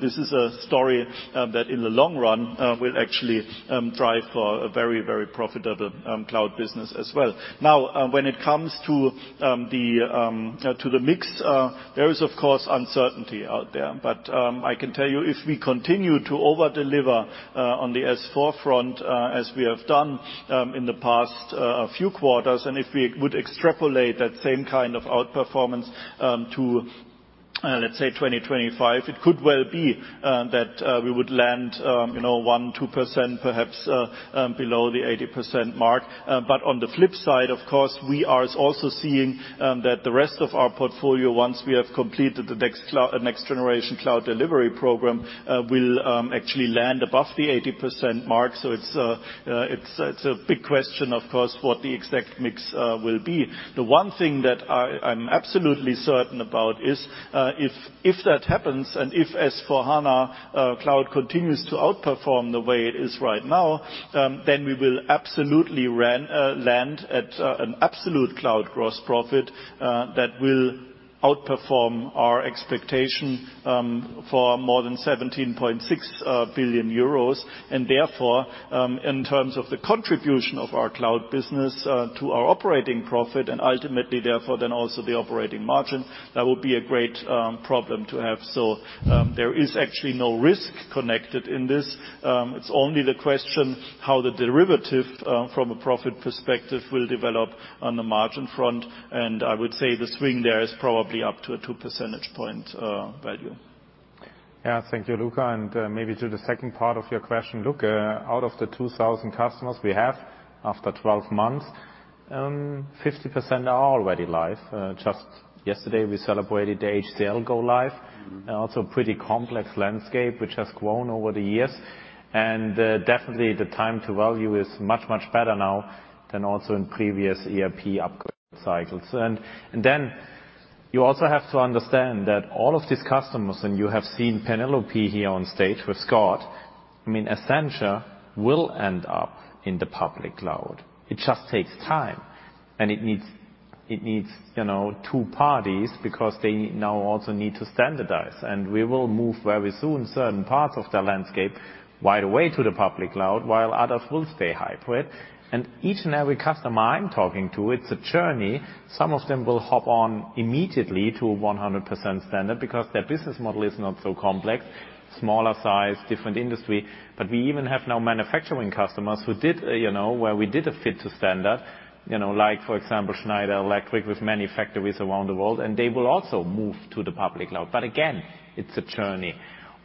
This is a story that in the long run will actually drive for a very, very profitable cloud business as well. Now, when it comes to the mix, there is of course uncertainty out there. I can tell you if we continue to over-deliver on the S/4HANA front as we have done in the past few quarters and if we would extrapolate that same kind of outperformance to let's say 2025 it could well be that we would land you know 1%-2% perhaps below the 80% mark. On the flip side of course we are also seeing that the rest of our portfolio once we have completed the next generation cloud delivery program will actually land above the 80% mark. It's a big question of course what the exact mix will be. The one thing that I'm absolutely certain about is, if that happens, and if S/4HANA Cloud continues to outperform the way it is right now, then we will absolutely land at an absolute cloud gross profit that will outperform our expectation for more than 17.6 billion euros. Therefore, in terms of the contribution of our cloud business to our operating profit and ultimately therefore then also the operating margin, that would be a great problem to have. There is actually no risk connected in this. It's only the question how the derivative from a profit perspective will develop on the margin front. I would say the swing there is probably up to a 2 percentage point value. Thank you, Luka. Maybe to the second part of your question, look, out of the 2,000 customers we have, after 12 months, 50% are already live. Just yesterday we celebrated the HCL go live. Also pretty complex landscape which has grown over the years. Definitely the time to value is much, much better now than also in previous ERP upgrade cycles. You also have to understand that all of these customers, and you have seen Penelope here on stage with Scott, I mean, Accenture will end up in the public cloud. It just takes time and it needs, you know, two parties because they now also need to standardize. We will move very soon certain parts of their landscape right away to the public cloud, while others will stay hybrid. Each and every customer I'm talking to, it's a journey. Some of them will hop on immediately to 100% standard because their business model is not so complex, smaller size, different industry. We even have now manufacturing customers who did, you know, where we did a fit to standard, you know, like for example, Schneider Electric with many factories around the world, and they will also move to the public cloud. Again, it's a journey.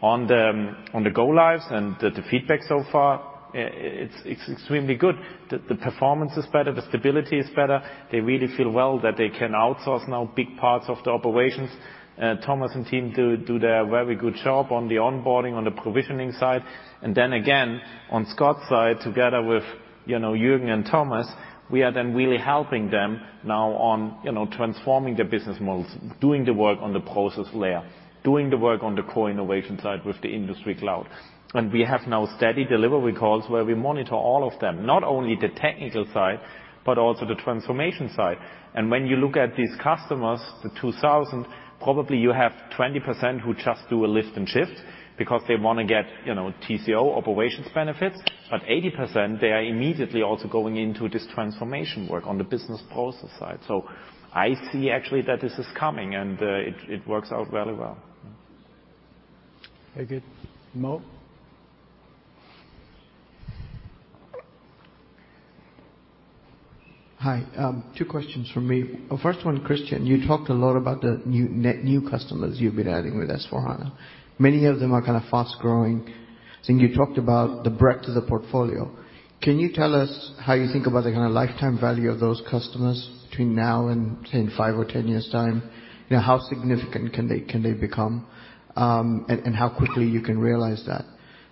On the go lives and the feedback so far, it's extremely good. The performance is better, the stability is better. They really feel well that they can outsource now big parts of the operations. Thomas and team do their very good job on the onboarding, on the provisioning side. Then again, on Scott's side, together with, you know, Juergen and Thomas, we are then really helping them now on, you know, transforming their business models, doing the work on the process layer, doing the work on the core innovation side with the Industry Cloud. We have now steady delivery calls where we monitor all of them, not only the technical side, but also the transformation side. When you look at these customers, the 2,000, probably you have 20% who just do a lift and shift because they wanna get, you know, TCO operations benefits, but 80%, they are immediately also going into this transformation work on the business process side. I see actually that this is coming, and it works out very well. Very good. Mo? Hi. Two questions from me. First one, Christian, you talked a lot about the new customers you've been adding with S/4HANA. Many of them are kinda fast growing, and you talked about the breadth of the portfolio. Can you tell us how you think about the kinda lifetime value of those customers between now and, say, in five or ten years' time? How significant can they become, and how quickly you can realize that?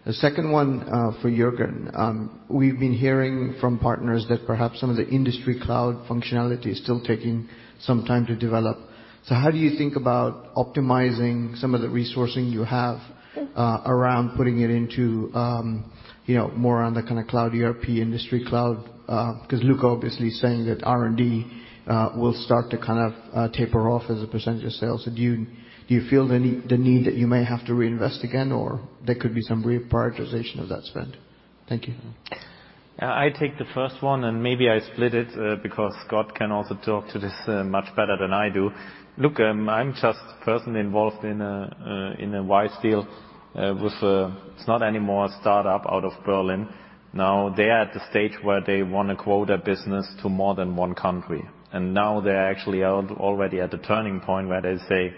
The second one, for Juergen. We've been hearing from partners that perhaps some of the industry cloud functionality is still taking some time to develop. How do you think about optimizing some of the resourcing you have around putting it into, you know, more on the kinda cloud ERP industry cloud? 'Cause Luka obviously is saying that R&D will start to kind of taper off as a percentage of sales. Do you feel the need that you may have to reinvest again, or there could be some reprioritization of that spend? Thank you. Yeah, I take the first one, and maybe I split it, because Scott can also talk to this much better than I do. Look, I'm just personally involved in a RISE deal with, it's not anymore a startup out of Berlin. Now they are at the stage where they wanna grow their business to more than one country, and now they're actually already at the turning point where they say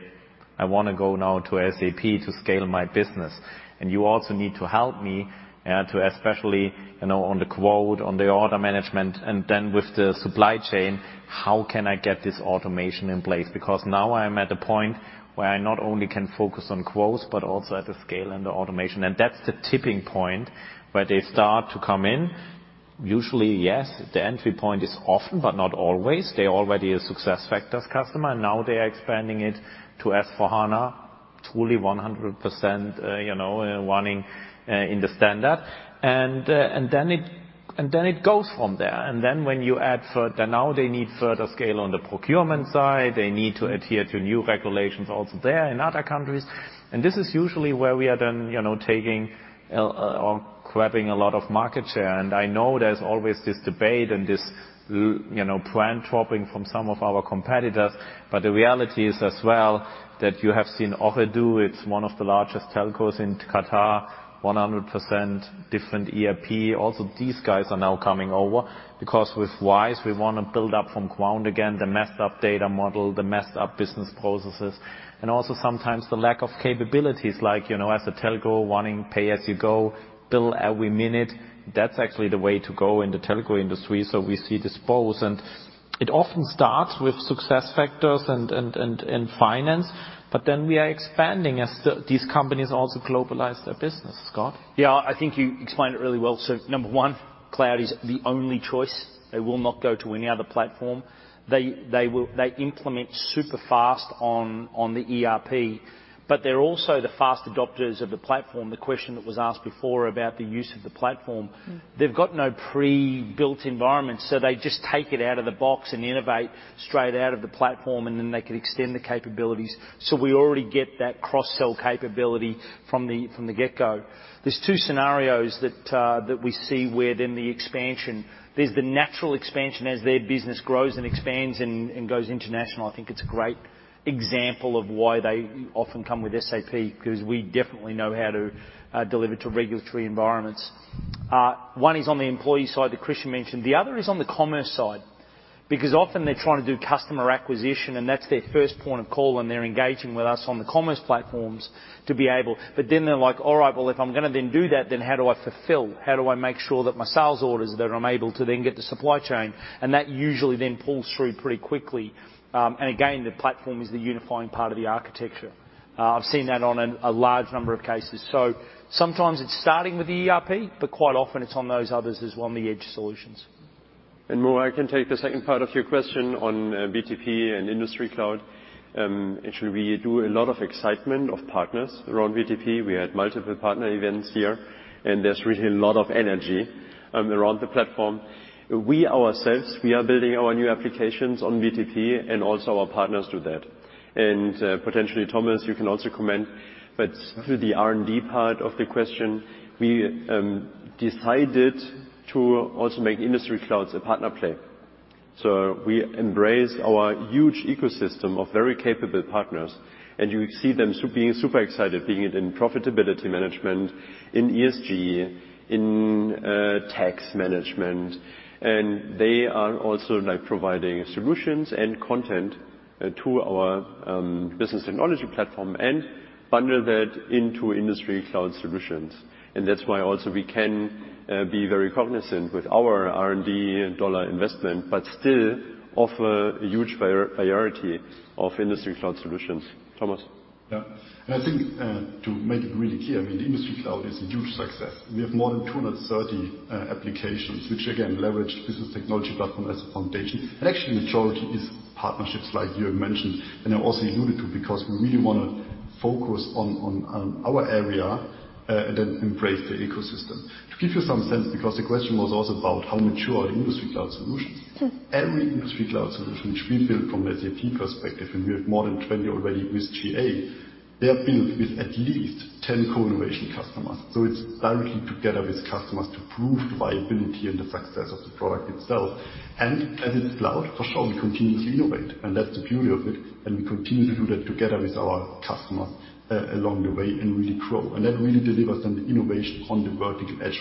I wanna go now to SAP to scale my business. You also need to help me, to especially, you know, on the quote, on the order management, and then with the supply chain, how can I get this automation in place? Because now I'm at the point where I not only can focus on quotes, but also at the scale and the automation. That's the tipping point where they start to come in. Usually, yes, the entry point is often, but not always. They already a SuccessFactors customer, now they're expanding it to S/4HANA, truly 100%, you know, running in the standard. It goes from there. Now they need further scale on the procurement side, they need to adhere to new regulations also there in other countries. This is usually where we are then, you know, taking or grabbing a lot of market share. I know there's always this debate and this, you know, plan dropping from some of our competitors, but the reality is as well that you have seen Ooredoo, it's one of the largest telcos in Qatar, 100% different ERP. These guys are now coming over because with RISE, we wanna build up from ground again, the messed up data model, the messed up business processes, and also sometimes the lack of capabilities like, you know, as a telco wanting pay-as-you-go, bill every minute. That's actually the way to go in the telco industry, so we see this both. It often starts with SuccessFactors and finance, but then we are expanding as these companies also globalize their business. Scott? Yeah. I think you explained it really well. Number one, cloud is the only choice. They will not go to any other platform. They implement super fast on the ERP, but they're also the fast adopters of the platform. The question that was asked before about the use of the platform. They've got no pre-built environment, so they just take it out of the box and innovate straight out of the platform, and then they can extend the capabilities. We already get that cross-sell capability from the get-go. There's two scenarios that we see where then the expansion. There's the natural expansion as their business grows and expands and goes international. I think it's a great example of why they often come with SAP, because we definitely know how to deliver to regulatory environments. One is on the employee side that Christian mentioned. The other is on the commerce side, because often they're trying to do customer acquisition, and that's their first point of call, and they're engaging with us on the commerce platforms to be able. They're like, "All right, well, if I'm gonna then do that, then how do I fulfill? How do I make sure that my sales orders that I'm able to then get the supply chain?" That usually then pulls through pretty quickly. Again, the platform is the unifying part of the architecture. I've seen that on a large number of cases. Sometimes it's starting with the ERP, but quite often it's on those others as well, on the edge solutions. Mo, I can take the second part of your question on BTP and Industry Cloud. Actually we do a lot of excitement of partners around BTP. We had multiple partner events here, and there's really a lot of energy around the platform. We ourselves, we are building our new applications on BTP and also our partners do that. Potentially, Thomas, you can also comment, but to the R&D part of the question, we decided to also make Industry Cloud a partner play. We embrace our huge ecosystem of very capable partners, and you see them being super excited, be it in profitability management, in ESG, in tax management. They are also like providing solutions and content to our business technology platform and bundle that into Industry Cloud solutions. That's why also we can be very cognizant with our R&D dollar investment, but still offer a huge variety of Industry Cloud solutions. Thomas. Yeah. I think to make it really clear, I mean, the Industry Cloud is a huge success. We have more than 230 applications, which again, leverage Business Technology Platform as a foundation. Actually, majority is partnerships like you mentioned and I also alluded to, because we really wanna focus on our area and then embrace the ecosystem. To give you some sense, because the question was also about how mature are Industry Cloud solutions. Every Industry Cloud solution, which we build from an SAP perspective, and we have more than 20 already with GA, they're built with at least 10 co-innovation customers. It's directly together with customers to prove the viability and the success of the product itself. As it's cloud, for sure, we continuously innovate, and that's the beauty of it, and we continue to do that together with our customers, along the way and really grow. That really delivers then the innovation on the vertical edge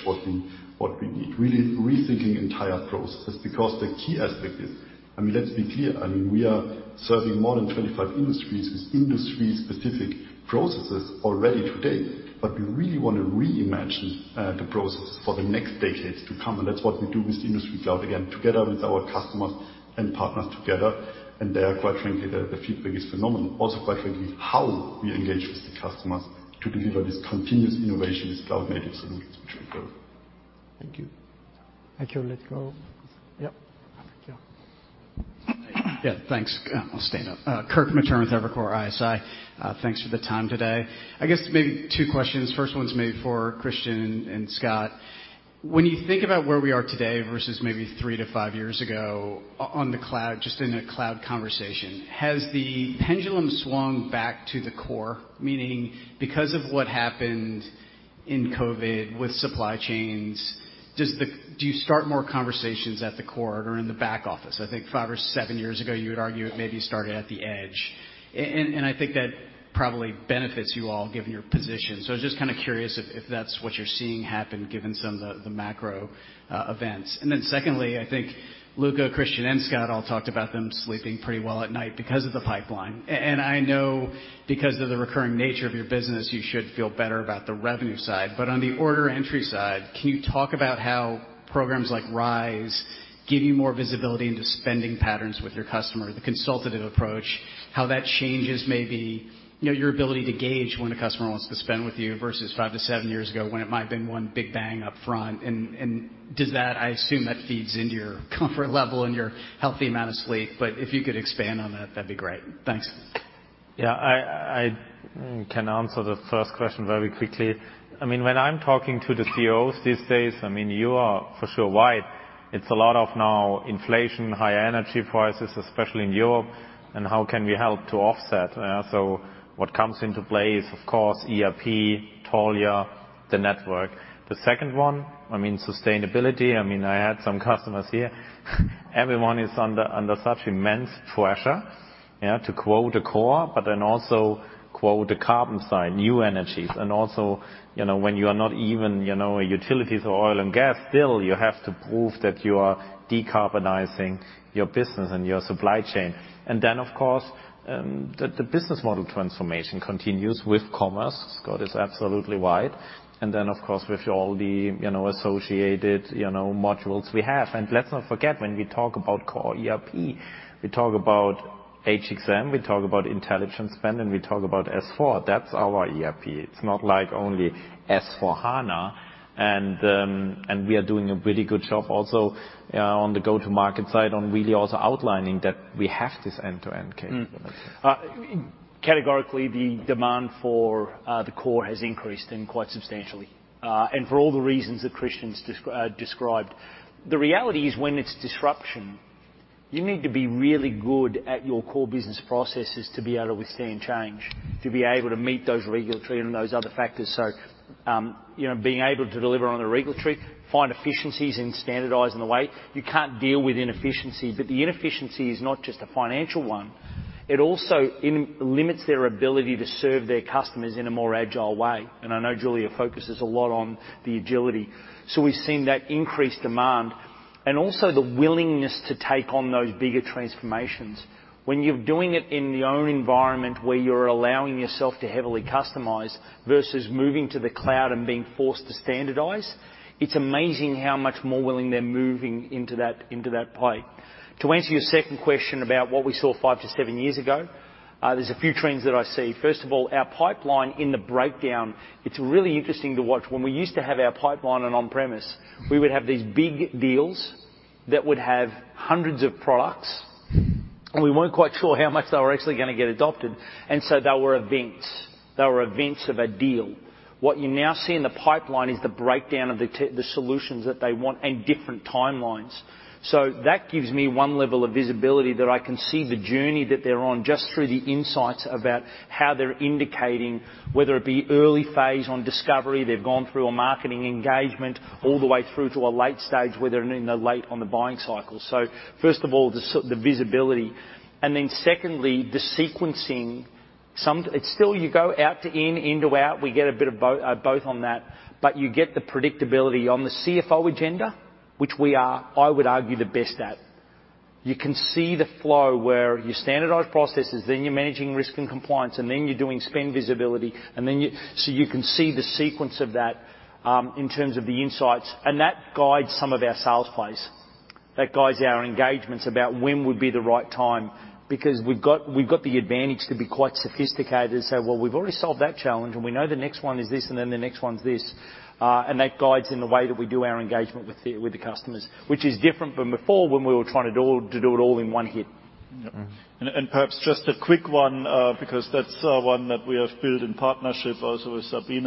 what we need. Really rethinking entire processes, because the key aspect is. I mean, let's be clear, I mean, we are serving more than 25 industries with industry-specific processes already today, but we really wanna reimagine, the process for the next decades to come. That's what we do with Industry Cloud, again, together with our customers and partners together. They are quite frankly, the feedback is phenomenal. Also, quite frankly, how we engage with the customers to deliver this continuous innovation with cloud-native solutions, which we build. Thank you. Let go. Yeah. Thank you. Yeah, thanks. I'll stand up. Kirk Materne with Evercore ISI. Thanks for the time today. I guess maybe two questions. First one's maybe for Christian and Scott. When you think about where we are today versus maybe three-five years ago on the cloud, just in a cloud conversation, has the pendulum swung back to the core? Meaning because of what happened in COVID with supply chains. Do you start more conversations at the core or in the back office? I think five or seven years ago, you would argue it maybe started at the edge. I think that probably benefits you all given your position. I was just kind of curious if that's what you're seeing happen given some of the macro events. Then secondly, I think Luka, Christian, and Scott all talked about them sleeping pretty well at night because of the pipeline. I know because of the recurring nature of your business, you should feel better about the revenue side. On the order entry side, can you talk about how programs like RISE give you more visibility into spending patterns with your customer, the consultative approach, how that changes maybe, you know, your ability to gauge when a customer wants to spend with you versus five-seven years ago when it might've been one big bang up front. Does that. I assume that feeds into your comfort level and your healthy amount of sleep, but if you could expand on that'd be great. Thanks. Yeah. I can answer the first question very quickly. I mean, when I'm talking to the CEOs these days, I mean, you are for sure right. It's a lot of now inflation, high energy prices, especially in Europe, and how can we help to offset. So what comes into play is, of course, ERP, Taulia, the network. The second one, I mean, sustainability. I mean, I had some customers here. Everyone is under such immense pressure, yeah, to cut costs, but then also cut the carbon side, new energies. When you are not even, you know, a utilities or oil and gas, still you have to prove that you are decarbonizing your business and your supply chain. Then, of course, the business model transformation continues with commerce. Scott is absolutely right. Of course, with all the, you know, associated, you know, modules we have. Let's not forget, when we talk about core ERP, we talk about HXM, we talk about intelligent spend, and we talk about S/4HANA. That's our ERP. It's not like only S/4HANA. We are doing a really good job also, on the go-to-market side on really also outlining that we have this end-to-end capability. Categorically, the demand for the core has increased and quite substantially, and for all the reasons that Christian's described. The reality is, when it's disruption, you need to be really good at your core business processes to be able to withstand change, to be able to meet those regulatory and those other factors. You know, being able to deliver on the regulatory, find efficiencies and standardizing the way. You can't deal with inefficiency. But the inefficiency is not just a financial one, it also inhibits their ability to serve their customers in a more agile way. I know Julia focuses a lot on the agility. We've seen that increased demand and also the willingness to take on those bigger transformations. When you're doing it in your own environment where you're allowing yourself to heavily customize versus moving to the cloud and being forced to standardize, it's amazing how much more willing they're moving into that, into that play. To answer your second question about what we saw 5-7 years ago, there's a few trends that I see. First of all, our pipeline in the breakdown, it's really interesting to watch. When we used to have our pipeline on-premise, we would have these big deals that would have hundreds of products, and we weren't quite sure how much they were actually gonna get adopted. They were events. They were events of a deal. What you now see in the pipeline is the breakdown of the solutions that they want and different timelines. That gives me one level of visibility that I can see the journey that they're on just through the insights about how they're indicating whether it be early phase in discovery, they've gone through a marketing engagement, all the way through to a late stage, whether they're in the late in the buying cycle. First of all, the visibility. Then secondly, the sequencing. It's still you go out to in to out. We get a bit of both on that. You get the predictability. On the CFO agenda, which we are, I would argue, the best at, you can see the flow where you standardize processes, then you're managing risk and compliance, and then you're doing spend visibility, and then you can see the sequence of that in terms of the insights. That guides some of our sales plays. That guides our engagements about when would be the right time because we've got the advantage to be quite sophisticated and say, "Well, we've already solved that challenge, and we know the next one is this, and then the next one's this." That guides in the way that we do our engagement with the customers, which is different from before when we were trying to do it all in one hit. Perhaps just a quick one, because that's one that we have built in partnership also with Sabine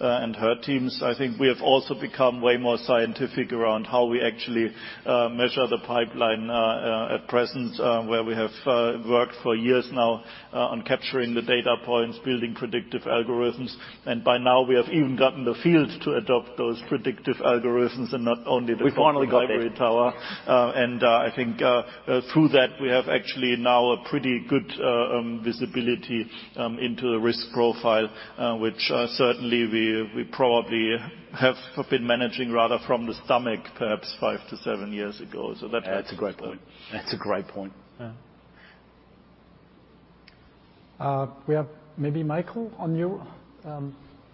and her teams. I think we have also become way more scientific around how we actually measure the pipeline at present, where we have worked for years now on capturing the data points, building predictive algorithms. By now we have even gotten the field to adopt those predictive algorithms and not only the library tower. I think through that we have actually now a pretty good visibility into the risk profile, which certainly we probably have been managing rather from the gut perhaps five-seven years ago. That helps as well. That's a great point. We have maybe Michael on you.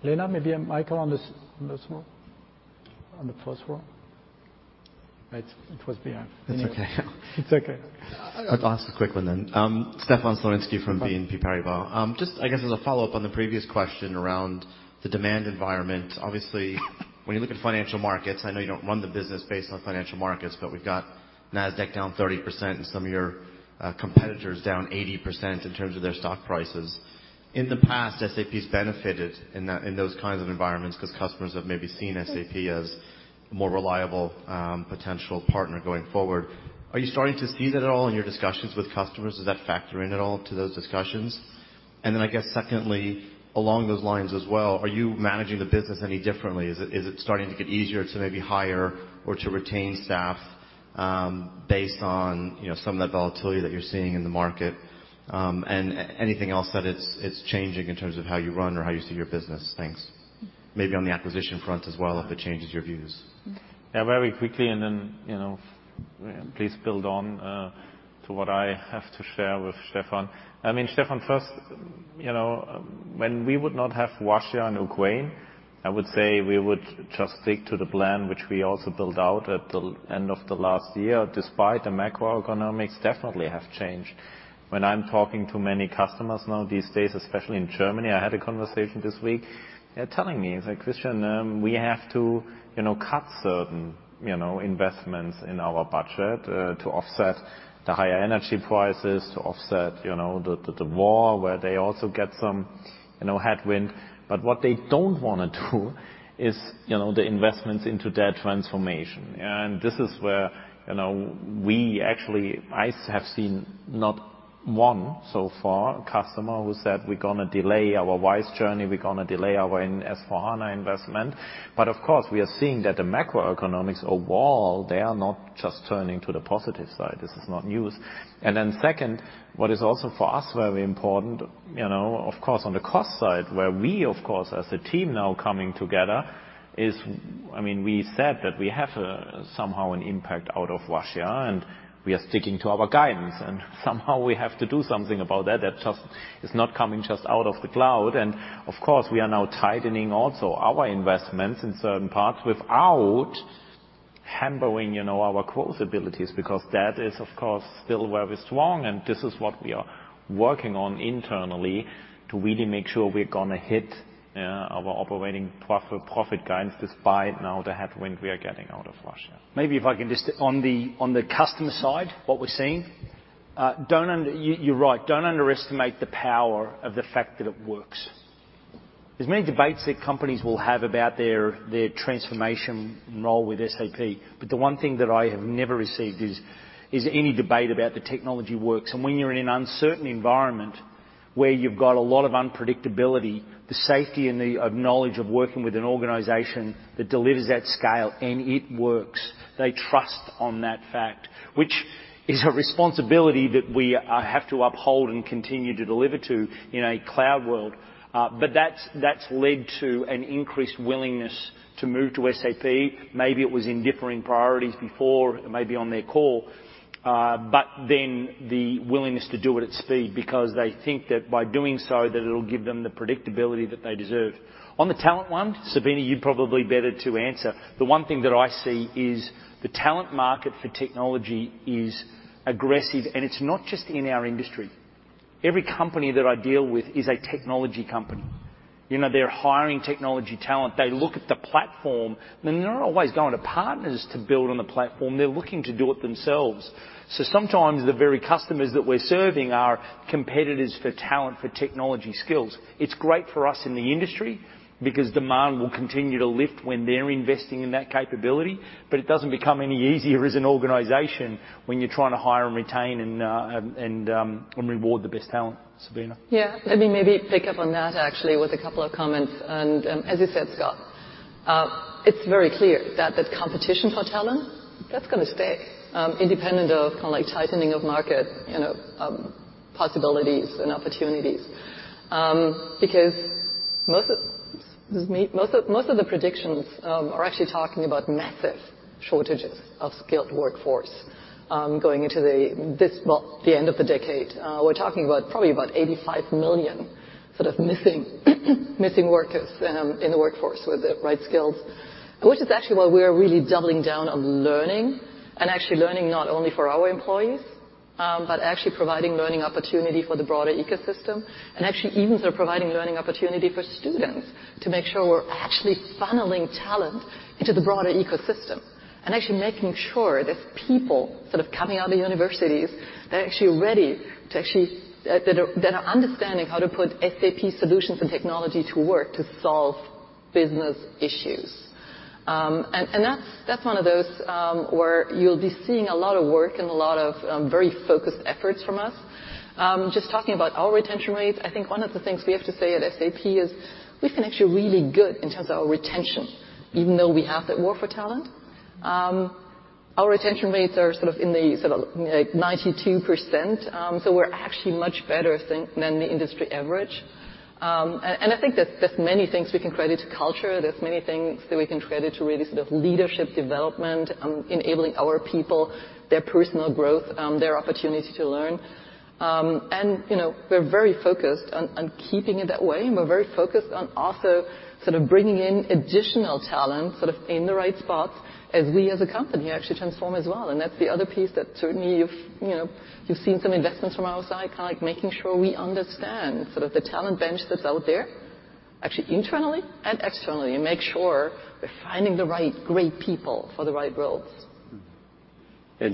Lena, maybe Michael on this one. On the first one. It was behind. It's okay. I'll ask a quick one. Stefan Slowinski from Exane BNP Paribas. Just I guess as a follow-up on the previous question around the demand environment. Obviously, when you look at financial markets, I know you don't run the business based on financial markets, but we've got Nasdaq down 30% and some of your competitors down 80% in terms of their stock prices. In the past, SAP's benefited in that, in those kinds of environments because customers have maybe seen SAP as a more reliable potential partner going forward. Are you starting to see that at all in your discussions with customers? Does that factor in at all to those discussions? I guess secondly, along those lines as well, are you managing the business any differently? Is it starting to get easier to maybe hire or to retain staff, based on some of that volatility that you're seeing in the market? Anything else that it's changing in terms of how you run or how you see your business. Thanks. Maybe on the acquisition front as well, if it changes your views. Yeah, very quickly, please build on to what I have to share with Stefan. I mean, Stefan, first, when we would not have Russia and Ukraine, I would say we would just stick to the plan which we also build out at the end of the last year, despite the macroeconomics definitely have changed. When I'm talking to many customers now these days, especially in Germany, I had a conversation this week. They're telling me. They say, "Christian, we have to cut some investments in our budget to offset the higher energy prices, to offset, you know, the war," where they also get some, headwind. What they don't wanna do is the investments into their transformation. This is where, you know, we actually I have seen not one, so far, customer who said, "We're gonna delay our RISE journey, we're gonna delay our S/4HANA investment." Of course, we are seeing that the macroeconomics of war, they are not just turning to the positive side. This is not news. Second, what is also for us very important. Of course, on the cost side, where we, of course, as a team now coming together is, I mean, we said that we have somehow an impact out of Russia, and we are sticking to our guidance. Somehow we have to do something about that. That just is not coming just out of the blue. Of course, we are now tightening also our investments in certain parts without hampering, you know, our growth abilities, because that is, of course, still where we're strong, and this is what we are working on internally to really make sure we're gonna hit our operating profit guidance, despite now the headwind we are getting out of Russia. On the customer side, what we're seeing, you're right. Don't underestimate the power of the fact that it works. There's many debates that companies will have about their transformation role with SAP, but the one thing that I have never received is any debate about the technology works. When you're in an uncertain environment where you've got a lot of unpredictability, the safety and the knowledge of working with an organization that delivers at scale, and it works, they trust on that fact. Which is a responsibility that we have to uphold and continue to deliver to in a cloud world. But that's led to an increased willingness to move to SAP. Maybe it was in differing priorities before, maybe on their call. The willingness to do it at speed, because they think that by doing so, that it'll give them the predictability that they deserve. On the talent one, Sabine, you're probably better to answer. The one thing that I see is the talent market for technology is aggressive, and it's not just in our industry. Every company that I deal with is a technology company. You know, they're hiring technology talent. They look at the platform. They're not always going to partners to build on the platform. They're looking to do it themselves. Sometimes the very customers that we're serving are competitors for talent, for technology skills. It's great for us in the industry, because demand will continue to lift when they're investing in that capability. It doesn't become any easier as an organization when you're trying to hire and retain and reward the best talent. Sabine. Yeah. Let me maybe pick up on that actually with a couple of comments. As you said, Scott, it's very clear that the competition for talent, that's gonna stay independent of kind of like tightening of market, possibilities and opportunities. Because most of the predictions are actually talking about massive shortages of skilled workforce going into the end of the decade. We're talking about probably about 85 million sort of missing workers in the workforce with the right skills. Which is actually why we are really doubling down on learning and actually learning not only for our employees, but actually providing learning opportunity for the broader ecosystem, and actually even sort of providing learning opportunity for students to make sure we're actually funneling talent into the broader ecosystem, and actually making sure that people sort of coming out of universities, they're actually ready that are understanding how to put SAP solutions and technology to work to solve business issues. And that's one of those, where you'll be seeing a lot of work and a lot of very focused efforts from us. Just talking about our retention rates, I think one of the things we have to say at SAP is we've been actually really good in terms of our retention, even though we have that war for talent. Our retention rates are sort of in the 92%. We're actually much better than the industry average. I think there's many things we can credit to culture. There's many things that we can credit to really sort of leadership development, enabling our people, their personal growth, their opportunity to learn. You know, we're very focused on keeping it that way, and we're very focused on also sort of bringing in additional talent, sort of in the right spots as we as a company actually transform as well. That's the other piece that certainly you've seen some investments from our side, kind of like making sure we understand sort of the talent bench that's out there, actually internally and externally, and make sure we're finding the right great people for the right roles.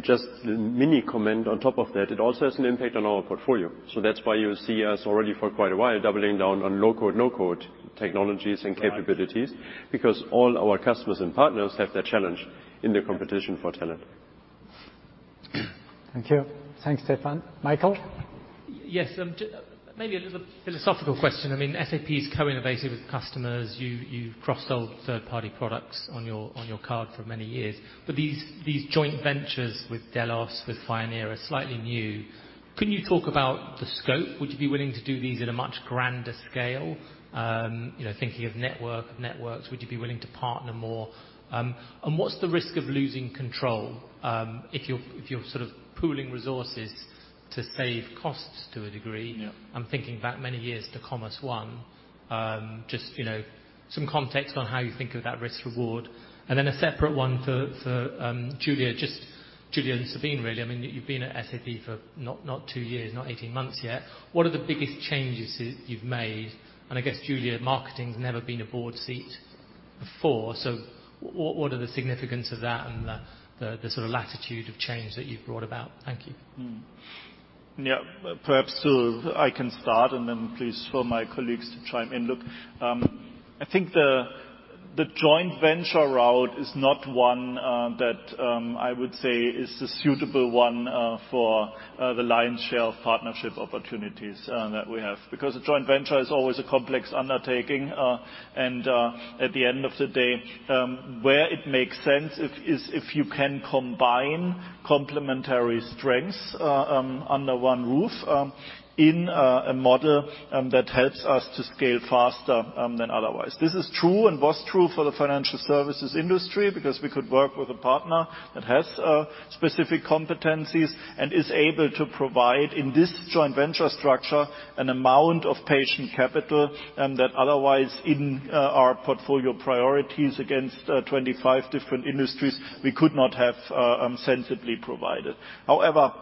Just a mini comment on top of that. It also has an impact on our portfolio. That's why you see us already for quite a while doubling down on low-code, no-code technologies and capabilities. Because all our customers and partners have that challenge in the competition for talent. Thank you. Thanks, Stefan. Michael? Yes. Maybe a little philosophical question. I mean, SAP is co-innovative with customers. You've cross-sold third-party products on your card for many years. These joint ventures with Dediq, with Fioneer are slightly new. Can you talk about the scope? Would you be willing to do these at a much grander scale? You know, thinking of networks, would you be willing to partner more? What's the risk of losing control, if you're sort of pooling resources to save costs to a degree? I'm thinking back many years to Commerce One. Just, you know, some context on how you think of that risk-reward. A separate one for Julia. Just Julia and Sabine, really. I mean, you've been at SAP for not two years, not eighteen months yet. What are the biggest changes you've made? I guess, Julia, marketing's never been a board seat before, so what are the significance of that and the sort of latitude of change that you've brought about? Thank you. Perhaps so I can start and then please have my colleagues chime in. Look, I think the joint venture route is not one that I would say is the suitable one for the lion's share of partnership opportunities that we have. Because a joint venture is always a complex undertaking. At the end of the day, where it makes sense if you can combine complementary strengths under one roof in a model that helps us to scale faster than otherwise. This is true and was true for the financial services industry because we could work with a partner that has specific competencies and is able to provide, in this joint venture structure, an amount of patient capital that otherwise in our portfolio priorities against 25 different industries we could not have sensibly provided. However,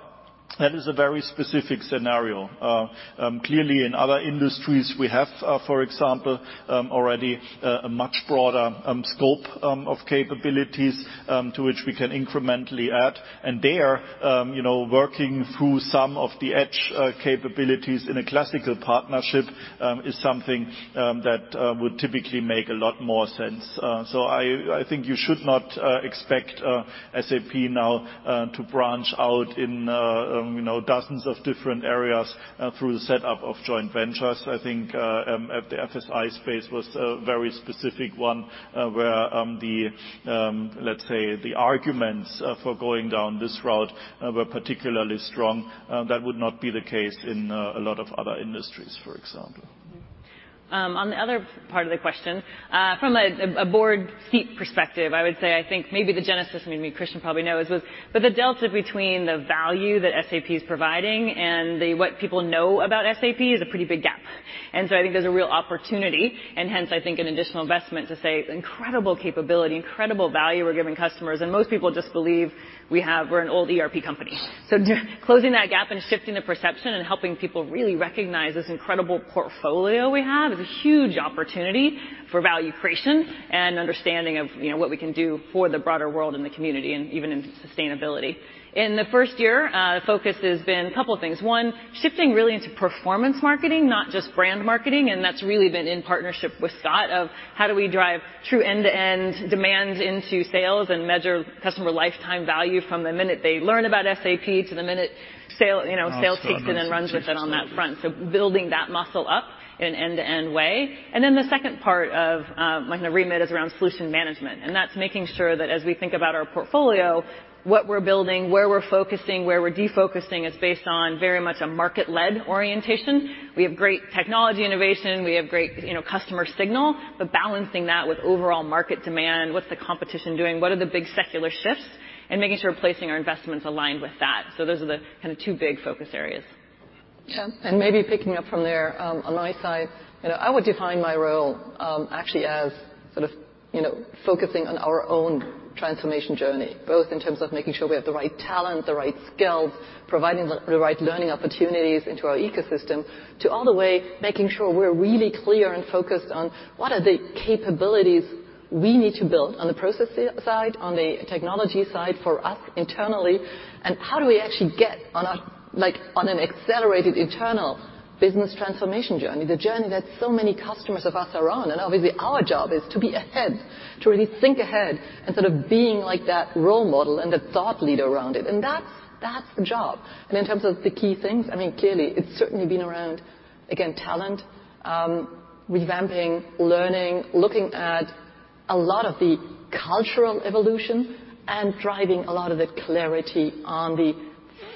that is a very specific scenario. Clearly in other industries we have, for example, already a much broader scope of capabilities to which we can incrementally add. There, you know, working through some of the edge capabilities in a classical partnership is something that would typically make a lot more sense. I think you should not expect SAP now to branch out in, you know, dozens of different areas through the setup of joint ventures. I think at the FSI space was a very specific one where the, let's say, arguments for going down this route were particularly strong. That would not be the case in a lot of other industries, for example. On the other part of the question, from a board seat perspective, I would say I think maybe the genesis, maybe Christian probably knows, was that the delta between the value that SAP is providing and what people know about SAP is a pretty big gap. I think there's a real opportunity, and hence I think an additional investment to say incredible capability, incredible value we're giving customers. Most people just believe we have we're an old ERP company. Closing that gap and shifting the perception and helping people really recognize this incredible portfolio we have is a huge opportunity for value creation and understanding of, you know, what we can do for the broader world and the community and even in sustainability. In the first year, focus has been a couple of things. One, shifting really into performance marketing, not just brand marketing. That's really been in partnership with Scott of how do we drive true end-to-end demand into sales and measure customer lifetime value from the minute they learn about SAP to the minute sale, sales takes it and runs with it on that front. Building that muscle up in an end-to-end way. Then the second part of my kind of remit is around solution management. That's making sure that as we think about our portfolio, what we're building, where we're focusing, where we're defocusing is based on very much a market-led orientation. We have great technology innovation. We have great customer signal, but balancing that with overall market demand. What's the competition doing? What are the big secular shifts? Making sure we're placing our investments aligned with that. Those are the kind of two big focus areas. Maybe picking up from there, on my side, you know, I would define my role, actually as sort of, you know, focusing on our own transformation journey, both in terms of making sure we have the right talent, the right skills, providing the right learning opportunities into our ecosystem, all the way making sure we're really clear and focused on what are the capabilities we need to build on the process side, on the technology side for us internally, and how do we actually get on a, like, on an accelerated internal business transformation journey? The journey that so many customers of us are on. Obviously our job is to be ahead, to really think ahead and sort of being like that role model and the thought leader around it. That's the job. In terms of the key things, I mean, clearly, it's certainly been around, again, talent, revamping, learning, looking at a lot of the cultural evolution and driving a lot of the clarity on the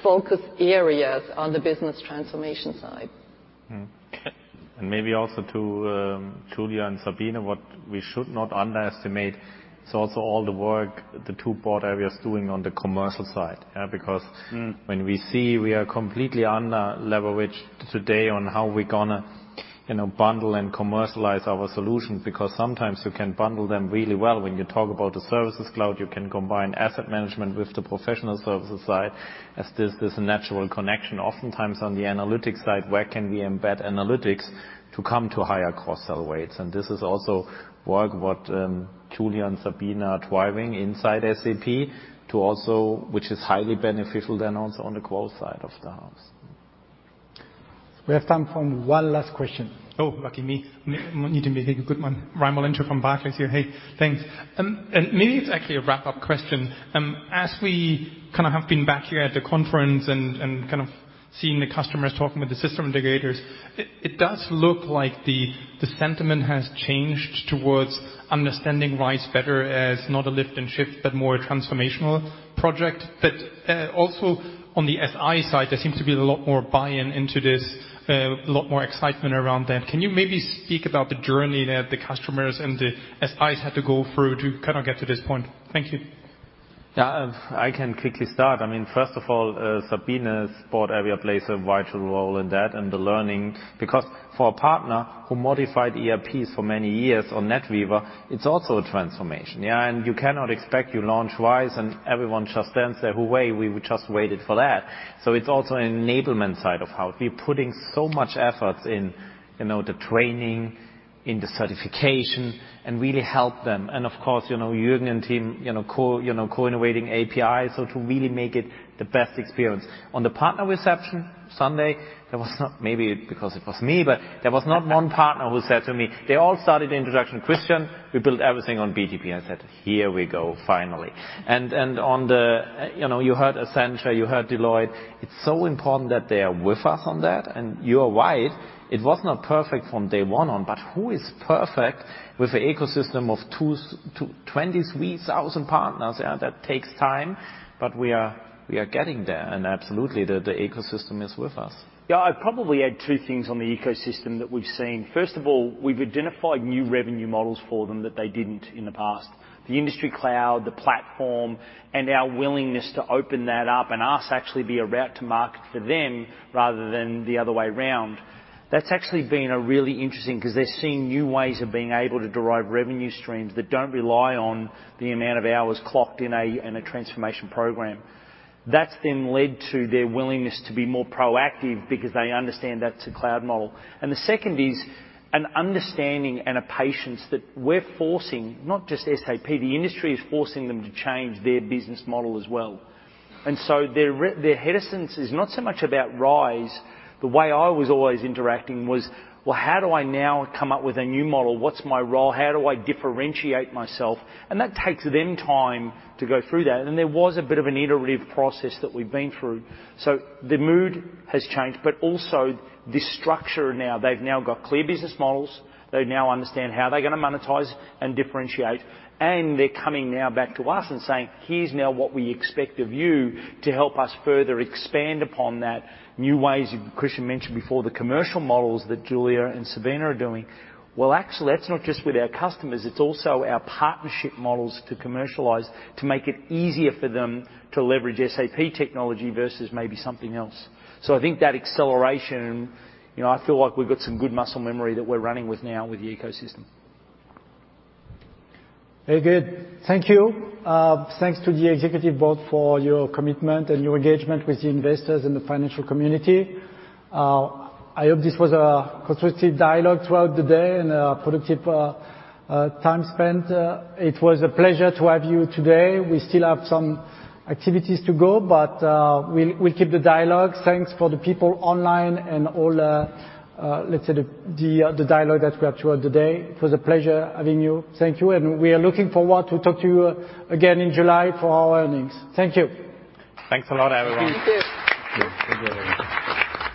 focus areas on the business transformation side. Maybe also to Julia and Sabine, what we should not underestimate is also all the work the two board areas doing on the commercial side, yeah. When we see we are completely under-leveraged today on how we're gonna, you know, bundle and commercialize our solutions, because sometimes you can bundle them really well. When you talk about the services cloud, you can combine asset management with the professional services side, as there's a natural connection. Oftentimes on the analytics side, where can we embed analytics to come to higher cross-sell rates? This is also work what Julia and Sabine are driving inside SAP to also, which is highly beneficial then also on the growth side of the house. We have time for one last question. Oh, lucky me. Need to make a good one. from Barclays here. Hey, thanks. Maybe it's actually a wrap-up question. As we kind of have been back here at the conference and kind of seeing the customers talking with the system integrators, it does look like the sentiment has changed towards understanding RISE better as not a lift and shift, but more a transformational project. Also on the SI side, there seems to be a lot more buy-in into this, a lot more excitement around that. Can you maybe speak about the journey that the customers and the SIs had to go through to kind of get to this point? Thank you. Yeah. I can quickly start. I mean, first of all, Sabine's board area plays a vital role in that and the learning, because for a partner who modified ERPs for many years on NetWeaver, it's also a transformation, yeah? You cannot expect you launch Rise and everyone just stands there, "Oh, hey, we just waited for that." It's also an enablement side of how we're putting so much efforts in, you know, the training, in the certification, and really help them. Of course, you know, Juergen and team, you know, co-innovating API, so to really make it the best experience. On the partner reception Sunday, there was not. Maybe because it was me, but there was not one partner who said to me, they all started the introduction, "Christian, we built everything on BTP." I said, "Here we go, finally." You heard Accenture, you heard Deloitte. It's so important that they are with us on that. You are right, it was not perfect from day one on, but who is perfect with the ecosystem of 23,000 partners? Yeah, that takes time. We are getting there. Absolutely, the ecosystem is with us. Yeah. I'd probably add two things on the ecosystem that we've seen. First of all, we've identified new revenue models for them that they didn't in the past. The Industry Cloud, the platform, and our willingness to open that up and us actually be a route to market for them rather than the other way around. That's actually been really interesting because they're seeing new ways of being able to derive revenue streams that don't rely on the amount of hours clocked in a transformation program. That's then led to their willingness to be more proactive because they understand that's a cloud model. The second is an understanding and a patience that we're forcing, not just SAP, the industry is forcing them to change their business model as well. Their hesitance is not so much about RISE. The way I was always interacting was, "Well, how do I now come up with a new model? What's my role? How do I differentiate myself?" That takes them time to go through that. There was a bit of an iterative process that we've been through. The mood has changed, but also the structure now. They've now got clear business models. They now understand how they're gonna monetize and differentiate, and they're coming now back to us and saying, "Here's now what we expect of you to help us further expand upon that new ways," Christian mentioned before, the commercial models that Julia and Sabine are doing. Well, actually that's not just with our customers, it's also our partnership models to commercialize, to make it easier for them to leverage SAP technology versus maybe something else. I think that acceleration, you know, I feel like we've got some good muscle memory that we're running with now with the ecosystem. Very good. Thank you. Thanks to the executive board for your commitment and your engagement with the investors and the financial community. I hope this was a constructive dialogue throughout the day and a productive time spent. It was a pleasure to have you today. We still have some activities to go, but we'll keep the dialogue. Thanks for the people online and all the, let's say, the dialogue that we had throughout the day. It was a pleasure having you. Thank you, and we are looking forward to talk to you again in July for our earnings. Thank you. Thanks a lot, everyone. Thank you.